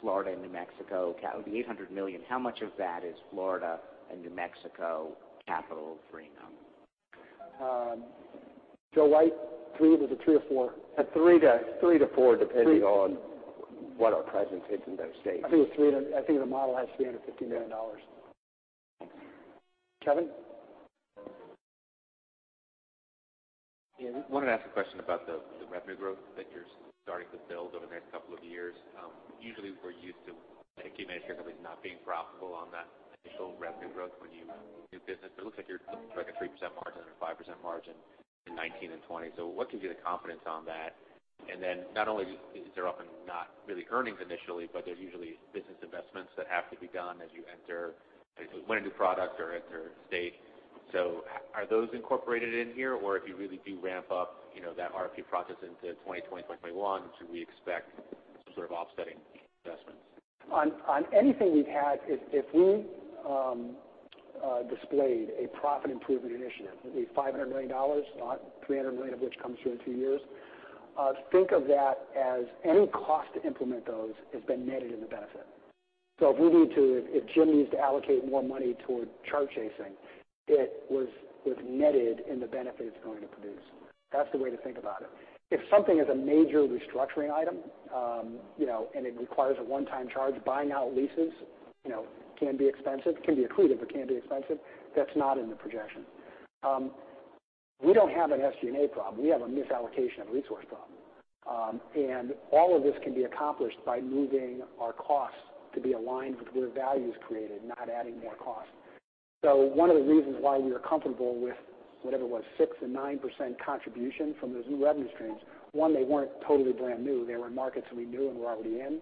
Florida and New Mexico. Of the $800 million, how much of that is Florida and New Mexico capital freeing up? Joe White, was it three or four? Three to four, depending on what our presence is in those states. I think the model has $350 million. Kevin? I wanted to ask a question about the revenue growth that you're starting to build over the next couple of years. Usually, we're used to a managed care company not being profitable on that initial revenue growth when you do business, but it looks like you're looking for a 3% margin and a 5% margin in 2019 and 2020. What gives you the confidence on that? Not only is there often not really earnings initially, but there's usually business investments that have to be done as you enter a new product or enter a state. Are those incorporated in here? Or if you really do ramp up that RFP process into 2020, 2021, should we expect some sort of offsetting investments? On anything we've had, if we displayed a profit improvement initiative, a $500 million, 300 million of which comes through in two years, think of that as any cost to implement those has been netted in the benefit. If Jim needs to allocate more money toward chart chasing, it was netted in the benefit it's going to produce. That's the way to think about it. If something is a major restructuring item, and it requires a one-time charge, buying out leases can be accretive, it can be expensive. That's not in the projection. We don't have an SG&A problem. We have a misallocation of resource problem. All of this can be accomplished by moving our costs to be aligned with where value is created, not adding more cost. One of the reasons why we are comfortable with, whatever it was, 6% and 9% contribution from those new revenue streams, one, they weren't totally brand new. They were in markets we knew and were already in.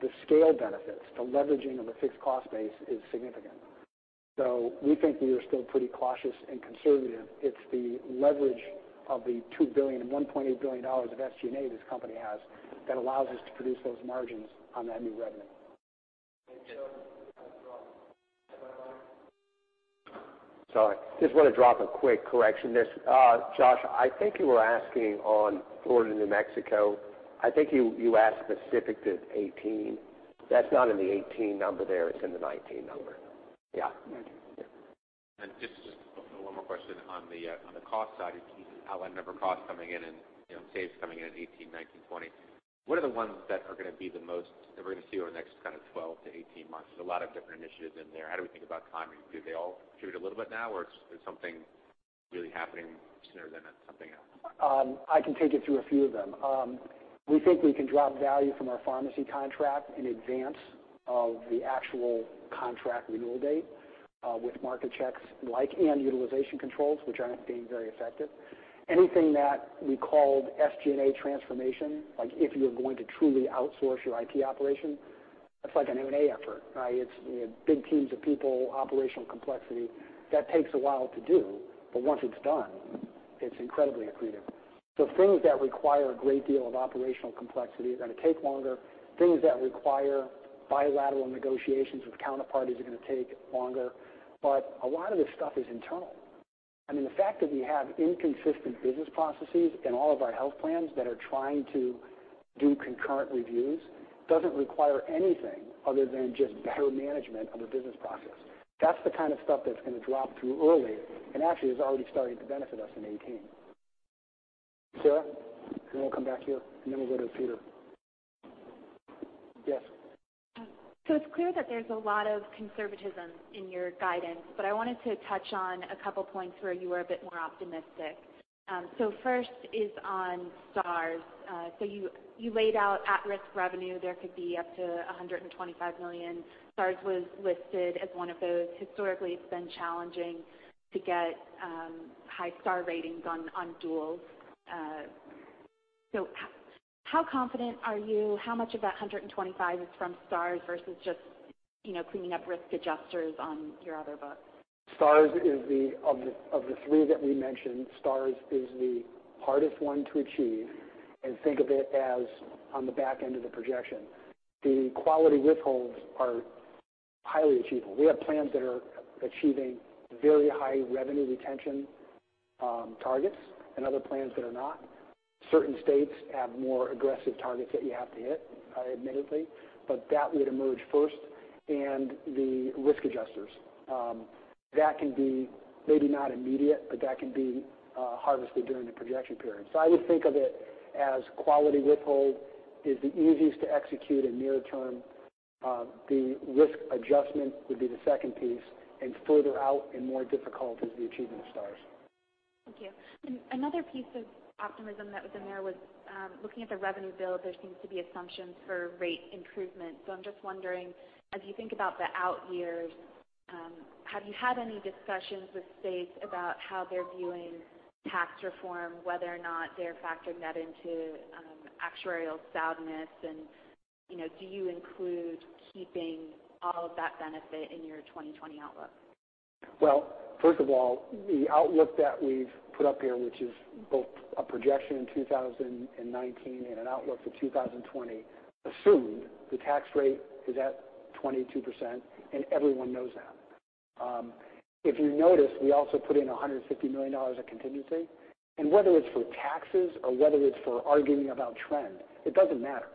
The scale benefits, the leveraging of a fixed cost base is significant. We think we are still pretty cautious and conservative. It's the leverage of the $2 billion and $1.8 billion of SG&A this company has that allows us to produce those margins on that new revenue. Sorry. Just want to drop a quick correction there. Josh, I think you were asking on Florida, New Mexico. I think you asked specific to 2018. That's not in the 2018 number there, it's in the 2019 number. Yeah. Okay. Just one more question on the cost side. You outlined a number of costs coming in and saves coming in at 2018, 2019, 2020. What are the ones that we're going to see over the next 12-18 months? There's a lot of different initiatives in there. How do we think about timing? Do they all contribute a little bit now, or is something really happening sooner than something else? I can take you through a few of them. We think we can drop value from our pharmacy contract in advance of the actual contract renewal date, with market checks and utilization controls, which are being very effective. Anything that we called SG&A transformation, like if you're going to truly outsource your IT operation, that's like an M&A effort. It's big teams of people, operational complexity. That takes a while to do, but once it's done, it's incredibly accretive. Things that require a great deal of operational complexity are going to take longer. Things that require bilateral negotiations with counterparties are going to take longer. A lot of this stuff is internal. The fact that we have inconsistent business processes in all of our health plans that are trying to do concurrent reviews doesn't require anything other than just better management of a business process. That's the kind of stuff that's going to drop through early, actually has already started to benefit us in 2018. Sarah, then we'll come back to you, then we'll go to Peter. Yes. It's clear that there's a lot of conservatism in your guidance, I wanted to touch on a couple points where you were a bit more optimistic. First is on Stars. You laid out at-risk revenue, there could be up to $125 million. Stars was listed as one of those. Historically, it's been challenging to get high Star ratings on duals. How confident are you? How much of that $125 is from Stars versus just cleaning up risk adjusters on your other books? Of the three that we mentioned, Stars is the hardest one to achieve, think of it as on the back end of the projection. The quality withholds are highly achievable. We have plans that are achieving very high revenue retention targets and other plans that are not. Certain states have more aggressive targets that you have to hit, admittedly, that would emerge first. The risk adjusters. That can be maybe not immediate, but that can be harvested during the projection period. I would think of it as quality withhold is the easiest to execute in near term. The risk adjustment would be the second piece, further out and more difficult is the achievement of Stars. Thank you. Another piece of optimism that was in there was looking at the revenue build, there seems to be assumptions for rate improvement. I'm just wondering, as you think about the out years, have you had any discussions with states about how they're viewing tax reform, whether or not they're factoring that into actuarial soundness? Do you include keeping all of that benefit in your 2020 outlook? First of all, the outlook that we've put up here, which is both a projection in 2019 and an outlook for 2020, assumed the tax rate is at 22%, everyone knows that. If you notice, we also put in $150 million of contingency. Whether it's for taxes or whether it's for arguing about trend, it doesn't matter.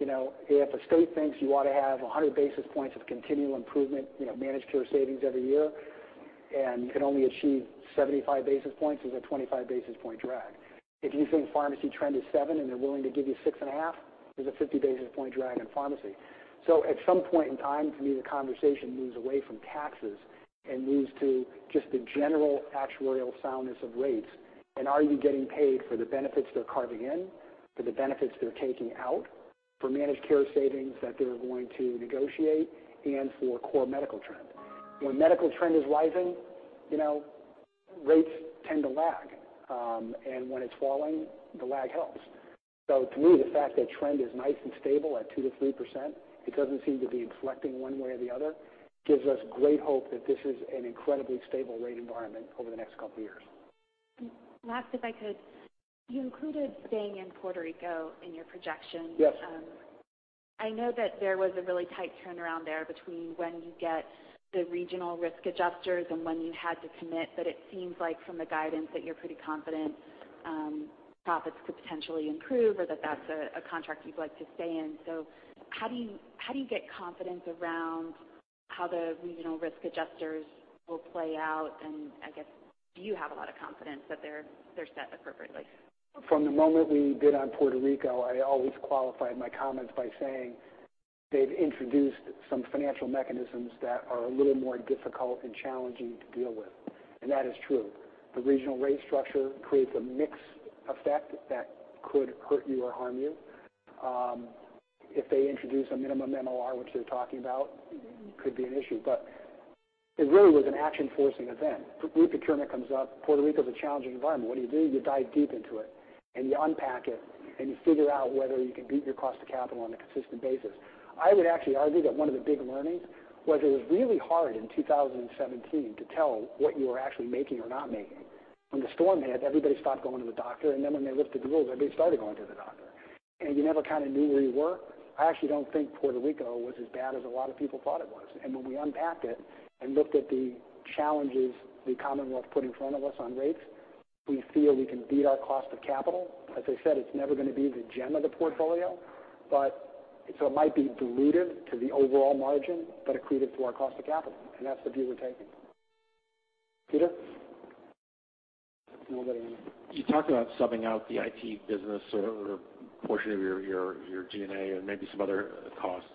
If a state thinks you ought to have 100 basis points of continual improvement, managed care savings every year, you can only achieve 75 basis points, there's a 25 basis point drag. If you think pharmacy trend is seven and they're willing to give you six and a half, there's a 50 basis point drag in pharmacy. At some point in time, for me, the conversation moves away from taxes and moves to just the general actuarial soundness of rates, are you getting paid for the benefits they're carving in, for the benefits they're taking out, for managed care savings that they're going to negotiate, and for core medical trend. When medical trend is rising, rates tend to lag. When it's falling, the lag helps. To me, the fact that trend is nice and stable at 2%-3%, it doesn't seem to be inflecting one way or the other, gives us great hope that this is an incredibly stable rate environment over the next couple years. Last, if I could. You included staying in Puerto Rico in your projection. Yes. I know that there was a really tight turnaround there between when you get the regional risk adjusters and when you had to commit, it seems like from the guidance that you're pretty confident profits could potentially improve, or that that's a contract you'd like to stay in. How do you get confidence around how the regional risk adjusters will play out? I guess you have a lot of confidence that they're set appropriately. From the moment we bid on Puerto Rico, I always qualified my comments by saying they've introduced some financial mechanisms that are a little more difficult and challenging to deal with, that is true. The regional rate structure creates a mix effect that could hurt you or harm you. If they introduce a minimum MLR, which they're talking about, could be an issue. It really was an action-forcing event. Group procurement comes up, Puerto Rico is a challenging environment. What do you do? You dive deep into it, and you unpack it, and you figure out whether you can beat your cost of capital on a consistent basis. I would actually argue that one of the big learnings was it was really hard in 2017 to tell what you were actually making or not making. When the storm hit, everybody stopped going to the doctor, then when they lifted the rules, everybody started going to the doctor. You never kind of knew where you were. I actually don't think Puerto Rico was as bad as a lot of people thought it was. When we unpacked it and looked at the challenges the Commonwealth put in front of us on rates We feel we can beat our cost of capital. As I said, it's never going to be the gem of the portfolio. It might be dilutive to the overall margin, but accretive to our cost of capital, and that's the view we're taking. Peter? We'll go to you. You talked about subbing out the IT business or portion of your G&A and maybe some other costs.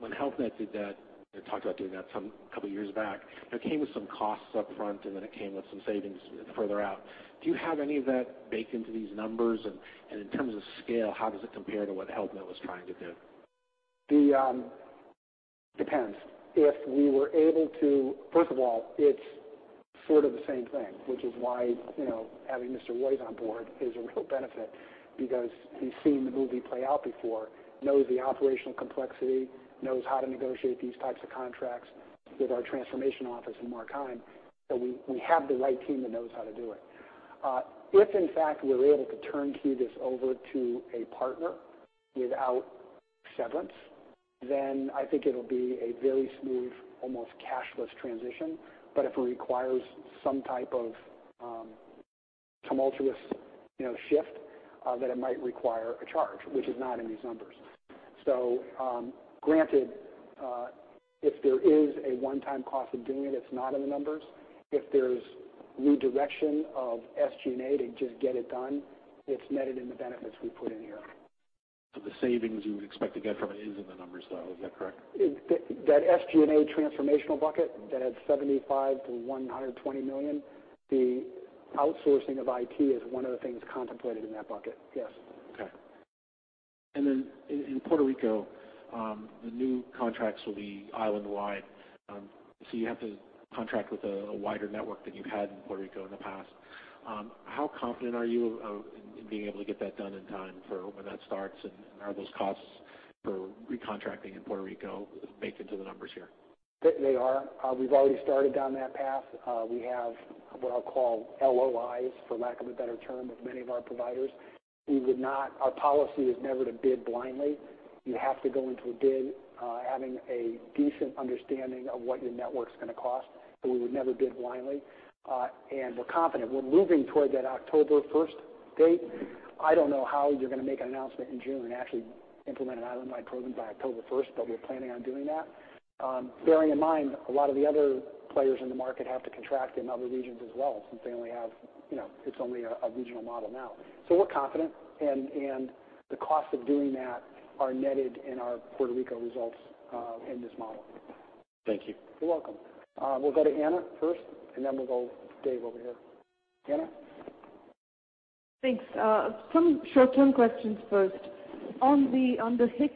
When Health Net did that, they talked about doing that some couple of years back, it came with some costs up front, then it came with some savings further out. Do you have any of that baked into these numbers? In terms of scale, how does it compare to what Health Net was trying to do? Depends. First of all, it's sort of the same thing, which is why having Mr. White on board is a real benefit because he's seen the movie play out before, knows the operational complexity, knows how to negotiate these types of contracts with our transformation office and Mark Keim. We have the right team that knows how to do it. If, in fact, we were able to turnkey this over to a partner without severance, then I think it'll be a very smooth, almost cashless transition. If it requires some type of tumultuous shift, then it might require a charge, which is not in these numbers. Granted, if there is a one-time cost of doing it's not in the numbers. If there's redirection of SG&A to just get it done, it's netted in the benefits we put in here. The savings you would expect to get from it is in the numbers, though. Is that correct? That SG&A transformational bucket that has $75 million-$120 million, the outsourcing of IT is one of the things contemplated in that bucket. Yes. Okay. Then in Puerto Rico, the new contracts will be island-wide. You have to contract with a wider network than you've had in Puerto Rico in the past. How confident are you in being able to get that done in time for when that starts? Are those costs for recontracting in Puerto Rico baked into the numbers here? They are. We've already started down that path. We have what I'll call LOIs, for lack of a better term, with many of our providers. Our policy is never to bid blindly. You have to go into a bid having a decent understanding of what your network's going to cost, but we would never bid blindly. We're confident. We're moving toward that October 1st date. I don't know how you're going to make an announcement in June and actually implement an island-wide program by October 1st, but we're planning on doing that. Bearing in mind, a lot of the other players in the market have to contract in other regions as well, since it's only a regional model now. We're confident, and the cost of doing that are netted in our Puerto Rico results in this model. Thank you. You're welcome. We'll go to Anna first, then we'll go Dave over here. Anna? Thanks. Some short-term questions first. On the HIX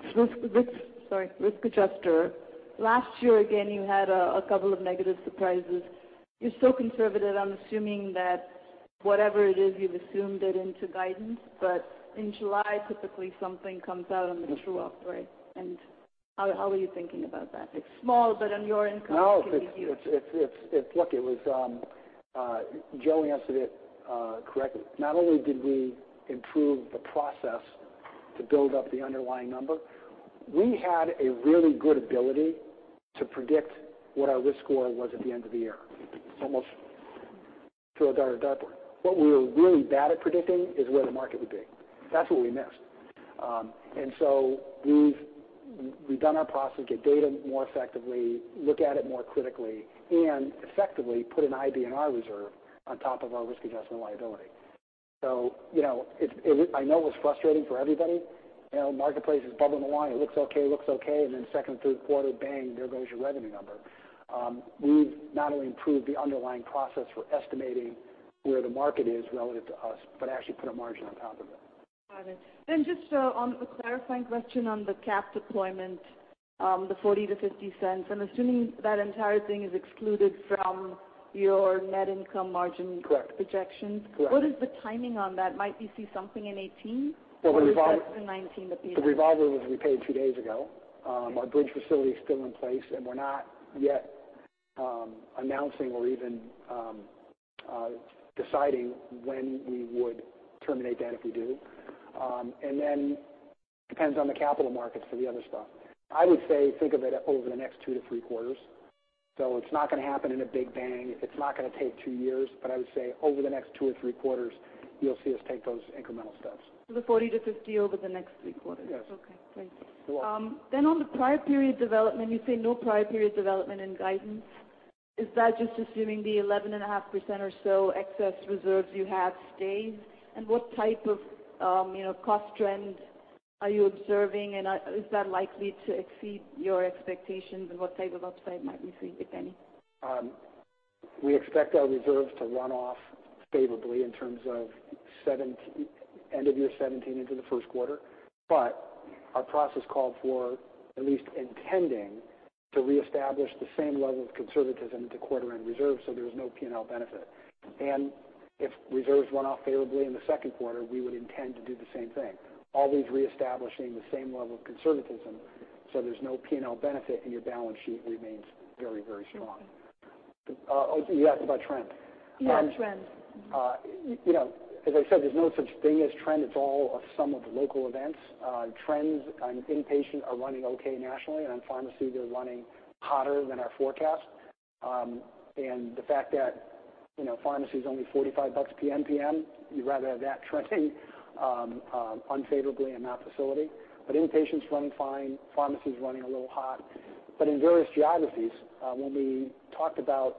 risk adjuster, last year again, you had a couple of negative surprises. You're so conservative, I'm assuming that whatever it is, you've assumed it into guidance. In July, typically, something comes out and it's true up, right? How are you thinking about that? It's small, but on your income, it could be huge. No. Look, Joe answered it correctly. Not only did we improve the process to build up the underlying number, we had a really good ability to predict what our risk score was at the end of the year. It's almost to a dollar, a dime. What we were really bad at predicting is where the market would be. That's what we missed. We've done our process, get data more effectively, look at it more critically, and effectively put an IBNR reserve on top of our risk adjustment liability. I know it was frustrating for everybody. Marketplace is bubbling the line. It looks okay, and then second and third quarter, bang, there goes your revenue number. We've not only improved the underlying process for estimating where the market is relative to us, but actually put a margin on top of it. Got it. Just a clarifying question on the cap deployment, the $0.40-$0.50. I'm assuming that entire thing is excluded from your net income margin. Correct projections. Correct. What is the timing on that? Might we see something in 2018? Well, the revolver. Is that the 2019 that we have? The revolver was repaid two days ago. Our bridge facility is still in place, and we're not yet announcing or even deciding when we would terminate that, if we do. Then depends on the capital markets for the other stuff. I would say, think of it over the next two to three quarters. It's not going to happen in a big bang. It's not going to take two years. I would say over the next two or three quarters, you'll see us take those incremental steps. The 40 to 50 over the next three quarters. Yes. Okay, great. You're welcome. On the prior period development, you say no prior period development in guidance. Is that just assuming the 11.5% or so excess reserves you have stays? What type of cost trend are you observing, and is that likely to exceed your expectations, and what type of upside might we see, if any? We expect our reserves to run off favorably in terms of end of year 2017 into the first quarter. Our process called for at least intending to reestablish the same level of conservatism at the quarter-end reserve so there was no P&L benefit. If reserves run off favorably in the second quarter, we would intend to do the same thing. Always reestablishing the same level of conservatism so there's no P&L benefit, and your balance sheet remains very strong. Oh, you asked about trend. Yeah, trend. As I said, there's no such thing as trend. It's all a sum of the local events. Trends on inpatient are running okay nationally. On pharmacy, they're running hotter than our forecast. The fact that pharmacy is only $45 PMPM, you'd rather have that trending unfavorably in that facility. Inpatient's running fine, pharmacy's running a little hot. In various geographies, when we talked about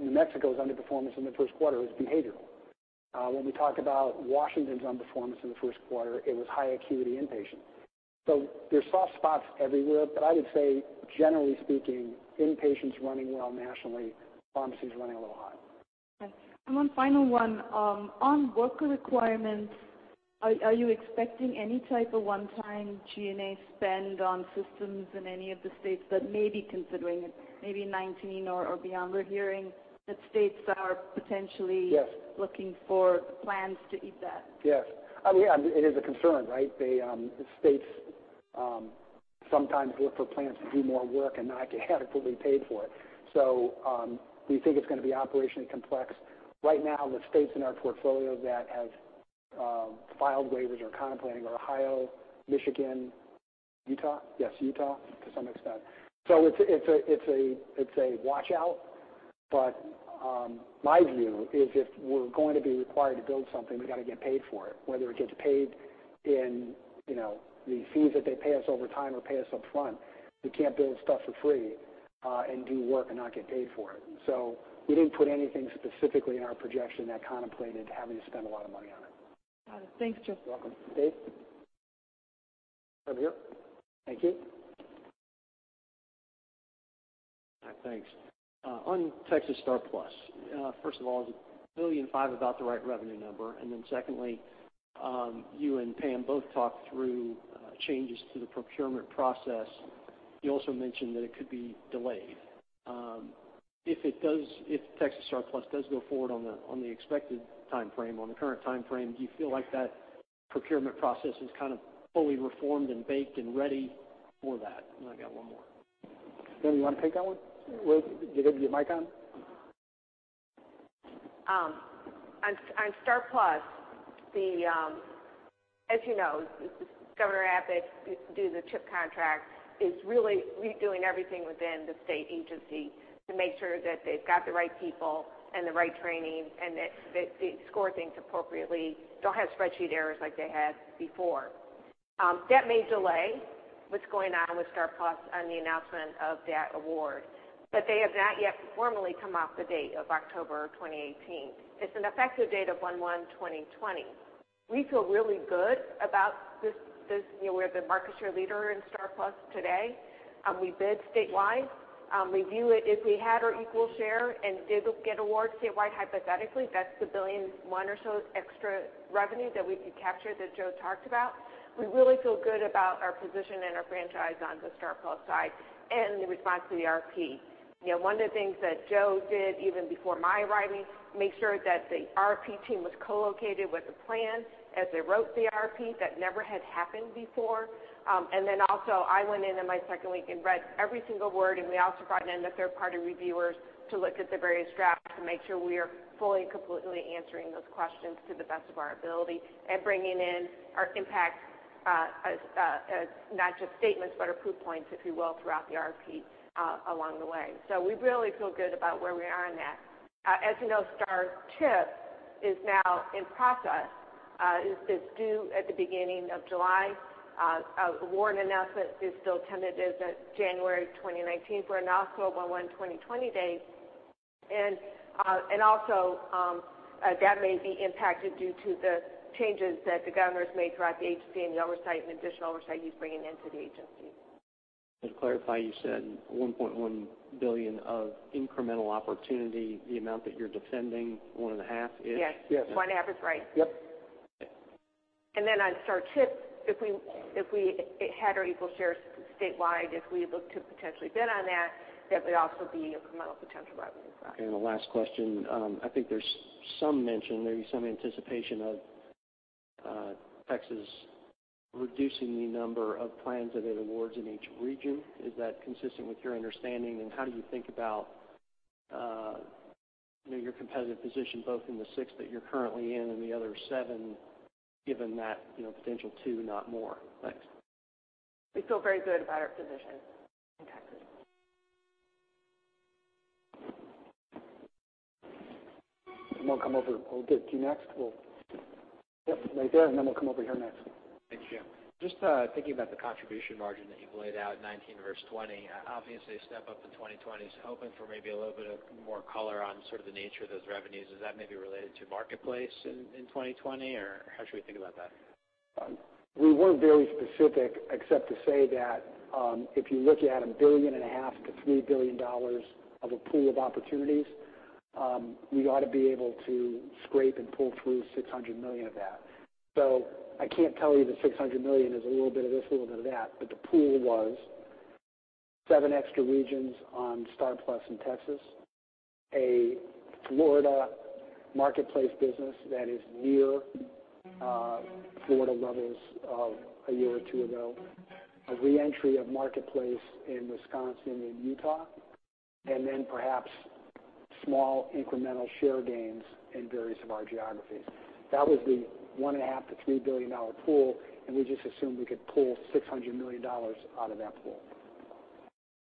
New Mexico's underperformance in the first quarter, it was behavioral. When we talked about Washington's underperformance in the first quarter, it was high acuity inpatient. There's soft spots everywhere, but I would say generally speaking, inpatient's running well nationally, pharmacy's running a little hot. Okay. One final one. On worker requirements, are you expecting any type of one-time G&A spend on systems in any of the states that may be considering it, maybe in 2019 or beyond? We're hearing that states are potentially- Yes They are looking for plans to meet that. Yes. It is a concern, right? The states sometimes look for plans to do more work and not get adequately paid for it. We think it's going to be operationally complex. Right now, the states in our portfolio that have filed waivers or are contemplating are Ohio, Michigan, Utah? Yes, Utah, to some extent. It's a watch-out, but my view is if we're going to be required to build something, we got to get paid for it, whether it gets paid in the fees that they pay us over time or pay us upfront. We can't build stuff for free and do work and not get paid for it. We didn't put anything specifically in our projection that contemplated having to spend a lot of money on it. Got it. Thanks, Joe. You're welcome. Dave? Over here. Thank you. Hi, thanks. On Texas STAR+PLUS. First of all, is $1.5 billion about the right revenue number? Secondly, you and Pam both talked through changes to the procurement process. You also mentioned that it could be delayed. If the Texas STAR+PLUS does go forward on the expected timeframe, on the current timeframe, do you feel like that procurement process is kind of fully reformed and baked and ready for that? I got one more. Pam, you want to take that one? Do you have your mic on? On STAR+PLUS, as you know, Governor Abbott, due to the CHIP contract, is really redoing everything within the state agency to make sure that they've got the right people and the right training, and that they score things appropriately, don't have spreadsheet errors like they had before. That may delay what's going on with STAR+PLUS on the announcement of that award, they have not yet formally come off the date of October 2018. It's an effective date of 01/01/2020. We feel really good about this. We're the market share leader in STAR+PLUS today. We bid statewide. We view it if we had our equal share and did get awards statewide, hypothetically, that's the $1.1 billion or so extra revenue that we could capture that Joe talked about. We really feel good about our position and our franchise on the STAR+PLUS side and the response to the RP. One of the things that Joe did, even before my arriving, make sure that the RP team was co-located with the plan as they wrote the RP. That never had happened before. Also, I went in my second week, and read every single word, and we also brought in the third-party reviewers to look at the various drafts to make sure we are fully, completely answering those questions to the best of our ability and bringing in our impact as not just statements, but are proof points, if you will, throughout the RP along the way. We really feel good about where we are on that. As you know, STAR CHIP is now in process. It's due at the beginning of July. Award announcement is still tentative at January 2019. We're announced for a 01/01/2020 date. Also, that may be impacted due to the changes that the Governor's made throughout the agency and the oversight and additional oversight he's bringing into the agency. Just to clarify, you said $1.1 billion of incremental opportunity, the amount that you're defending, one and a half-ish? Yes. Yes. One and a half is right. Yep. Okay. Then on STAR+CHIP, if we had our equal shares statewide, if we looked to potentially bid on that would also be incremental potential revenue. The last question, I think there's some mention, maybe some anticipation of Texas reducing the number of plans that it awards in each region. Is that consistent with your understanding, and how do you think about your competitive position, both in the six that you're currently in and the other seven, given that potential two, not more? Thanks. We feel very good about our position. Okay. We'll come over. We'll get to you next. Yep, right there, we'll come over here next. Thank you, Jim. Just thinking about the contribution margin that you've laid out, 2019 versus 2020. Obviously, a step up in 2020, hoping for maybe a little bit of more color on sort of the nature of those revenues. Is that maybe related to Marketplace in 2020, or how should we think about that? We weren't very specific except to say that if you look at a $1.5 billion-$3 billion of a pool of opportunities, we ought to be able to scrape and pull through $600 million of that. I can't tell you the $600 million is a little bit of this, a little bit of that, but the pool was seven extra regions on STAR+PLUS in Texas, a Florida Marketplace business that is near Florida levels of a year or two ago, a re-entry of Marketplace in Wisconsin and Utah, and then perhaps small incremental share gains in various of our geographies. That was the $1.5 billion-$3 billion pool, and we just assumed we could pull $600 million out of that pool.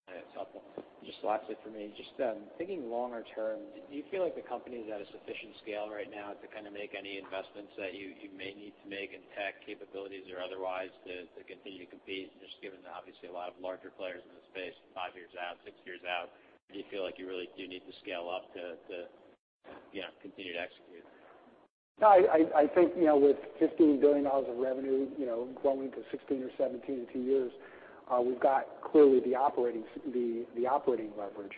Got it. It's helpful. Just lastly for me, just thinking longer term, do you feel like the company's at a sufficient scale right now to make any investments that you may need to make in tech capabilities or otherwise to continue to compete, just given, obviously, a lot of larger players in the space five years out, six years out? Do you feel like you really do need to scale up to continue to execute? I think, with $15 billion of revenue, growing to $16 or $17 in two years, we've got clearly the operating leverage.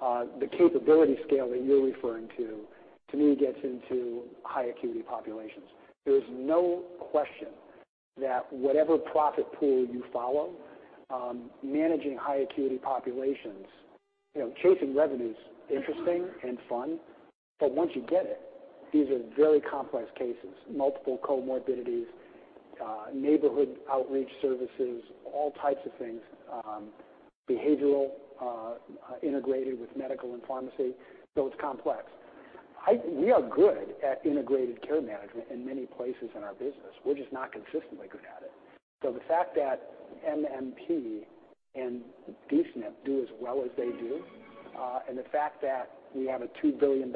The capability scale that you're referring to me, gets into high acuity populations. There is no question that whatever profit pool you follow, managing high acuity populations, chasing revenue's interesting and fun, but once you get it, these are very complex cases, multiple comorbidities, neighborhood outreach services, all types of things, behavioral, integrated with medical and pharmacy. It's complex. We are good at integrated care management in many places in our business. We're just not consistently good at it. The fact that MMP and D-SNP do as well as they do, and the fact that we have a $2 billion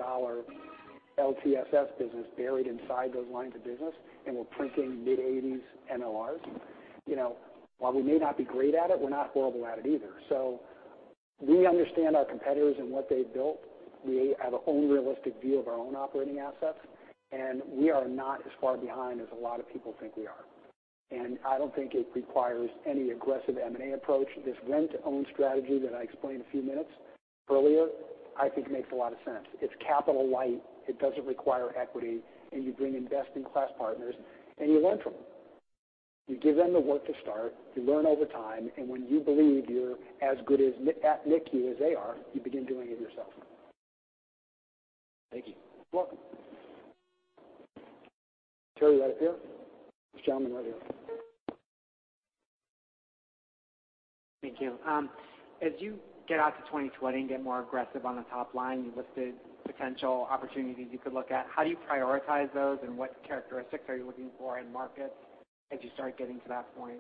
LTSS business buried inside those lines of business, and we're printing mid-80s MLRs, while we may not be great at it, we're not horrible at it either. We understand our competitors and what they've built. We have our own realistic view of our own operating assets, and we are not as far behind as a lot of people think we are. I don't think it requires any aggressive M&A approach. This rent-to-own strategy that I explained a few minutes earlier, I think makes a lot of sense. It's capital light, it doesn't require equity, and you bring investing class partners, and you learn from them. You give them the work to start, you learn over time, and when you believe you're as good at NICU as they are, you begin doing it yourself. Thank you. You're welcome. Terry, right up here. This gentleman right here. Thank you. As you get out to 2020 and get more aggressive on the top line, you listed potential opportunities you could look at. How do you prioritize those, and what characteristics are you looking for in markets as you start getting to that point?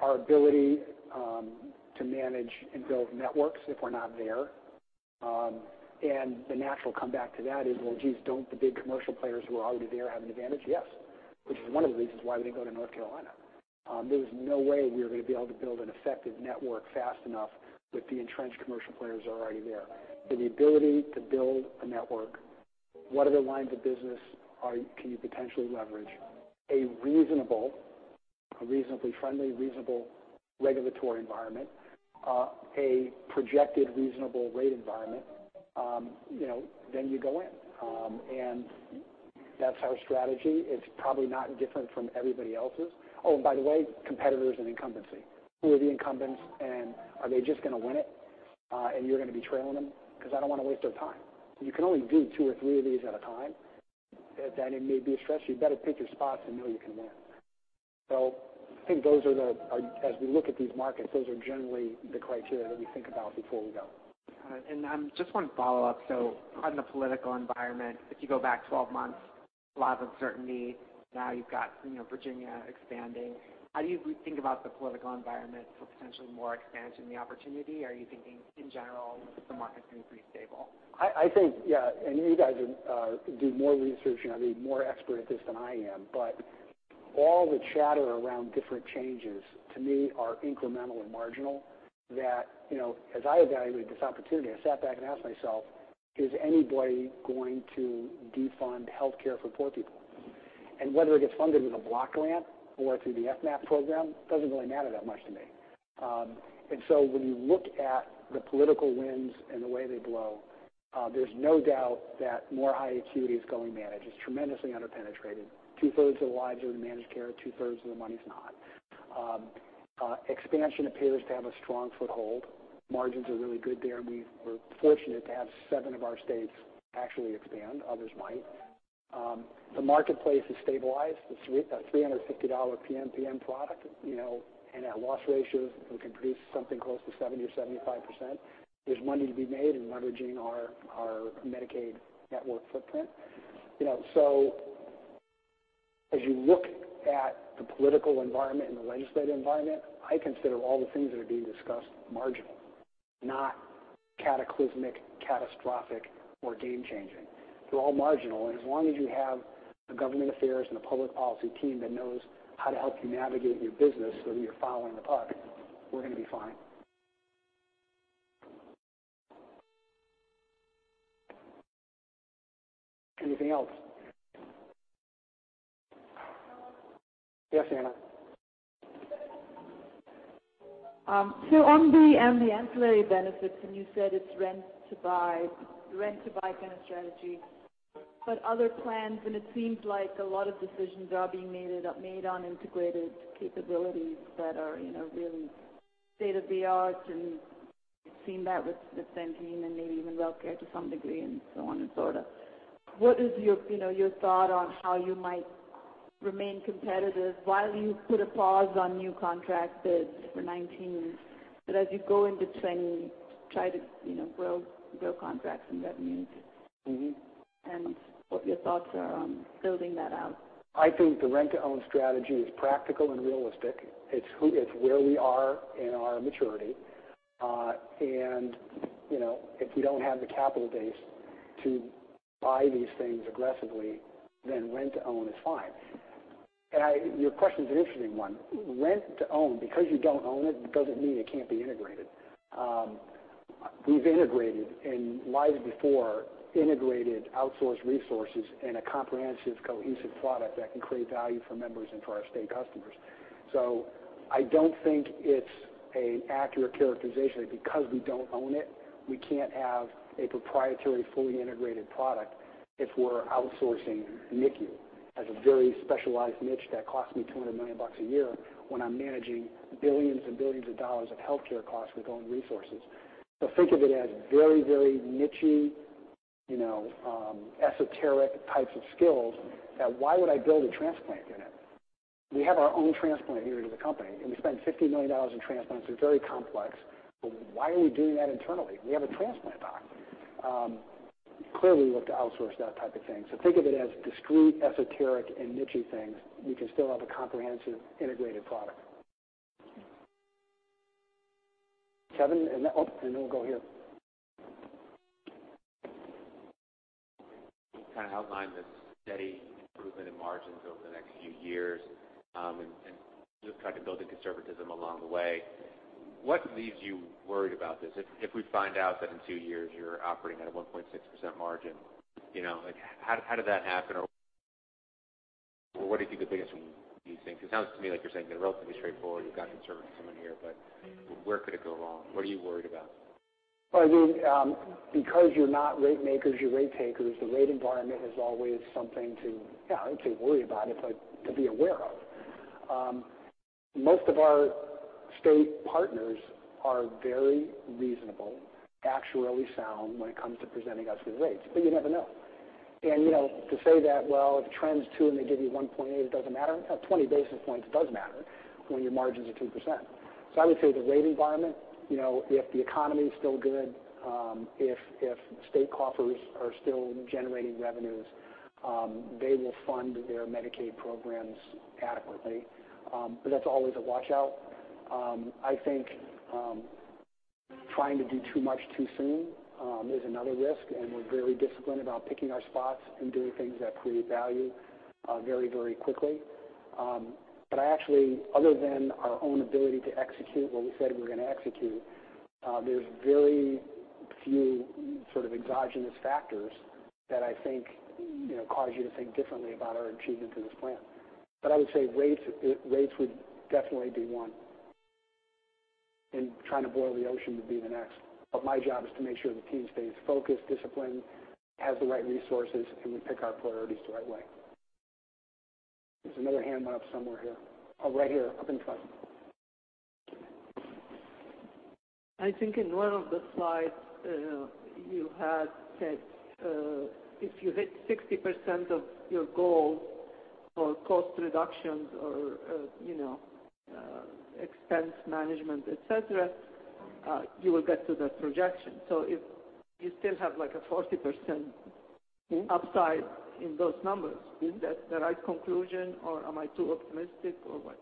Our ability to manage and build networks if we're not there. The natural comeback to that is, well, geez, don't the big commercial players who are already there have an advantage? Yes, which is one of the reasons why we didn't go to North Carolina. There was no way we were going to be able to build an effective network fast enough with the entrenched commercial players already there. The ability to build a network, what other lines of business can you potentially leverage? A reasonably friendly, reasonable regulatory environment, a projected reasonable rate environment, you go in. That's our strategy. It's probably not different from everybody else's. By the way, competitors and incumbency. Who are the incumbents, and are they just going to win it, and you're going to be trailing them? Because I don't want to waste our time. You can only do two or three of these at a time. That it may be a stretch. You'd better pick your spots and know you can win. I think as we look at these markets, those are generally the criteria that we think about before we go. All right. I just want to follow up. On the political environment, if you go back 12 months, a lot of uncertainty. Now you've got Virginia expanding. How do you think about the political environment for potentially more expansion, the opportunity? Are you thinking, in general, the market's going to be pretty stable? I think, yeah, you guys do more research and are going to be more expert at this than I am, all the chatter around different changes, to me, are incremental and marginal, that as I evaluated this opportunity, I sat back and asked myself, "Is anybody going to defund healthcare for poor people?" Whether it gets funded with a block grant or through the FMAP program, doesn't really matter that much to me. When you look at the political winds and the way they blow, there's no doubt that more high acuity is going managed. It's tremendously under-penetrated. Two-thirds of the lives are in managed care. Two-thirds of the money's not. Expansion appears to have a strong foothold. Margins are really good there, and we were fortunate to have seven of our states actually expand. Others might. The marketplace has stabilized. It's a $350 PMPM product, and at loss ratios, we can produce something close to 70% or 75%. There's money to be made in leveraging our Medicaid network footprint. As you look at the political environment and the legislative environment, I consider all the things that are being discussed marginal, not cataclysmic, catastrophic, or game-changing. They're all marginal, and as long as you have the government affairs and the public policy team that knows how to help you navigate your business so that you're following the puck, we're going to be fine. Anything else? Anna. Yes, Anna. On the ancillary benefits, and you said it's rent-to-buy kind of strategy, but other plans, and it seems like a lot of decisions are being made on integrated capabilities that are really state-of-the-art, and we've seen that with Centene and maybe even WellCare to some degree, and so on and so forth. What is your thought on how you might Remain competitive while you put a pause on new contract bids for 2019. As you go into 2020, try to grow contracts, and that means- What your thoughts are on building that out.e I think the rent-to-own strategy is practical and realistic. It's where we are in our maturity. If we don't have the capital base to buy these things aggressively, then rent-to-own is fine. Your question's an interesting one. Rent-to-own, because you don't own it, doesn't mean it can't be integrated. We've integrated, and lives before integrated outsourced resources in a comprehensive, cohesive product that can create value for members and for our state customers. I don't think it's an accurate characterization that because we don't own it, we can't have a proprietary, fully integrated product if we're outsourcing NICU as a very specialized niche that costs me $200 million a year when I'm managing billions and billions of dollars of healthcare costs with own resources. Think of it as very nichey, esoteric types of skills that why would I build a transplant unit? We have our own transplant unit in the company, and we spend $50 million in transplants. They're very complex. Why are we doing that internally? We have a transplant doc. Clearly, we look to outsource that type of thing. Think of it as discreet, esoteric, and nichey things. We can still have a comprehensive integrated product. Kevin, and then we'll go here. You outlined the steady improvement in margins over the next few years, and just try to build in conservatism along the way. What leaves you worried about this? If we find out that in two years you're operating at a 1.6% margin, how did that happen? What would be the biggest one, do you think? It sounds to me like you're saying they're relatively straightforward. You've got conservatism in here, where could it go wrong? What are you worried about? Well, because you're not rate makers, you're rate takers, the rate environment is always something to, not to worry about, but to be aware of. Most of our state partners are very reasonable, actuarially sound when it comes to presenting us with rates, but you never know. To say that, well, if trends two and they give you 1.8, it doesn't matter. 20 basis points does matter when your margins are 2%. I would say the rate environment, if the economy's still good, if state coffers are still generating revenues, they will fund their Medicaid programs adequately. That's always a watch-out. I think trying to do too much too soon is another risk, and we're very disciplined about picking our spots and doing things that create value very quickly. Actually, other than our own ability to execute what we said we were going to execute, there's very few sort of exogenous factors that I think cause you to think differently about our achievement in this plan. I would say rates would definitely be one, and trying to boil the ocean would be the next. My job is to make sure the team stays focused, disciplined, has the right resources, and we pick our priorities the right way. There's another hand went up somewhere here. Right here up in front. I think in one of the slides, you had said if you hit 60% of your goal for cost reductions or expense management, et cetera, you will get to that projection. You still have a 40%- upside in those numbers. Is that the right conclusion, or am I too optimistic, or what?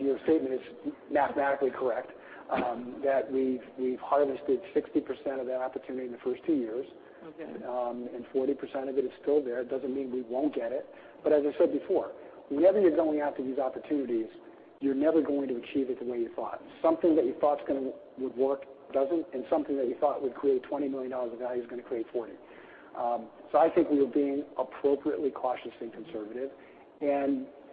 Your statement is mathematically correct, that we've harvested 60% of that opportunity in the first two years. Okay. 40% of it is still there. It doesn't mean we won't get it, but as I said before, whenever you're going after these opportunities, you're never going to achieve it the way you thought. Something that you thought would work doesn't, and something that you thought would create $20 million of value is going to create $40 million. I think we are being appropriately cautious and conservative.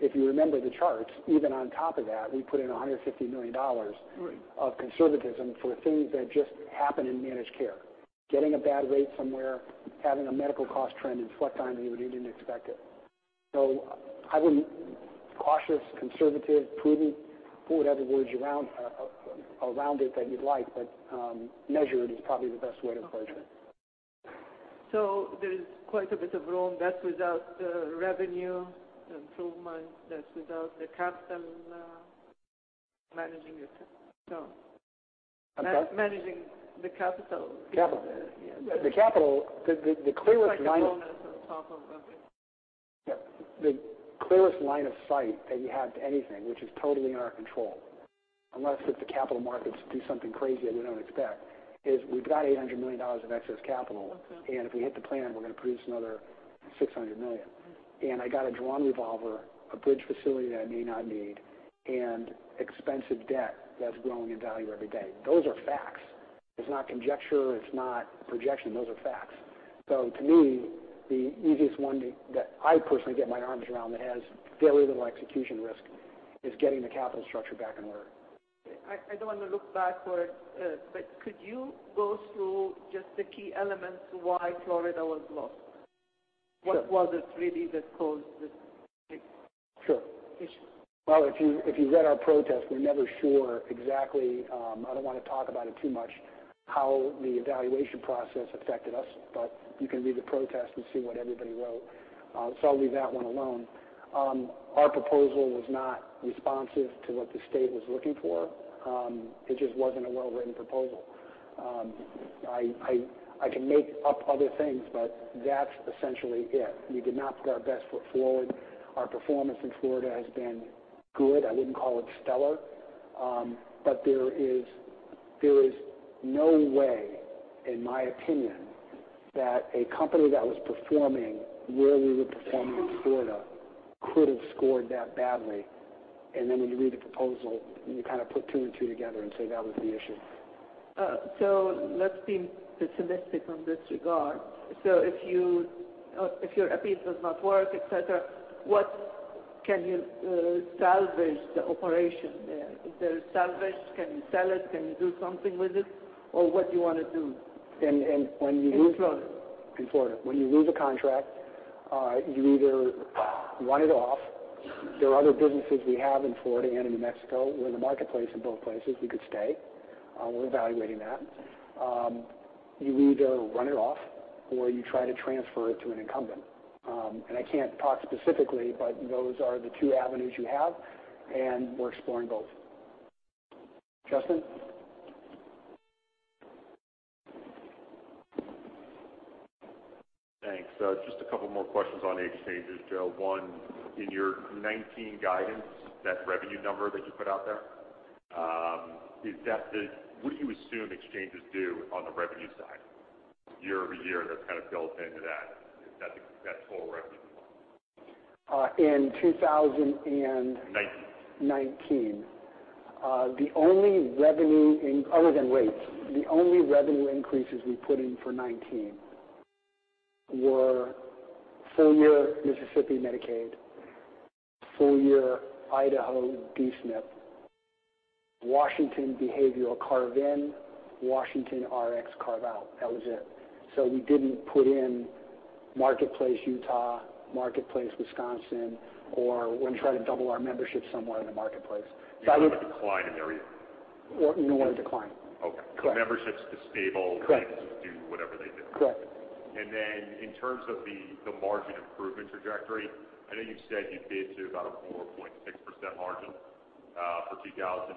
If you remember the charts, even on top of that, we put in $150 million. Right Of conservatism for things that just happen in managed care. Getting a bad rate somewhere, having a medical cost trend reflect on you when you didn't expect it. Cautious, conservative, prudent, put whatever words around it that you'd like, but measured is probably the best way to approach it. There is quite a bit of room. That's without the revenue improvement. That's without the capital managing it. I'm sorry? Managing the capital. Capital. Yes. The capital, the clearest line. Performance on top of it. Yeah. The clearest line of sight that you have to anything, which is totally in our control, unless if the capital markets do something crazy that we don't expect, is we've got $800 million of excess capital. Okay. If we hit the plan, we're going to produce another $600 million. I got a drawn revolver, a bridge facility that I may not need, expensive debt that's growing in value every day. Those are facts. It's not conjecture. It's not projection. Those are facts. To me, the easiest one that I personally get my arms around that has very little execution risk is getting the capital structure back in order. Okay. I don't want to look backward, could you go through just the key elements why Florida was lost? Sure. What was it really that caused this big Sure. Thanks. Well, if you read our protest, we're never sure exactly, I don't want to talk about it too much, how the evaluation process affected us, but you can read the protest and see what everybody wrote. I'll leave that one alone. Our proposal was not responsive to what the state was looking for. It just wasn't a well-written proposal. I can make up other things, but that's essentially it. We did not put our best foot forward. Our performance in Florida has been good. I wouldn't call it stellar. There is no way, in my opinion, that a company that was performing where we were performing in Florida could have scored that badly. When you read the proposal, you kind of put two and two together and say that was the issue. Let's be pessimistic on this regard. If your appeal does not work, et cetera, what can you salvage the operation there? If there's salvage, can you sell it? Can you do something with it? What do you want to do? When you lose- In Florida. In Florida. When you lose a contract, you either run it off. There are other businesses we have in Florida and in New Mexico. We're in the marketplace in both places. We could stay. We're evaluating that. You either run it off or you try to transfer it to an incumbent. I can't talk specifically, but those are the two avenues you have, and we're exploring both. Justin? Thanks. Just a couple more questions on the exchanges, Joe. One, in your 2019 guidance, that revenue number that you put out there, what do you assume exchanges do on the revenue side year-over-year that's kind of built into that? Is that the net total revenue you want? In 2000 and- '19 2019. Other than rates, the only revenue increases we put in for 2019 were full year Mississippi Medicaid, full year Idaho D-SNP, Washington behavioral carve in, Washington RX carve out. That was it. We didn't put in Marketplace Utah, Marketplace Wisconsin, or we're going to try to double our membership somewhere in the marketplace. You don't have a decline in the area? We don't have a decline. Okay. Correct. Memberships just stable. Correct They just do whatever they do. Correct. In terms of the margin improvement trajectory, I know you said you did to about a 4.6% margin for 2018.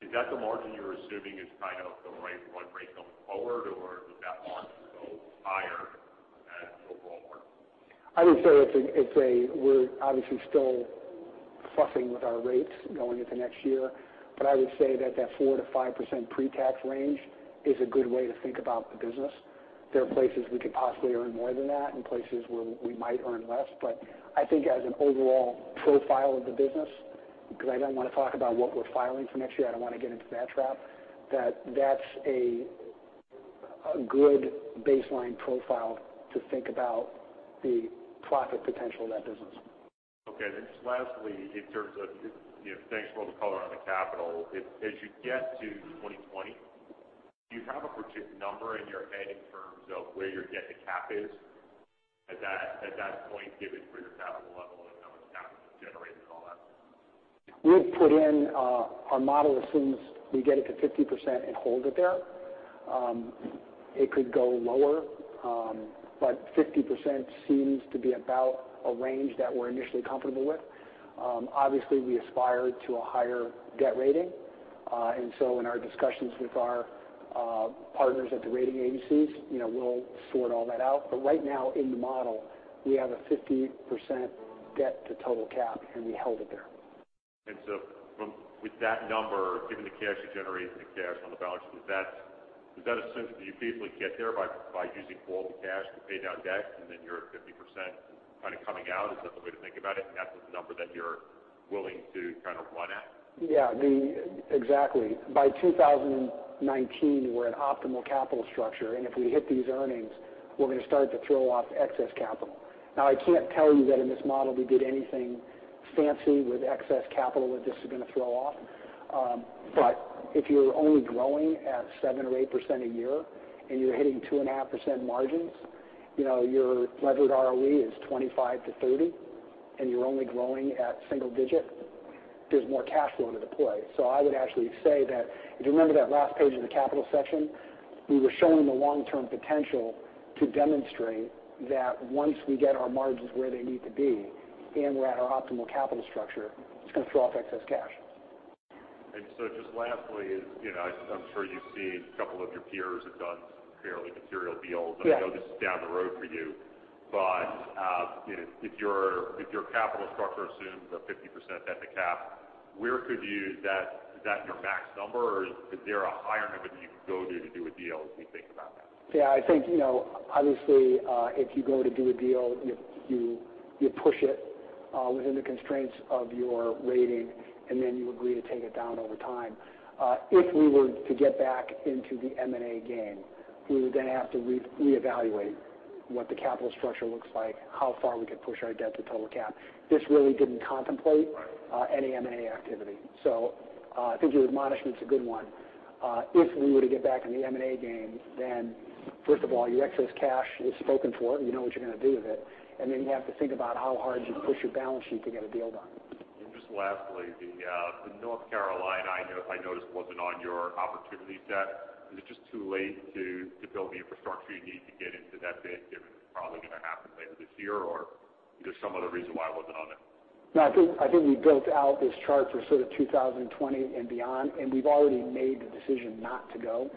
Is that the margin you're assuming is kind of the right run rate going forward, or does that margin go higher as overall margin? I would say we're obviously still fussing with our rates going into next year. I would say that 4%-5% pre-tax range is a good way to think about the business. There are places we could possibly earn more than that and places where we might earn less. I think as an overall profile of the business, because I don't want to talk about what we're filing for next year, I don't want to get into that trap. That's a good baseline profile to think about the profit potential of that business. Okay. Just lastly, thanks for all the color on the capital. As you get to 2020, do you have a particular number in your head in terms of where your debt-to-cap is at that point, given where your capital level and how much capital you've generated and all that? We've put in our model assumes we get it to 50% and hold it there. It could go lower, but 50% seems to be about a range that we're initially comfortable with. Obviously, we aspire to a higher debt rating. In our discussions with our partners at the rating agencies, we'll sort all that out. Right now in the model, we have a 50% debt to total cap, and we held it there. With that number, given the cash you generate and the cash on the balance sheet, do you feasibly get there by using all the cash to pay down debt and then you're at 50% kind of coming out? Is that the way to think about it? That's the number that you're willing to kind of run at? Yeah, exactly. By 2019, we're at optimal capital structure, and if we hit these earnings, we're going to start to throw off excess capital. I can't tell you that in this model we did anything fancy with excess capital that this is going to throw off. If you're only growing at 7% or 8% a year and you're hitting 2.5% margins, your levered ROE is 25%-30%, and you're only growing at single digit, there's more cash flow into play. I would actually say that if you remember that last page of the capital section, we were showing the long-term potential to demonstrate that once we get our margins where they need to be and we're at our optimal capital structure, it's going to throw off excess cash. Just lastly, I'm sure you've seen a couple of your peers have done some fairly material deals. Yes. I know this is down the road for you. If your capital structure assumes a 50% debt-to-cap, is that your max number, or is there a higher number that you can go to do a deal, as we think about that? I think obviously, if you go to do a deal, you push it within the constraints of your rating, then you agree to take it down over time. If we were to get back into the M&A game, we would then have to reevaluate what the capital structure looks like, how far we could push our debt to total cap. This really didn't contemplate any M&A activity. I think your admonishment's a good one. If we were to get back in the M&A game, first of all, your excess cash is spoken for. You know what you're going to do with it. You have to think about how hard you push your balance sheet to get a deal done. Just lastly, the North Carolina, I noticed wasn't on your opportunity set. Is it just too late to build the infrastructure you need to get into that bid, given it's probably going to happen later this year, or is there some other reason why it wasn't on there? No, I think we built out this chart for sort of 2020 and beyond, and we've already made the decision not to go.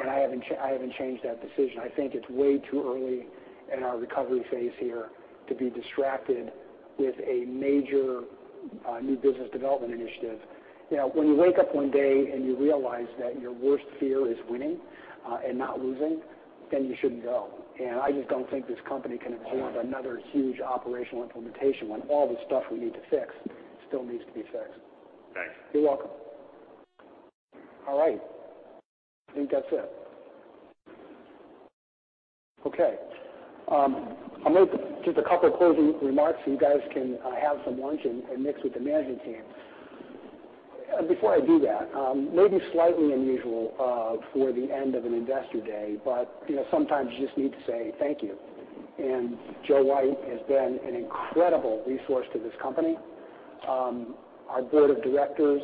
I haven't changed that decision. I think it's way too early in our recovery phase here to be distracted with a major new business development initiative. When you wake up one day and you realize that your worst fear is winning, and not losing, you shouldn't go. I just don't think this company can absorb another huge operational implementation when all the stuff we need to fix still needs to be fixed. Thanks. You're welcome. All right. I think that's it. Okay. I'll make just a couple of closing remarks, so you guys can have some lunch and mix with the management team. Before I do that, maybe slightly unusual for the end of an investor day, but sometimes you just need to say thank you. Joe White has been an incredible resource to this company. Our board of directors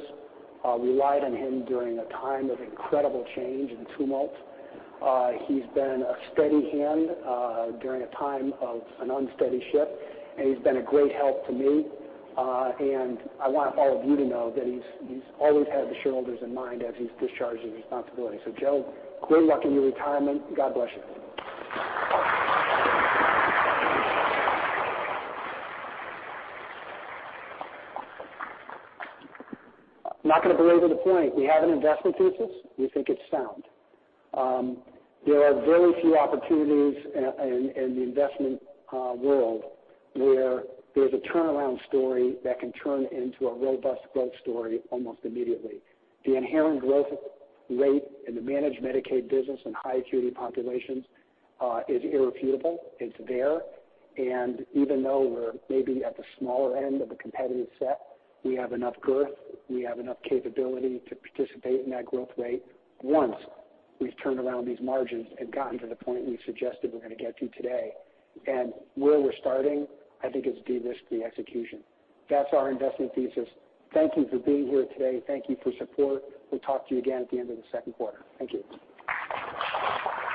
relied on him during a time of incredible change and tumult. He's been a steady hand during a time of an unsteady ship, and he's been a great help to me. I want all of you to know that he's always had the shareholders in mind as he's discharged his responsibilities. Joe, good luck in your retirement. God bless you. I'm not going to belabor the point. We have an investment thesis. We think it's sound. There are very few opportunities in the investment world where there's a turnaround story that can turn into a robust growth story almost immediately. The inherent growth rate in the Managed Medicaid business and high-acuity populations is irrefutable. It's there. Even though we're maybe at the smaller end of the competitive set, we have enough girth, we have enough capability to participate in that growth rate once we've turned around these margins and gotten to the point we've suggested we're going to get to today. Where we're starting, I think is de-risking the execution. That's our investment thesis. Thank you for being here today. Thank you for support. We'll talk to you again at the end of the second quarter. Thank you.